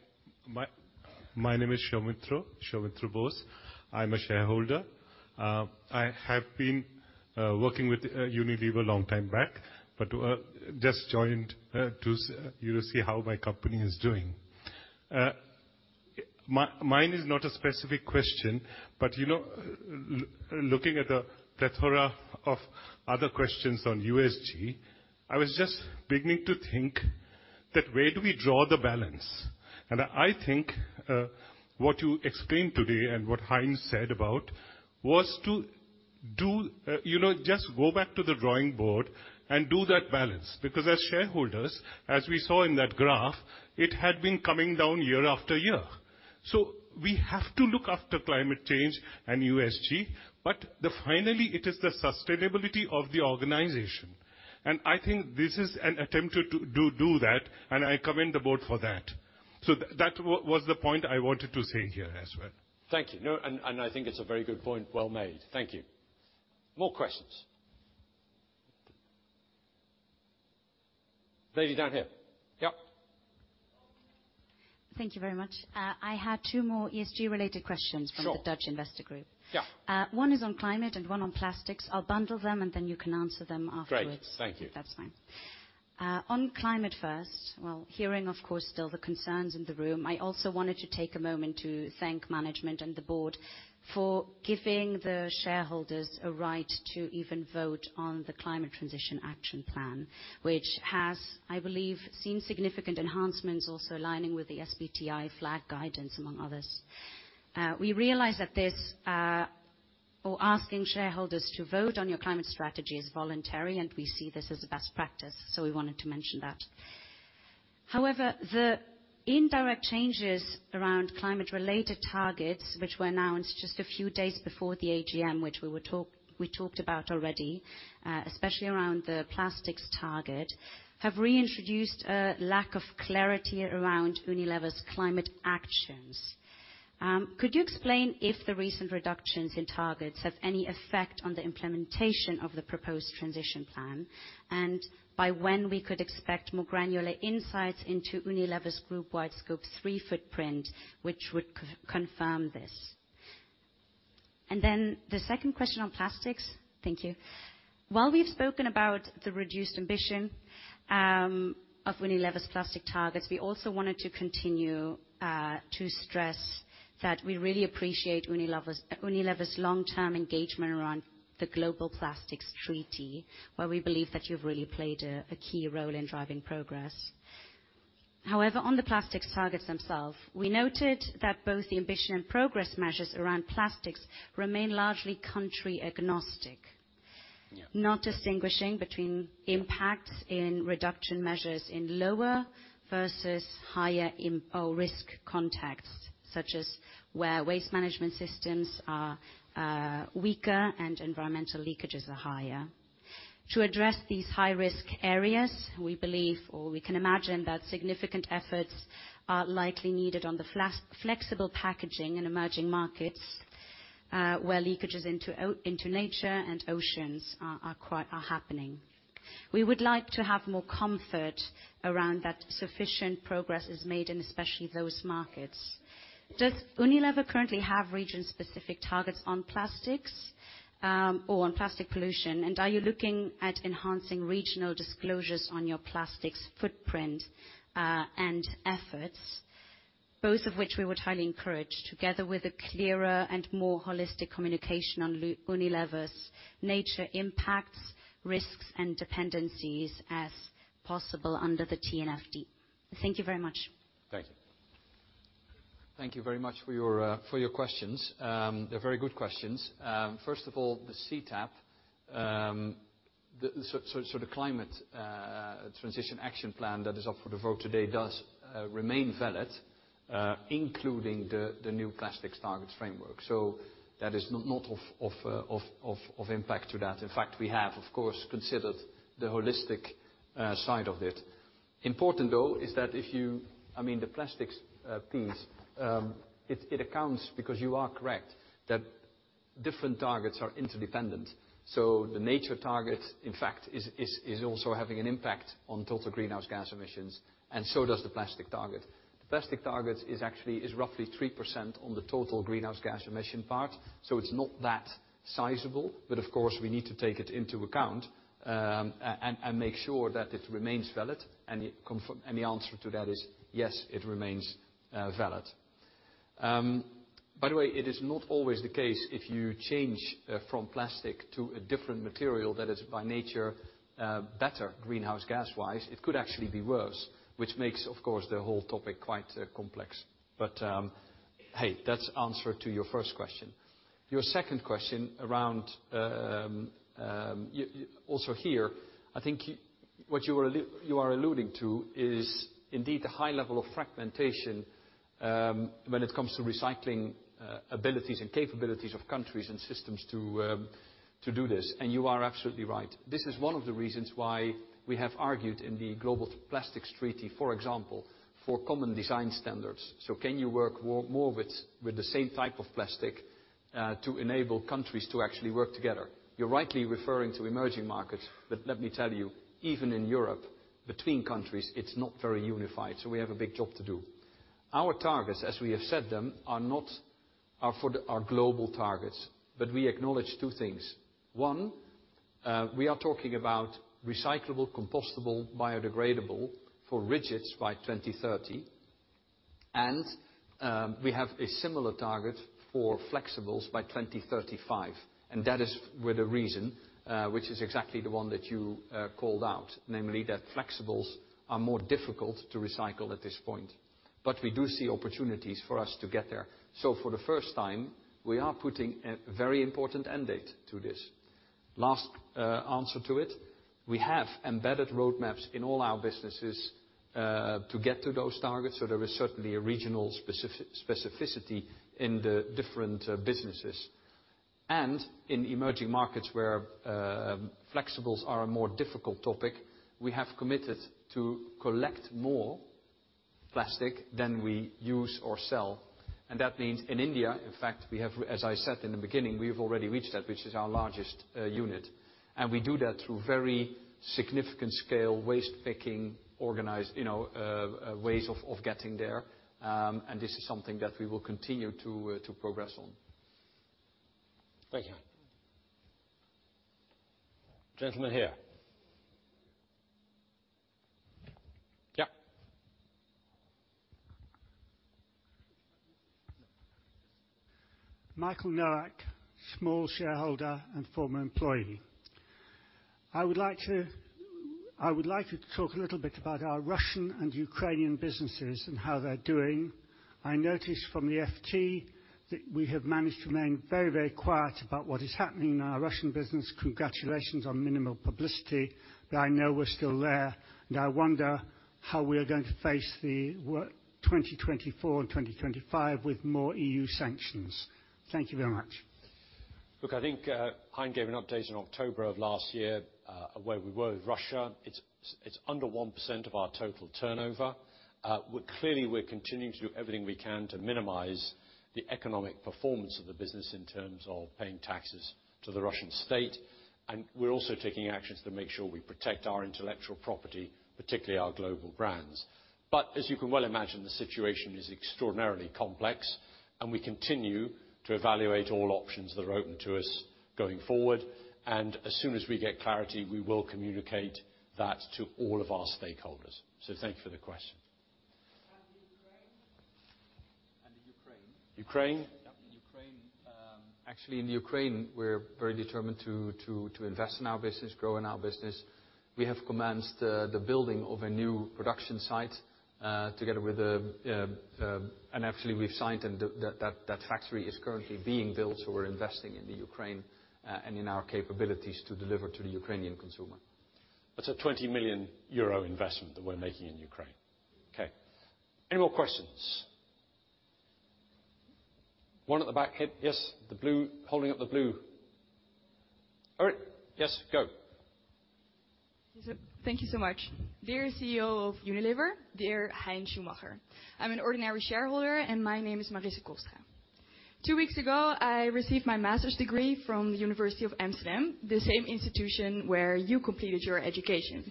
My name is Soumitra Bose. I'm a shareholder. I have been working with Unilever a long time back. But I just joined to see how my company is doing. Mine is not a specific question. But looking at the plethora of other questions on USG, I was just beginning to think that where do we draw the balance? I think what you explained today and what Hein said about was to just go back to the drawing board and do that balance. Because as shareholders, as we saw in that graph, it had been coming down year after year. So we have to look after climate change and USG. But finally, it is the sustainability of the organization. I think this is an attempt to do that. I commend the board for that. That was the point I wanted to say here as well. Thank you. I think it's a very good point. Well-made. Thank you. More questions? Lady down here. Yes. Thank you very much. I had two more ESG-related questions from the Dutch Investor Group. One is on climate and one on plastics. I'll bundle them and then you can answer them afterwards. Great. Thank you. That's fine. On climate first, well, hearing, of course, still the concerns in the room. I also wanted to take a moment to thank management and the board for giving the shareholders a right to even vote on the climate transition action plan, which has, I believe, seen significant enhancements also aligning with the SBTI FLAG guidance, among others. We realize that asking shareholders to vote on your climate strategy is voluntary. We see this as a best practice. So we wanted to mention that. However, the indirect changes around climate-related targets, which were announced just a few days before the AGM, which we talked about already, especially around the plastics target, have reintroduced a lack of clarity around Unilever's climate actions. Could you explain if the recent reductions in targets have any effect on the implementation of the proposed transition plan and by when we could expect more granular insights into Unilever's group-wide scope three footprint, which would confirm this? The second question on plastics. Thank you. While we've spoken about the reduced ambition of Unilever's plastic targets, we also wanted to continue to stress that we really appreciate Unilever's long-term engagement around the Global Plastics Treaty, where we believe that you've really played a key role in driving progress. However, on the plastics targets themselves, we noted that both the ambition and progress measures around plastics remain largely country-agnostic, not distinguishing between impacts in reduction measures in lower versus higher-risk contexts, such as where waste management systems are weaker and environmental leakages are higher. To address these high-risk areas, we believe or we can imagine that significant efforts are likely needed on the flexible packaging in emerging markets where leakages into nature and oceans are happening. We would like to have more comfort around that sufficient progress is made in especially those markets. Does Unilever currently have region-specific targets on plastics or on plastic pollution? Are you looking at enhancing regional disclosures on your plastics footprint and efforts, both of which we would highly encourage, together with a clearer and more holistic communication on Unilever's nature impacts, risks, and dependencies as possible under the TNFD? Thank you very much. Thank you. Thank you very much for your questions. They're very good questions. First of all, the CTAP, so the climate transition action plan that is up for the vote today, does remain valid, including the new plastics targets framework. So that is not of impact to that. In fact, we have, of course, considered the holistic side of it. Important, though, is that if you... I mean, the plastics piece, it accounts because you are correct that different targets are interdependent. So the nature target, in fact, is also having an impact on total greenhouse gas emissions. And so does the plastic target. The plastic target is roughly 3% on the total greenhouse gas emission part. So it's not that sizable. But of course, we need to take it into account and make sure that it remains valid. And the answer to that is, yes, it remains valid. By the way, it is not always the case if you change from plastic to a different material that is, by nature, better greenhouse gas-wise. It could actually be worse, which makes, of course, the whole topic quite complex. That's the answer to your first question. Your second question around also here, I think what you are alluding to is, indeed, the high level of fragmentation when it comes to recycling abilities and capabilities of countries and systems to do this. You are absolutely right. This is one of the reasons why we have argued in the Global Plastics Treaty, for example, for common design standards. So can you work more with the same type of plastic to enable countries to actually work together? You're rightly referring to emerging markets. Let me tell you, even in Europe, between countries, it's not very unified. We have a big job to do. Our targets, as we have set them, are for our global targets. But we acknowledge two things. One, we are talking about recyclable, compostable, biodegradable for rigids by 2030. We have a similar target for flexibles by 2035. That is with a reason, which is exactly the one that you called out, namely that flexibles are more difficult to recycle at this point. But we do see opportunities for us to get there. For the first time, we are putting a very important end date to this. Last answer to it, we have embedded roadmaps in all our businesses to get to those targets. There is certainly a regional specificity in the different businesses. In emerging markets where flexibles are a more difficult topic, we have committed to collect more plastic than we use or sell. That means in India, in fact, we have as I said in the beginning, we have already reached that, which is our largest unit. We do that through very significant-scale waste-picking organized ways of getting there. This is something that we will continue to progress on. Thank you, Hein. Gentleman here. Michael Nowak, small shareholder and former employee. I would like to talk a little bit about our Russian and Ukrainian businesses and how they're doing. I noticed from the FT that we have managed to remain very, very quiet about what is happening in our Russian business. Congratulations on minimal publicity. But I know we're still there. And I wonder how we are going to face 2024 and 2025 with more EU sanctions. Thank you very much. Look, I think Hein gave an update in October of last year of where we were with Russia. It's under 1% of our total turnover. Clearly, we're continuing to do everything we can to minimize the economic performance of the business in terms of paying taxes to the Russian state. We're also taking actions to make sure we protect our intellectual property, particularly our global brands. But as you can well imagine, the situation is extraordinarily complex. We continue to evaluate all options that are open to us going forward. As soon as we get clarity, we will communicate that to all of our stakeholders. Thank you for the question. And Ukraine? Ukraine. Yes. In Ukraine, actually, in Ukraine, we're very determined to invest in our business, grow in our business. We have commenced the building of a new production site together with a partner, and actually, we've signed and that factory is currently being built. So we're investing in Ukraine and in our capabilities to deliver to the U.K.rainian consumer. That's a €20 million investment that we're making in Ukraine. Okay. Any more questions? One at the back. Yes, holding up the blue. Yes, go. Thank you so much. Dear CEO of Unilever, dear Hein Schumacher. I'm an ordinary shareholder. My name is Marise Koster. Two weeks ago, I received my master's degree from the University of Amsterdam, the same institution where you completed your education.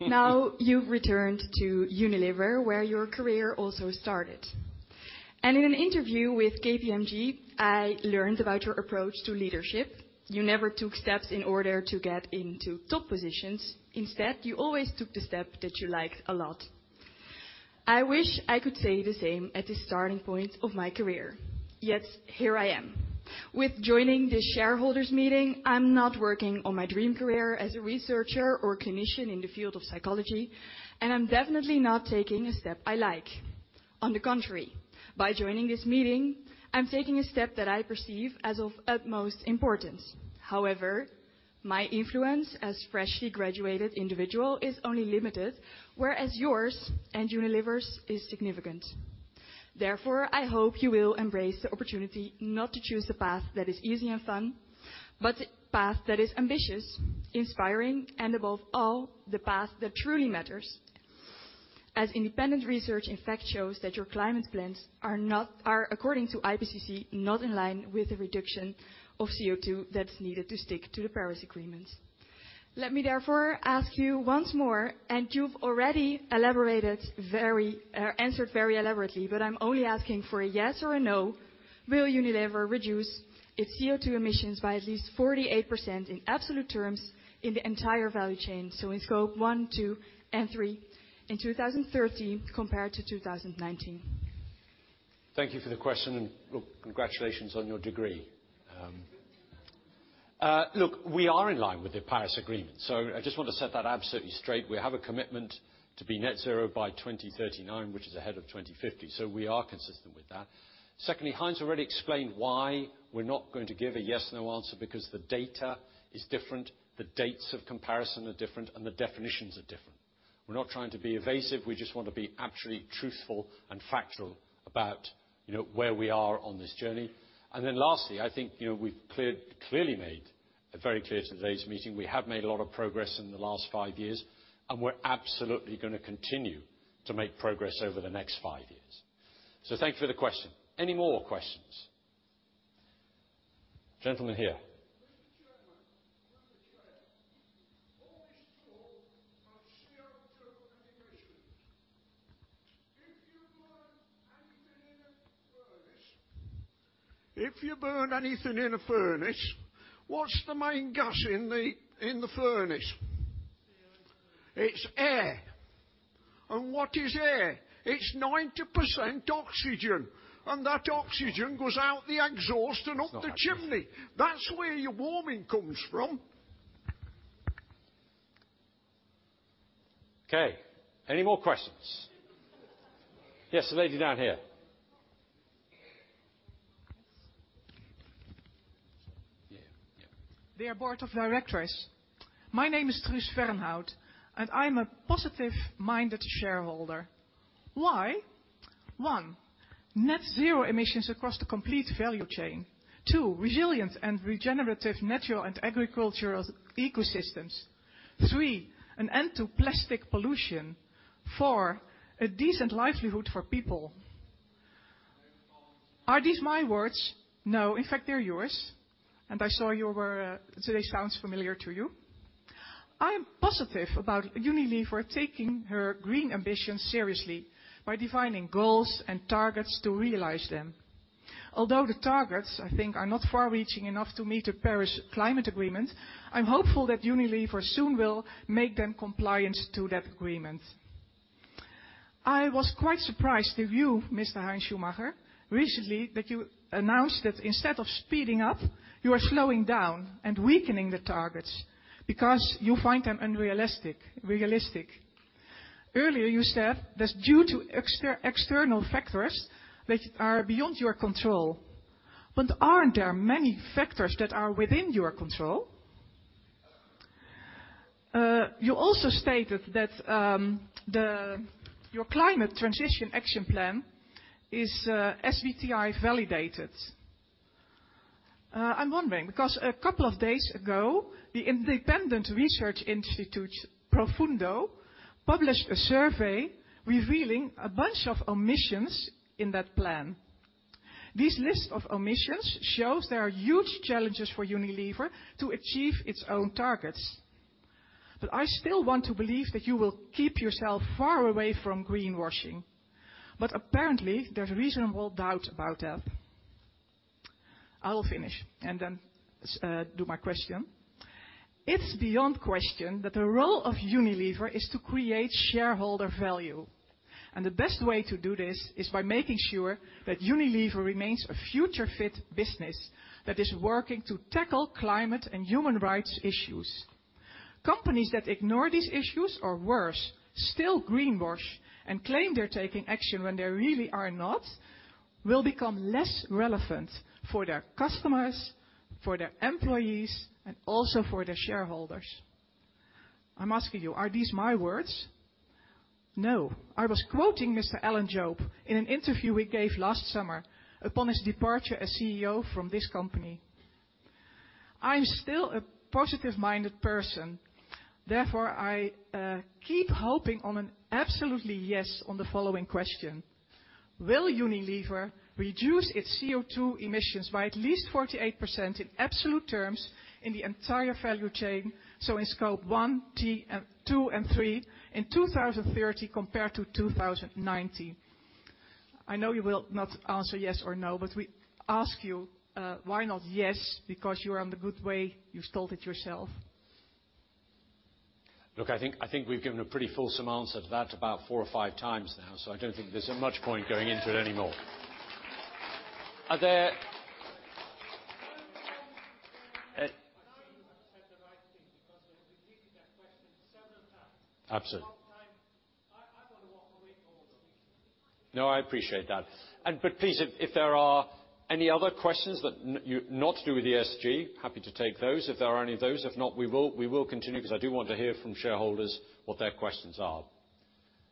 Now, you've returned to Unilever, where your career also started. In an interview with KPMG, I learned about your approach to leadership. You never took steps in order to get into top positions. Instead, you always took the step that you liked a lot. I wish I could say the same at this starting point of my career. Yet here I am. With joining this shareholders' meeting, I'm not working on my dream career as a researcher or clinician in the field of psychology. I'm definitely not taking a step I like. On the contrary, by joining this meeting, I'm taking a step that I perceive as of utmost importance. However, my influence as a freshly graduated individual is only limited, whereas yours and Unilever's is significant. Therefore, I hope you will embrace the opportunity not to choose the path that is easy and fun, but the path that is ambitious, inspiring, and above all, the path that truly matters. As independent research, in fact, shows that your climate plans are, according to IPCC, not in line with the reduction of CO2 that's needed to stick to the Paris Agreement. Let me therefore ask you once more. You've already answered very elaborately. But I'm only asking for a yes or a no. Will Unilever reduce its CO2 emissions by at least 48% in absolute terms in the entire value chain, so in scope one, two, and three, in 2030 compared to 2019? Thank you for the question. Look, congratulations on your degree. Look, we are in line with the Paris Agreement. I just want to set that absolutely straight. We have a commitment to be net zero by 2039, which is ahead of 2050. We are consistent with that. Secondly, Hein's already explained why we're not going to give a yes/no answer, because the data is different. The dates of comparison are different. The definitions are different. We're not trying to be evasive. We just want to be absolutely truthful and factual about where we are on this journey. Lastly, I think we've clearly made very clear to today's meeting, we have made a lot of progress in the last five years. We're absolutely going to continue to make progress over the next five years. Thank you for the question. Any more questions? Gentleman here. Regarding your emergency material, always told of CO2 emissions. If you burn anything in a furnace what's the main gas in the furnace? It's air. And what is air? It's 78% nitrogen, 21% oxygen. And that oxygen goes out the exhaust and up the chimney. That's where your warming comes from. Okay. Any more questions? Yes, the lady down here. Dear Board of Directors, my name is Truus Verenhout, and I'm a positive-minded shareholder. Why? One, net zero emissions across the complete value chain. Two, resilient and regenerative natural and agricultural ecosystems. Three, an end to plastic pollution. Four, a decent livelihood for people. Are these my words? No. In fact, they're yours, and I saw your words. Do they sound familiar to you? I am positive about Unilever taking her green ambitions seriously by defining goals and targets to realize them. Although the targets, I think, are not far-reaching enough to meet the Paris Climate Agreement, I'm hopeful that Unilever soon will make them compliant to that agreement. I was quite surprised to hear you, Mr. Hein Schumacher, recently that you announced that instead of speeding up, you are slowing down and weakening the targets because you find them unrealistic. Earlier, you said that's due to external factors that are beyond your control. But aren't there many factors that are within your control? You also stated that your climate transition action plan is SBTI-validated. I'm wondering because a couple of days ago, the independent research institute Profundo published a survey revealing a bunch of omissions in that plan. This list of omissions shows there are huge challenges for Unilever to achieve its own targets. But I still want to believe that you will keep yourself far away from greenwashing. But apparently, there's reasonable doubt about that. I will finish and then do my question. It's beyond question that the role of Unilever is to create shareholder value. The best way to do this is by making sure that Unilever remains a future-fit business that is working to tackle climate and human rights issues. Companies that ignore these issues or, worse, still greenwash and claim they're taking action when they really are not will become less relevant for their customers, for their employees, and also for their shareholders. I'm asking you, are these my words? No. I was quoting Mr. Alan Jope in an interview we gave last summer upon his departure as CEO from this company. I am still a positive-minded person. Therefore, I keep hoping on an absolutely yes on the following question. Will Unilever reduce its CO2 emissions by at least 48% in absolute terms in the entire value chain, so in scope one, two, and three, in 2030 compared to 2019? I know you will not answer yes or no. But we ask you, why not yes? Because you are on the good way. You said it yourself. Look, I think we've given a pretty false answer to that about four or five times now. So I don't think there's much point going into it anymore. Are there? I know you have said the right thing because we've repeated that question several times. Absolutely. A lot of times, I want to walk away. No, I appreciate that. But please, if there are any other questions not to do with the SG, happy to take those if there are any of those. If not, we will continue because I do want to hear from shareholders what their questions are.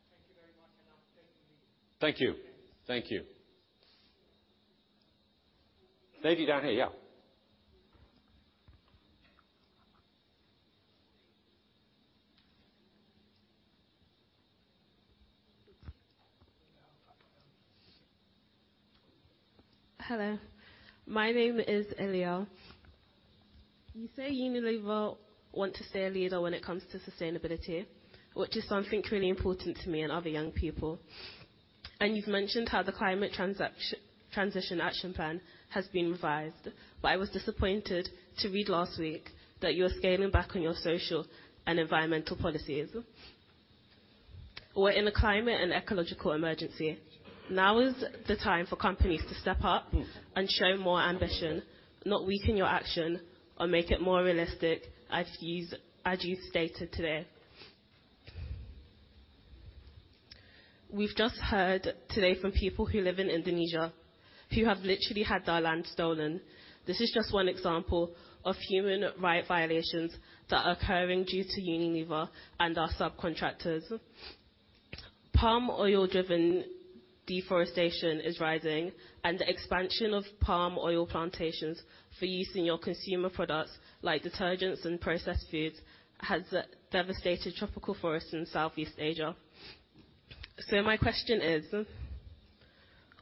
Thank you very much. I'm taking leave. Thank you. Thank you. Lady down here, yeah. Hello. My name is Eliel. You say Unilever wants to stay a leader when it comes to sustainability, which is, I think, really important to me and other young people. You've mentioned how the climate transition action plan has been revised. But I was disappointed to read last week that you're scaling back on your social and environmental policies. We're in a climate and ecological emergency. Now is the time for companies to step up and show more ambition, not weaken your action, or make it more realistic, as you stated today. We've just heard today from people who live in Indonesia who have literally had their land stolen. This is just one example of human rights violations that are occurring due to Unilever and our subcontractors. Palm oil-driven deforestation is rising. The expansion of palm oil plantations for use in your consumer products, like detergents and processed foods, has devastated tropical forests in Southeast Asia. My question is,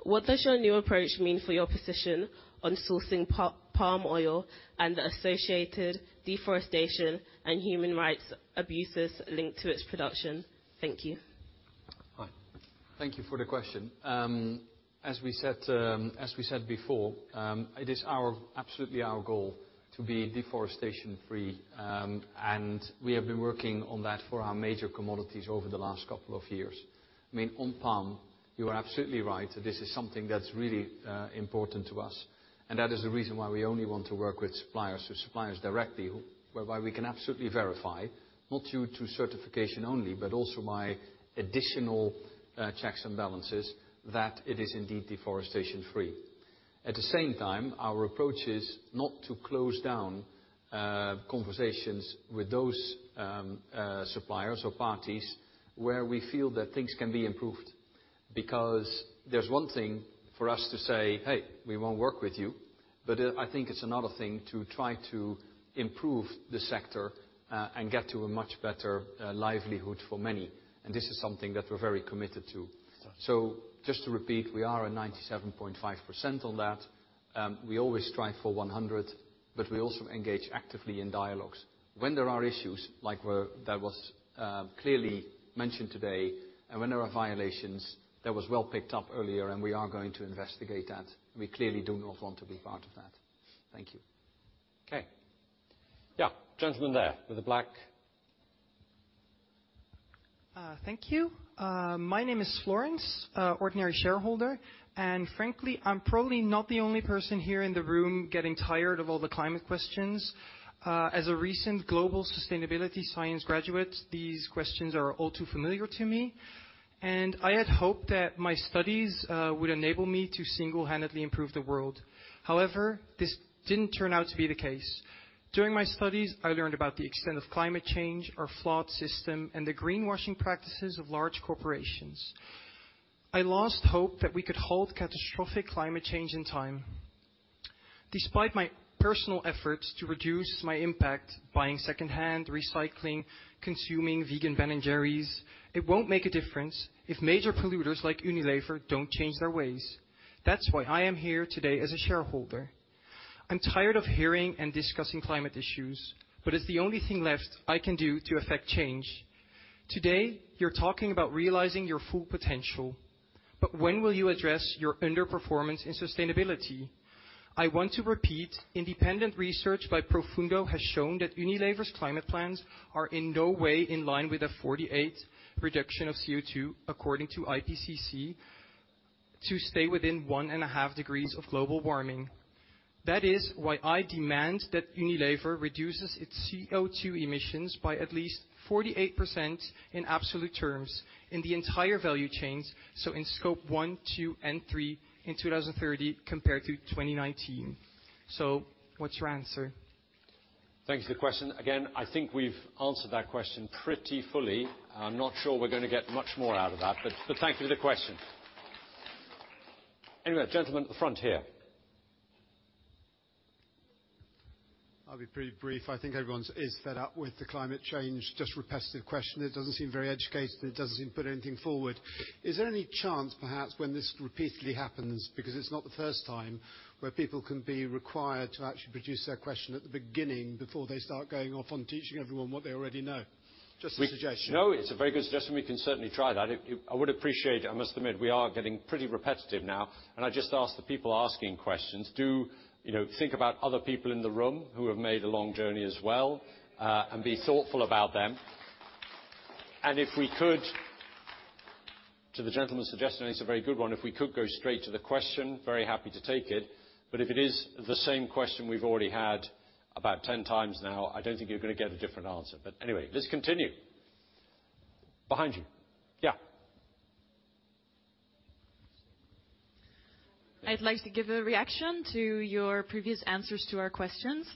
what does your new approach mean for your position on sourcing palm oil and the associated deforestation and human rights abuses linked to its production? Thank you. Hi. Thank you for the question. As we said before, it is absolutely our goal to be deforestation-free. We have been working on that for our major commodities over the last couple of years. I mean, on palm, you are absolutely right. This is something that's really important to us. That is the reason why we only want to work with suppliers, with suppliers directly, whereby we can absolutely verify, not due to certification only, but also by additional checks and balances, that it is indeed deforestation-free. At the same time, our approach is not to close down conversations with those suppliers or parties where we feel that things can be improved. Because there's one thing for us to say, "Hey, we won't work with you." But I think it's another thing to try to improve the sector and get to a much better livelihood for many. This is something that we're very committed to. Just to repeat, we are at 97.5% on that. We always strive for 100%. But we also engage actively in dialogues when there are issues, like that was clearly mentioned today. When there are violations, that was well picked up earlier. We are going to investigate that. We clearly do not want to be part of that. Thank you. Okay. Yeah, gentleman there with the black. Thank you. My name is Florence, ordinary shareholder. Frankly, I'm probably not the only person here in the room getting tired of all the climate questions. As a recent global sustainability science graduate, these questions are all too familiar to me. I had hoped that my studies would enable me to single-handedly improve the world. However, this didn't turn out to be the case. During my studies, I learned about the extent of climate change, our flawed system, and the greenwashing practices of large corporations. I lost hope that we could halt catastrophic climate change in time. Despite my personal efforts to reduce my impact, buying secondhand, recycling, consuming vegan Ben & Jerry's, it won't make a difference if major polluters like Unilever don't change their ways. That's why I am here today as a shareholder. I'm tired of hearing and discussing climate issues. But it's the only thing left I can do to affect change. Today, you're talking about realizing your full potential. But when will you address your underperformance in sustainability? I want to repeat, independent research by Profundo has shown that Unilever's climate plans are in no way in line with a 48% reduction of CO2, according to IPCC, to stay within one and a half degrees of global warming. That is why I demand that Unilever reduces its CO2 emissions by at least 48% in absolute terms in the entire value chain, so in scope one, two, and three in 2030 compared to 2019. So what's your answer? Thank you for the question. Again, I think we've answered that question pretty fully. I'm not sure we're going to get much more out of that. But thank you for the question. Anyway, gentleman at the front here. I'll be pretty brief. I think everyone is fed up with the climate change just repetitive question. It doesn't seem very educated. It doesn't seem to put anything forward. Is there any chance, perhaps, when this repeatedly happens because it's not the first time, where people can be required to actually produce their question at the beginning before they start going off on teaching everyone what they already know? Just a suggestion. No, it's a very good suggestion. We can certainly try that. I would appreciate it. I must admit, we are getting pretty repetitive now. I just ask the people asking questions, do think about other people in the room who have made a long journey as well and be thoughtful about them. If we could to the gentleman's suggestion, and it's a very good one, if we could go straight to the question, very happy to take it. But if it is the same question we've already had about 10 times now, I don't think you're going to get a different answer. But anyway, let's continue. Behind you, yeah. I'd like to give a reaction to your previous answers to our questions.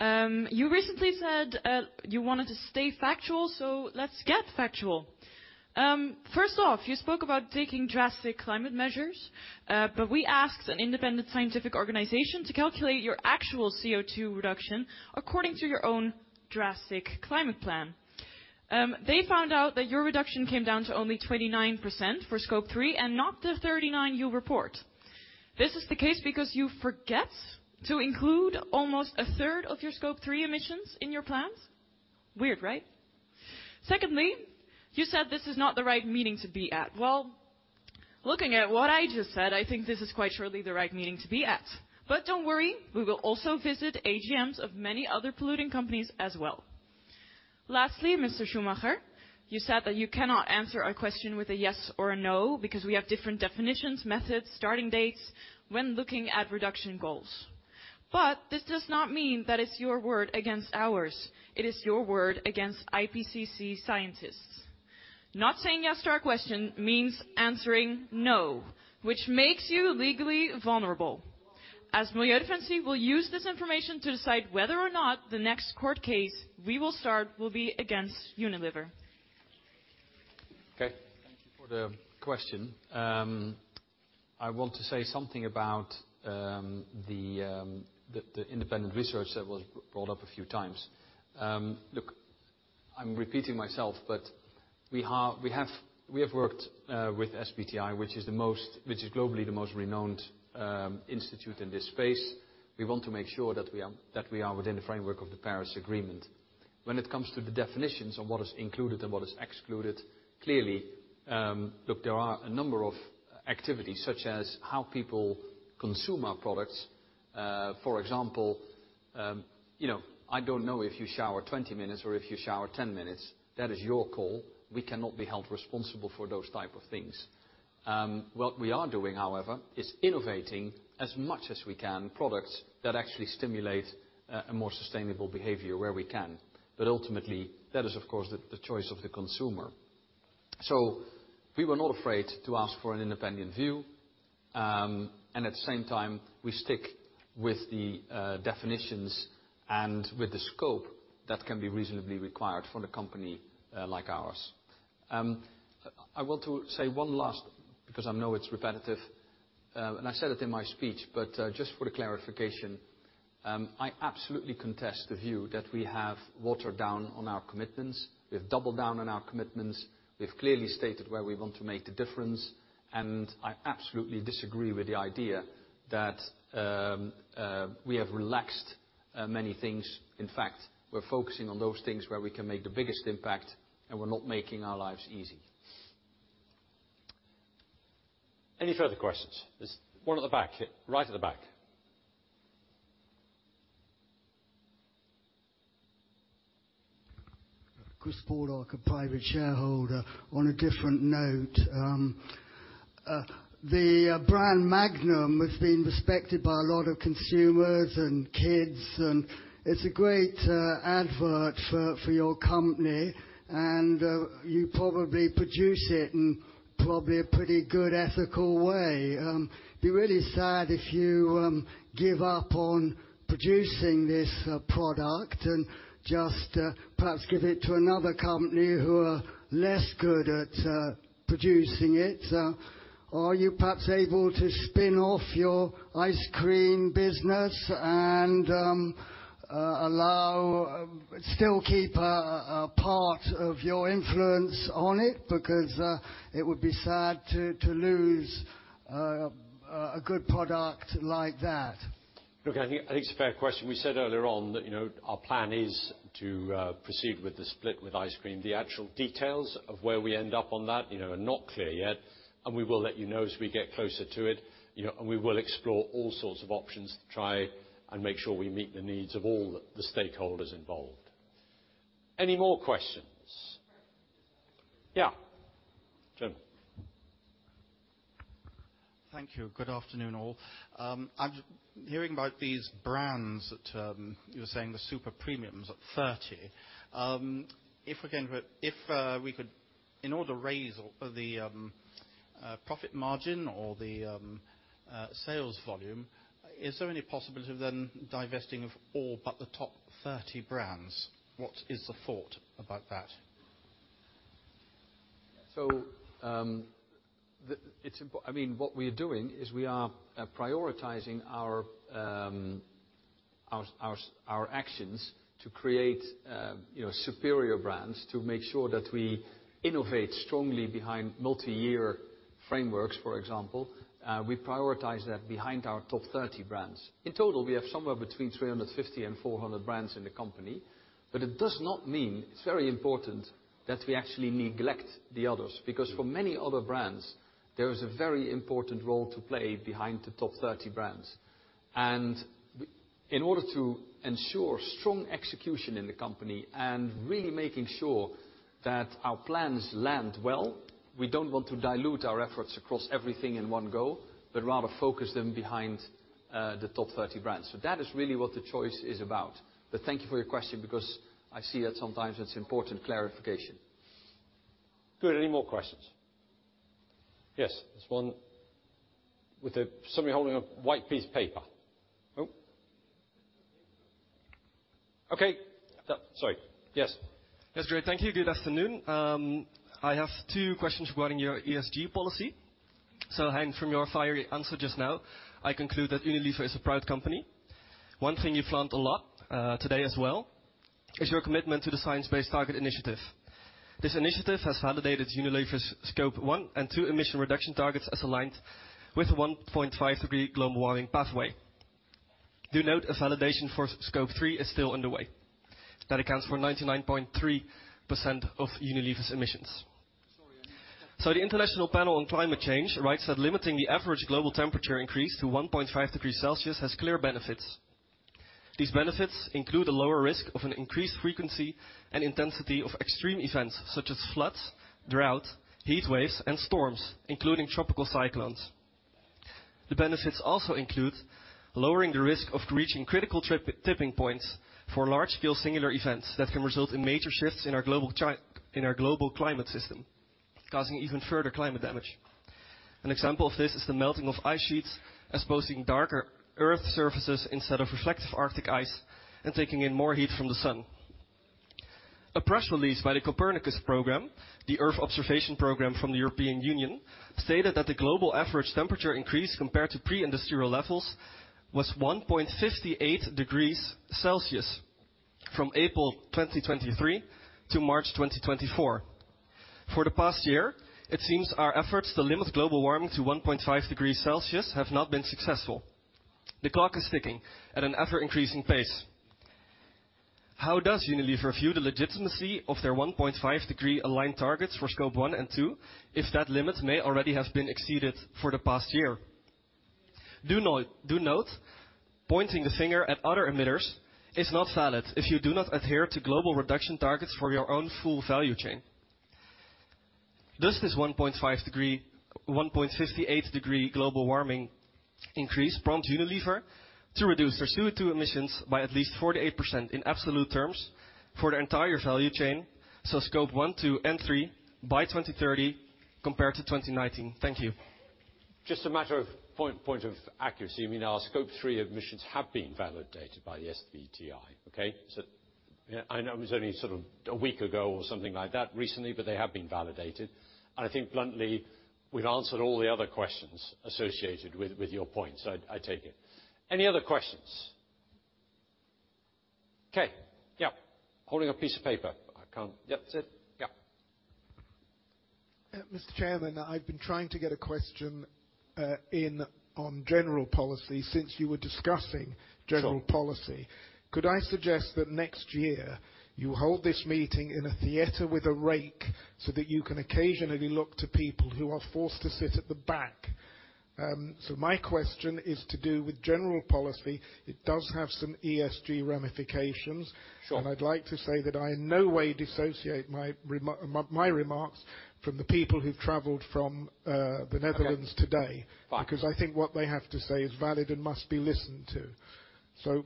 You recently said you wanted to stay factual. So let's get factual. First off, you spoke about taking drastic climate measures. But we asked an independent scientific organization to calculate your actual CO2 reduction according to your own drastic climate plan. They found out that your reduction came down to only 29% for scope three and not the 39% you report. This is the case because you forget to include almost a third of your scope three emissions in your plans. Weird, right? Secondly, you said this is not the right meeting to be at. Well, looking at what I just said, I think this is quite surely the right meeting to be at. But don't worry. We will also visit AGMs of many other polluting companies as well. Lastly, Mr. Schumacher, you said that you cannot answer our question with a yes or a no because we have different definitions, methods, starting dates when looking at reduction goals. But this does not mean that it's your word against ours. It is your word against IPCC scientists. Not saying yes to our question means answering no, which makes you legally vulnerable. As Milieudefense, we'll use this information to decide whether or not the next court case we will start will be against Unilever. Okay. Thank you for the question. I want to say something about the independent research that was brought up a few times. Look, I'm repeating myself. But we have worked with SBTI, which is globally the most renowned institute in this space. We want to make sure that we are within the framework of the Paris Agreement. When it comes to the definitions on what is included and what is excluded, clearly, look, there are a number of activities such as how people consume our products. For example, I don't know if you shower 20 minutes or if you shower 10 minutes. That is your call. We cannot be held responsible for those types of things. What we are doing, however, is innovating as much as we can products that actually stimulate a more sustainable behavior where we can. But ultimately, that is, of course, the choice of the consumer. We were not afraid to ask for an independent view. At the same time, we stick with the definitions and with the scope that can be reasonably required from a company like ours. I want to say one last thing because I know it's repetitive. I said it in my speech. Just for the clarification, I absolutely contest the view that we have watered down on our commitments. We've doubled down on our commitments. We've clearly stated where we want to make the difference. I absolutely disagree with the idea that we have relaxed many things. In fact, we're focusing on those things where we can make the biggest impact. We're not making our lives easy. Any further questions? There's one at the back, right at the back. Chris Pollock, a private shareholder, on a different note. The brand Magnum has been respected by a lot of consumers and kids. It's a great advert for your company. You probably produce it in probably a pretty good, ethical way. It'd be really sad if you give up on producing this product and just perhaps give it to another company who are less good at producing it. Are you perhaps able to spin off your ice cream business and still keep a part of your influence on it? Because it would be sad to lose a good product like that. Look, I think it's a fair question. We said earlier on that our plan is to proceed with the split with ice cream. The actual details of where we end up on that are not clear yet. We will let you know as we get closer to it. We will explore all sorts of options to try and make sure we meet the needs of all the stakeholders involved. Any more questions? Yeah, gentlemen. Thank you. Good afternoon, all. I'm hearing about these brands that you were saying, the Super Premiums at 30. If we could, in order to raise the profit margin or the sales volume, is there any possibility of then divesting of all but the top 30 brands? What is the thought about that? What we are doing is we are prioritizing our actions to create superior brands to make sure that we innovate strongly behind multi-year frameworks, for example. We prioritize that behind our top 30 brands. In total, we have somewhere between 350 and 400 brands in the company. But it does not mean it's very important that we actually neglect the others. Because for many other brands, there is a very important role to play behind the top 30 brands. And in order to ensure strong execution in the company and really making sure that our plans land well, we don't want to dilute our efforts across everything in one go, but rather focus them behind the top 30 brands. That is really what the choice is about. But thank you for your question. Because I see that sometimes it's important clarification. Good. Any more questions? Yes, there's one with somebody holding a white piece of paper. Oh. Okay. Sorry. Yes. That's great. Thank you. Good afternoon. I have two questions regarding your ESG policy. Hanging from your fiery answer just now, I conclude that Unilever is a proud company. One thing you flaunt a lot today as well is your commitment to the Science-Based Target Initiative. This initiative has validated Unilever's scope one and two emission reduction targets as aligned with the 1.5-degree global warming pathway. Do note a validation for scope three is still underway. That accounts for 99.3% of Unilever's emissions. The International Panel on Climate Change writes that limiting the average global temperature increase to 1.5 degrees Celsius has clear benefits. These benefits include a lower risk of an increased frequency and intensity of extreme events such as floods, drought, heat waves, and storms, including tropical cyclones. The benefits also include lowering the risk of reaching critical tipping points for large-scale singular events that can result in major shifts in our global climate system, causing even further climate damage. An example of this is the melting of ice sheets exposing darker Earth surfaces instead of reflective Arctic ice and taking in more heat from the sun. A press release by the Copernicus Program, the Earth Observation Program from the European Union, stated that the global average temperature increase compared to pre-industrial levels was 1.58 degrees Celsius from April 2023 to March 2024. For the past year, it seems our efforts to limit global warming to 1.5 degrees Celsius have not been successful. The clock is ticking at an ever-increasing pace. How does Unilever view the legitimacy of their 1.5-degree aligned targets for scope one and two if that limit may already have been exceeded for the past year? Do note pointing the finger at other emitters is not valid if you do not adhere to global reduction targets for your own full value chain. Does this 1.58-degree global warming increase prompt Unilever to reduce their CO2 emissions by at least 48% in absolute terms for their entire value chain, so scope one, two, and three by 2030 compared to 2019? Thank you. Just a matter of point of accuracy. I mean, our scope three emissions have been validated by the SBTI, okay? So I know it was only sort of a week ago or something like that recently. But they have been validated. I think, bluntly, we've answered all the other questions associated with your points. So I take it. Any other questions? Okay. Holding a piece of paper. That's it. Mr. Chairman, I've been trying to get a question in on general policy since you were discussing general policy. Could I suggest that next year you hold this meeting in a theater with a rake so that you can occasionally look to people who are forced to sit at the back? So my question is to do with general policy. It does have some ESG ramifications. I'd like to say that I in no way dissociate my remarks from the people who've traveled from the Netherlands today, because I think what they have to say is valid and must be listened to. So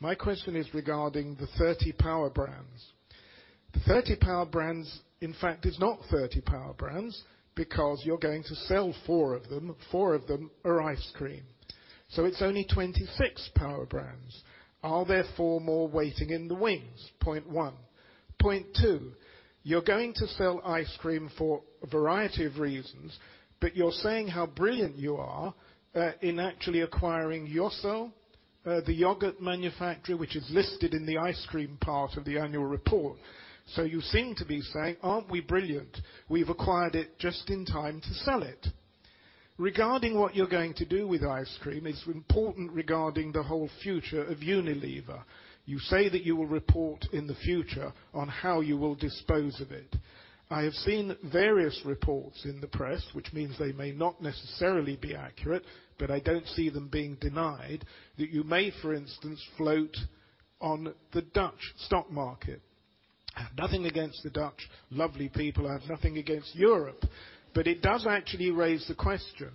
my question is regarding the 30 power brands. The 30 power brands, in fact, is not 30 power brands because you're going to sell four of them. Four of them are ice cream. So it's only 26 power brands. Are there four more waiting in the wings? Point one. Point two, you're going to sell ice cream for a variety of reasons. But you're saying how brilliant you are in actually acquiring yourself, the yogurt manufactory, which is listed in the ice cream part of the annual report. So you seem to be saying, "Aren't we brilliant? We've acquired it just in time to sell it." Regarding what you're going to do with ice cream, it's important regarding the whole future of Unilever. You say that you will report in the future on how you will dispose of it. I have seen various reports in the press, which means they may not necessarily be accurate. But I don't see them being denied, that you may, for instance, float on the Dutch stock market. I have nothing against the Dutch lovely people. I have nothing against Europe. But it does actually raise the question.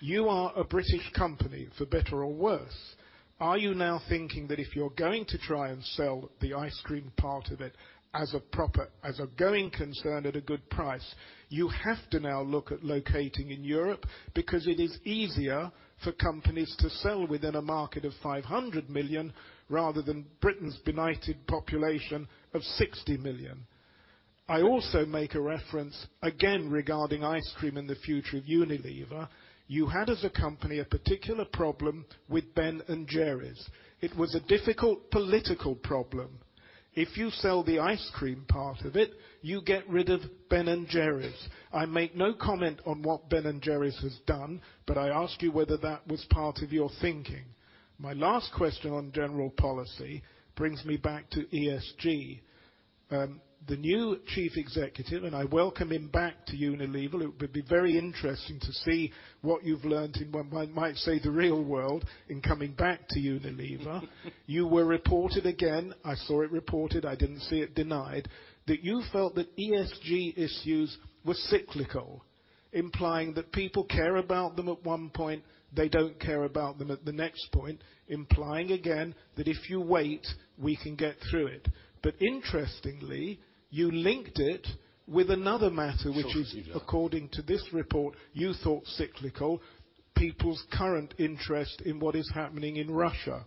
You are a British company, for better or worse. Are you now thinking that if you're going to try and sell the ice cream part of it as a going concern at a good price, you have to now look at locating in Europe? Because it is easier for companies to sell within a market of 500 million rather than Britain's benighted population of 60 million. I also make a reference, again, regarding ice cream in the future of Unilever. You had, as a company, a particular problem with Ben & Jerry's. It was a difficult political problem. If you sell the ice cream part of it, you get rid of Ben & Jerry's. I make no comment on what Ben & Jerry's has done. I asked you whether that was part of your thinking. My last question on general policy brings me back to ESG. The new chief executive and I welcome him back to Unilever. It would be very interesting to see what you've learned in, I might say, the real world in coming back to Unilever. You were reported again. I saw it reported. I didn't see it denied that you felt that ESG issues were cyclical, implying that people care about them at one point. They don't care about them at the next point, implying again that if you wait, we can get through it. But interestingly, you linked it with another matter, which is, according to this report, you thought cyclical, people's current interest in what is happening in Russia.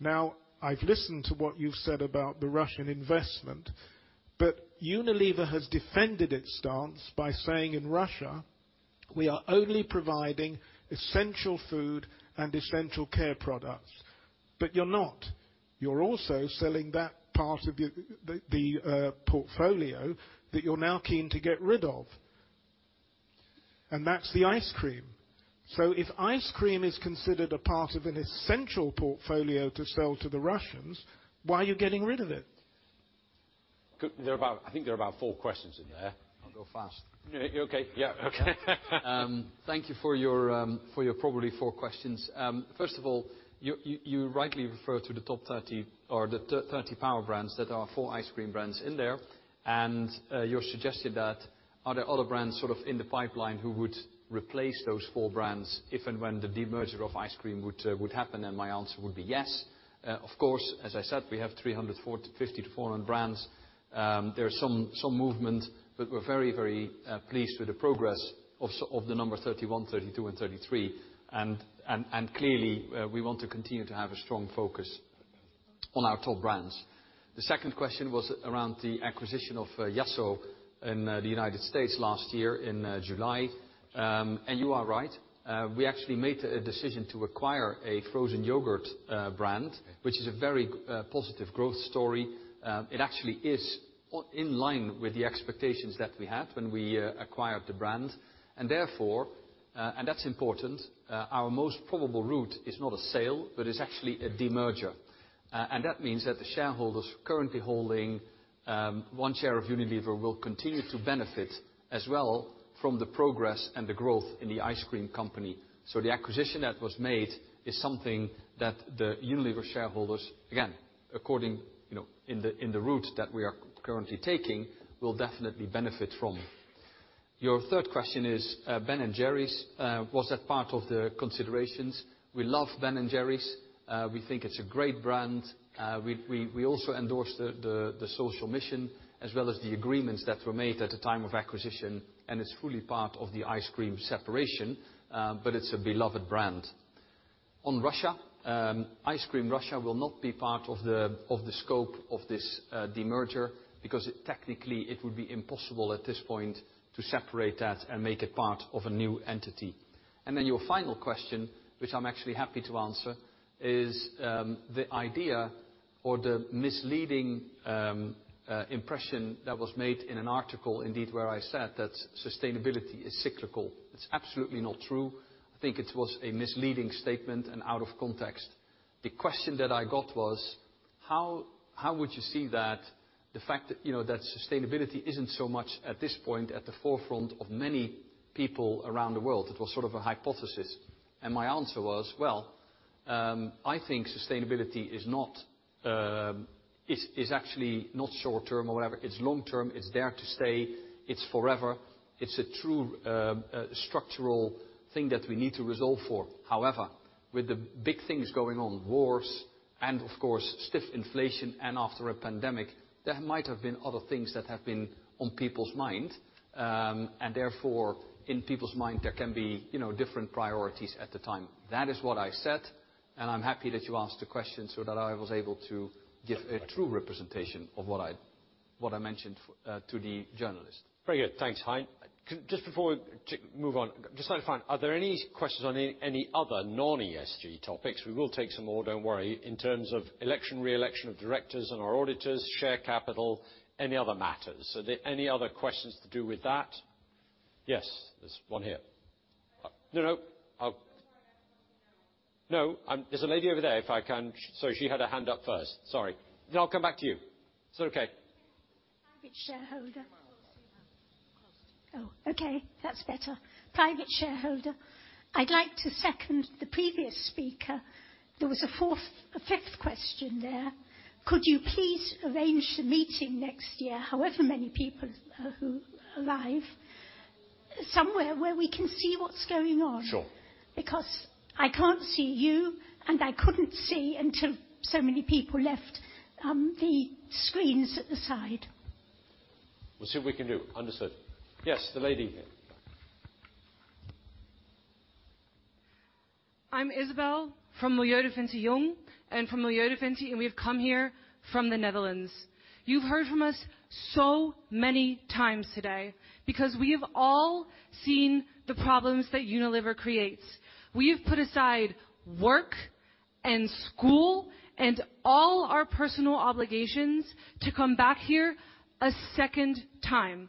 Now, I've listened to what you've said about the Russian investment. Unilever has defended its stance by saying, "In Russia, we are only providing essential food and essential care products." But you're not. You're also selling that part of the portfolio that you're now keen to get rid of. And that's the ice cream. So if ice cream is considered a part of an essential portfolio to sell to the Russians, why are you getting rid of it? I think there are about four questions in there. I'll go fast. You're okay. Yeah, okay. Thank you for your four questions. First of all, you rightly refer to the top 30 or the 30 power brands that are four ice cream brands in there. You're suggesting that are there other brands sort of in the pipeline who would replace those four brands if and when the demerger of ice cream would happen? My answer would be yes. Of course, as I said, we have 350 to 400 brands. There is some movement. We're very pleased with the progress of the number 31, 32, and 33. Clearly, we want to continue to have a strong focus on our top brands. The second question was around the acquisition of Yasso in the United States last year in July. You are right. We actually made a decision to acquire a frozen yogurt brand, which is a very positive growth story. It actually is in line with the expectations that we had when we acquired the brand. Therefore, and that's important, our most probable route is not a sale. It's actually a demerger. That means that the shareholders currently holding one share of Unilever will continue to benefit as well from the progress and the growth in the ice cream company. So the acquisition that was made is something that the Unilever shareholders, again, according to the route that we are currently taking, will definitely benefit from. Your third question is Ben & Jerry's. Was that part of the considerations? We love Ben & Jerry's. We think it's a great brand. We also endorse the social mission as well as the agreements that were made at the time of acquisition. It's fully part of the ice cream separation. It's a beloved brand. On Russia, ice cream Russia will not be part of the scope of this demerger because technically, it would be impossible at this point to separate that and make it part of a new entity. Your final question, which I'm actually happy to answer, is the idea or the misleading impression that was made in an article, indeed, where I said that sustainability is cyclical. It's absolutely not true. I think it was a misleading statement and out of context. The question that I got was, how would you see that the fact that sustainability isn't so much at this point at the forefront of many people around the world? It was sort of a hypothesis. My answer was, I think sustainability is actually not short-term or whatever. It's long-term. It's there to stay. It's forever. It's a true structural thing that we need to resolve. However, with the big things going on, wars and, of course, stiff inflation and after a pandemic, there might have been other things that have been on people's minds. Therefore, in people's minds, there can be different priorities at the time. That is what I said. I'm happy that you asked the question so that I was able to give a true representation of what I mentioned to the journalist. Very good. Thanks, Hayne. Just before we move on, just wanted to find, are there any questions on any other non-ESG topics? We will take some more. Don't worry. In terms of election, re-election of directors and our auditors, share capital, any other matters? Any other questions to do with that? Yes, there's one here. No, no. I'll try to ask something now. No. There's a lady over there, if I can see she had her hand up first. Sorry. Then I'll come back to you. Is that okay? Private shareholder. Okay. That's better. Private shareholder. I'd like to second the previous speaker. There was a fifth question there. Could you please arrange the meeting next year, however many people who arrive, somewhere where we can see what's going on? Sure. Because I can't see you. I couldn't see until so many people left the screens at the side. We'll see what we can do. Understood. Yes, the lady here. I'm Isabel from Miljodefensie Jong and from Miljodefensie. We have come here from the Netherlands. You've heard from us so many times today because we have all seen the problems that Unilever creates. We have put aside work and school and all our personal obligations to come back here a second time.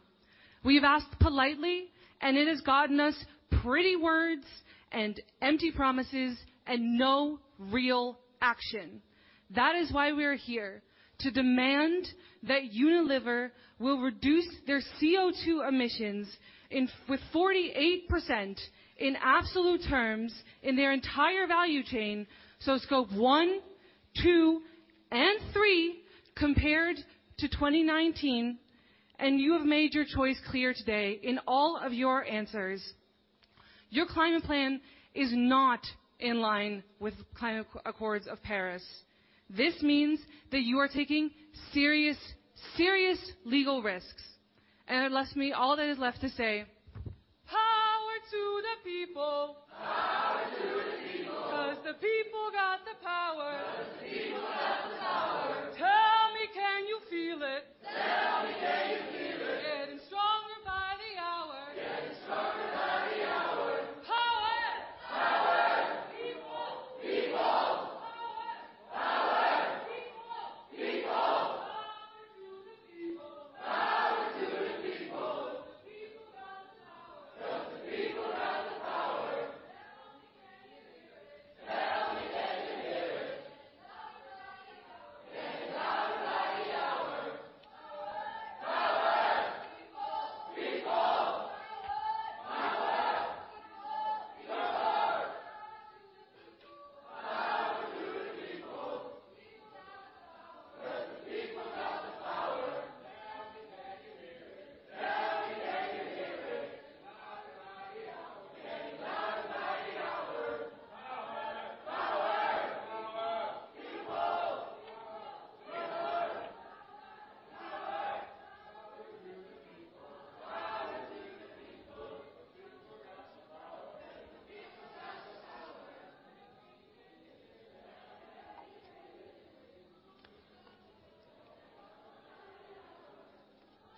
We have asked politely. It has gotten us pretty words and empty promises and no real action. That is why we are here to demand that Unilever will reduce their CO2 emissions with 48% in absolute terms in their entire value chain. So scope one, two, and three compared to 2019. You have made your choice clear today in all of your answers. Your climate plan is not in line with climate accords of Paris. This means that you are taking serious, serious legal risks. All that is left to say, power to the people. Power to the people. Because the people got the power. Because the people got the power. Tell me, can you feel it? Tell me, can you feel it? Getting stronger by the hour. Getting stronger by the hour. Power. Power.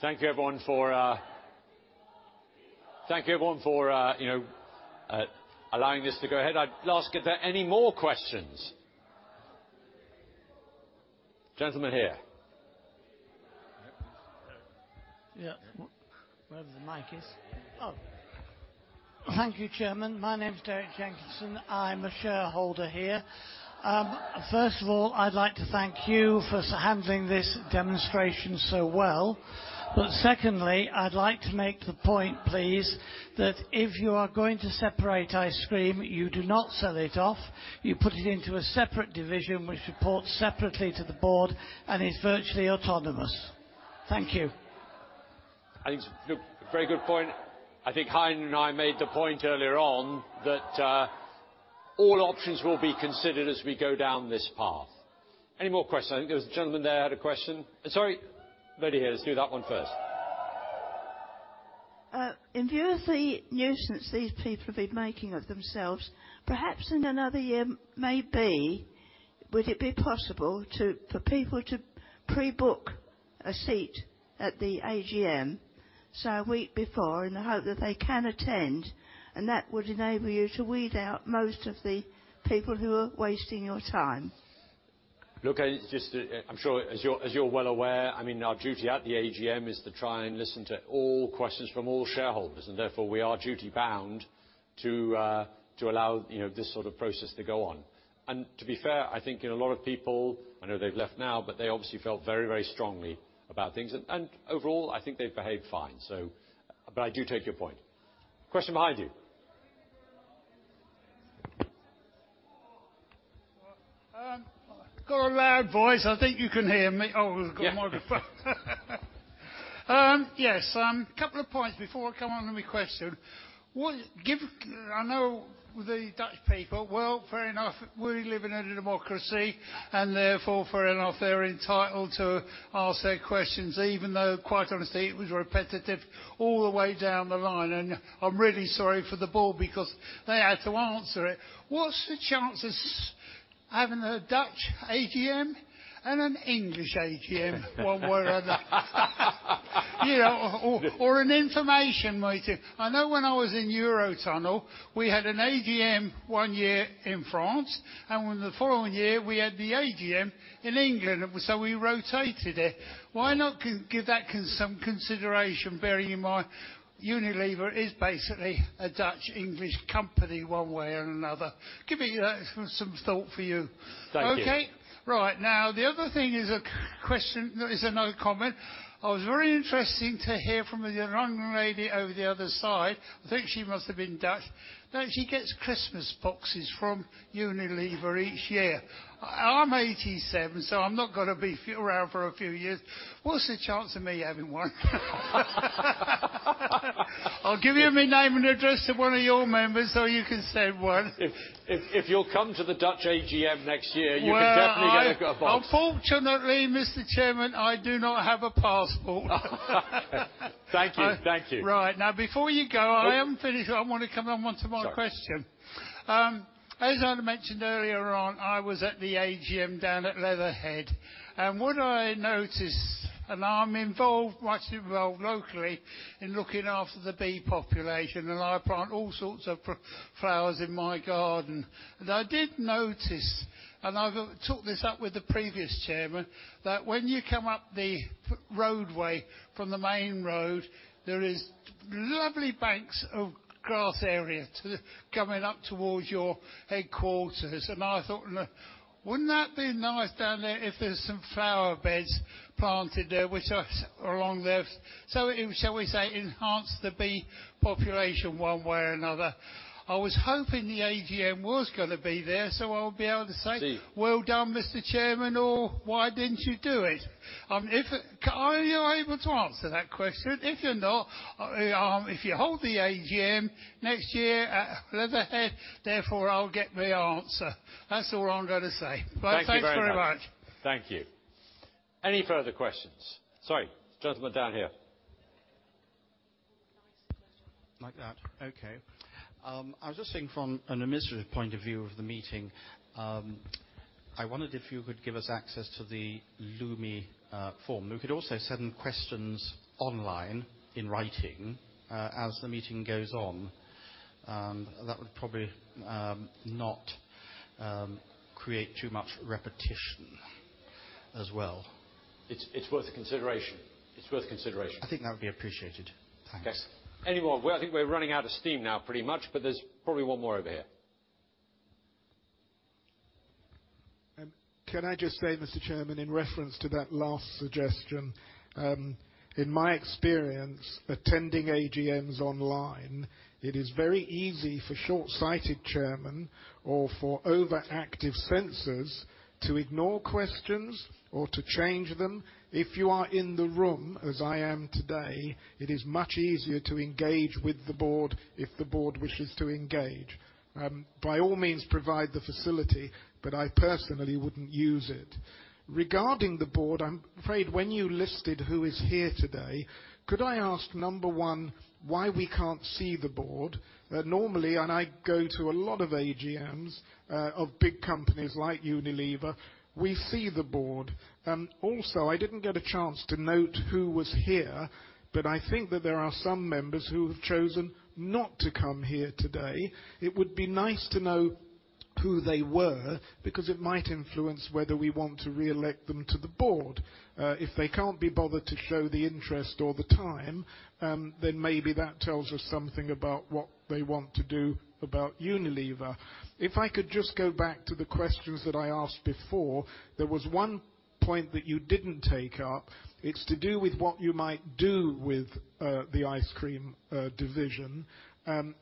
Thank you, everyone, for allowing this to go ahead. I'd love to ask, are there any more questions? Gentlemen here. Yeah. Where's the mic? Oh. Thank you, Chairman. My name's Derek Jenkinson. I'm a shareholder here. First of all, I'd like to thank you for handling this demonstration so well. But secondly, I'd like to make the point, please, that if you are going to separate ice cream, you do not sell it off. You put it into a separate division, which reports separately to the board and is virtually autonomous. Thank you. I think it's a very good point. I think Hayne and I made the point earlier on that all options will be considered as we go down this path. Any more questions? I think there was a gentleman there who had a question. Sorry. Lady here. Let's do that one first. In view of the nuisance these people have been making of themselves, perhaps in another year, maybe, would it be possible for people to pre-book a seat at the AGM so a week before in the hope that they can attend? That would enable you to weed out most of the people who are wasting your time. Look, I'm sure, as you're well aware, I mean, our duty at the AGM is to try and listen to all questions from all shareholders. Therefore, we are duty-bound to allow this sort of process to go on. To be fair, I think a lot of people I know they've left now. They obviously felt very, very strongly about things. Overall, I think they've behaved fine. I do take your point. Question behind you. Got a loud voice. I think you can hear me. Oh, we've got a microphone. Yes, a couple of points before I come on to my question. I know the Dutch people, well, fair enough, we're living in a democracy. Therefore, fair enough, they're entitled to ask their questions, even though, quite honestly, it was repetitive all the way down the line. I'm really sorry for the board because they had to answer it. What's the chances having a Dutch AGM and an English AGM one way or another or an information meeting? I know when I was in Eurotunnel, we had an AGM one year in France. The following year, we had the AGM in England. So we rotated it. Why not give that some consideration, bearing in mind Unilever is basically a Dutch-English company one way or another? Give me some thought for you. Thank you. Right. Now, the other thing is a question that is another comment. It was very interesting to hear from the young lady over the other side. I think she must have been Dutch. She gets Christmas boxes from Unilever each year. I'm 87. So I'm not going to be around for a few years. What's the chance of me having one? I'll give you my name and address to one of your members so you can send one. If you'll come to the Dutch AGM next year, you can definitely get a box. Unfortunately, Mr. Chairman, I do not have a passport. Thank you. Thank you. Right. Now, before you go, I am finished. I want to come on to my question. As I mentioned earlier on, I was at the AGM down at Leatherhead. What I noticed and I'm much involved locally in looking after the bee population. I plant all sorts of flowers in my garden. I did notice and I took this up with the previous Chairman that when you come up the roadway from the main road, there are lovely banks of grass area coming up towards your headquarters. I thought, wouldn't that be nice down there if there's some flower beds planted there which are along there? So shall we say, enhance the bee population one way or another? I was hoping the AGM was going to be there. So I would be able to say, "Well done, Mr." Chairman," or, "Why didn't you do it?" Are you able to answer that question? If you're not, if you hold the AGM next year at Leatherhead, therefore, I'll get my answer. That's all I'm going to say. Thank you very much. Thank you. Any further questions? Sorry. Gentlemen down here. Like that. Okay. I was just seeing from an administrative point of view of the meeting, I wondered if you could give us access to the Lumi form. We could also send questions online in writing as the meeting goes on. That would probably not create too much repetition as well. It's worth consideration. It's worth consideration. I think that would be appreciated. Thanks. Yes. Any more? I think we're running out of steam now pretty much. But there's probably one more over here. Can I just say, Mr. Chairman, in reference to that last suggestion? In my experience, attending AGMs online, it is very easy for short-sighted chairmen or for overactive censors to ignore questions or to change them. If you are in the room, as I am today, it is much easier to engage with the board if the board wishes to engage. By all means, provide the facility. But I personally wouldn't use it. Regarding the board, I'm afraid when you listed who is here today, could I ask, number one, why we can't see the board? Normally, and I go to a lot of AGMs of big companies like Unilever, we see the board. Also, I didn't get a chance to note who was here. But I think that there are some members who have chosen not to come here today. It would be nice to know who they were because it might influence whether we want to re-elect them to the board. If they can't be bothered to show the interest or the time, then maybe that tells us something about what they want to do about Unilever. If I could just go back to the questions that I asked before, there was one point that you didn't take up. It's to do with what you might do with the ice cream division.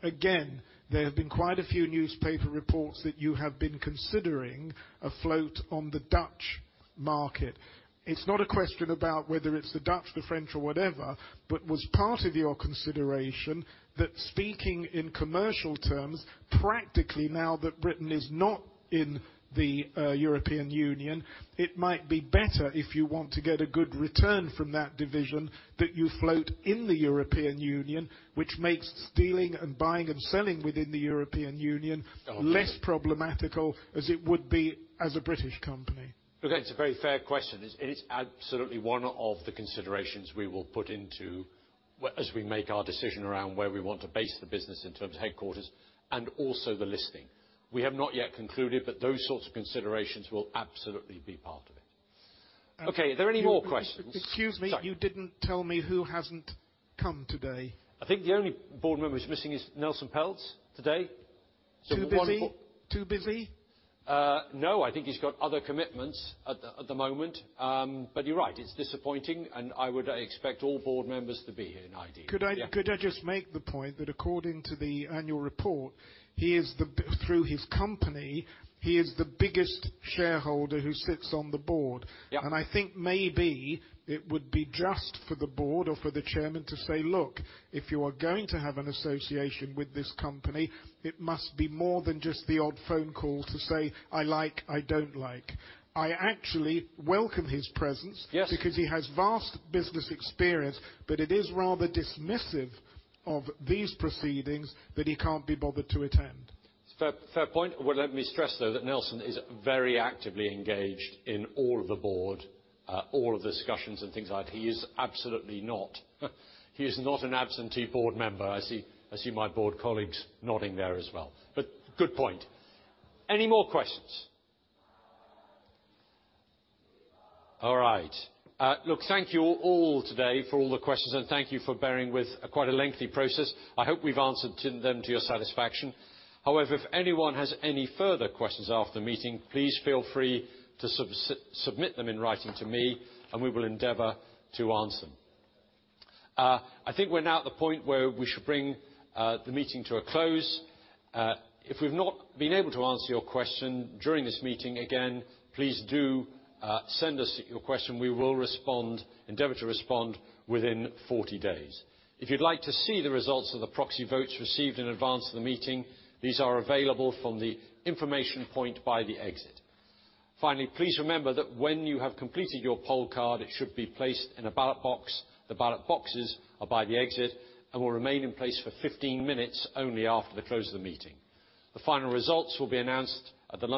Again, there have been quite a few newspaper reports that you have been considering a float on the Dutch market. It's not a question about whether it's the Dutch, the French, or whatever. But was part of your consideration that speaking in commercial terms, practically, now that Britain is not in the European Union, it might be better if you want to get a good return from that division that you float in the European Union, which makes trading and buying and selling within the European Union less problematic than it would be as a British company? It's a very fair question. It's absolutely one of the considerations we will put into as we make our decision around where we want to base the business in terms of headquarters and also the listing. We have not yet concluded. But those sorts of considerations will absolutely be part of it. Are there any more questions? Excuse me. You didn't tell me who hasn't come today. I think the only board member who's missing is Nelson Peltz today. Too busy? No, I think he's got other commitments at the moment. But you're right. It's disappointing. I would expect all board members to be here in person. Could I just make the point that according to the annual report, through his company, he is the biggest shareholder who sits on the board? I think maybe it would be just for the board or for the chairman to say, "Look, if you are going to have an association with this company, it must be more than just the odd phone call to say, 'I like, I don't like.'" I actually welcome his presence because he has vast business experience. But it is rather dismissive of these proceedings that he can't be bothered to attend. Fair point. Well, let me stress, though, that Nelson is very actively engaged in all of the board, all of the discussions, and things like that. He is absolutely not. He is not an absentee board member. I see my board colleagues nodding there as well. Good point. Any more questions? All right. Look, thank you all today for all the questions. Thank you for bearing with quite a lengthy process. I hope we've answered them to your satisfaction. However, if anyone has any further questions after the meeting, please feel free to submit them in writing to me. We will endeavor to answer them. I think we're now at the point where we should bring the meeting to a close. If we've not been able to answer your question during this meeting, again, please do send us your question. We will endeavor to respond within 40 days. If you'd like to see the results of the proxy votes received in advance of the meeting, these are available from the information point by the exit. Finally, please remember that when you have completed your poll card, it should be placed in a ballot box. The ballot boxes are by the exit and will remain in place for 15 minutes only after the close of the meeting. The final results will be announced at the end.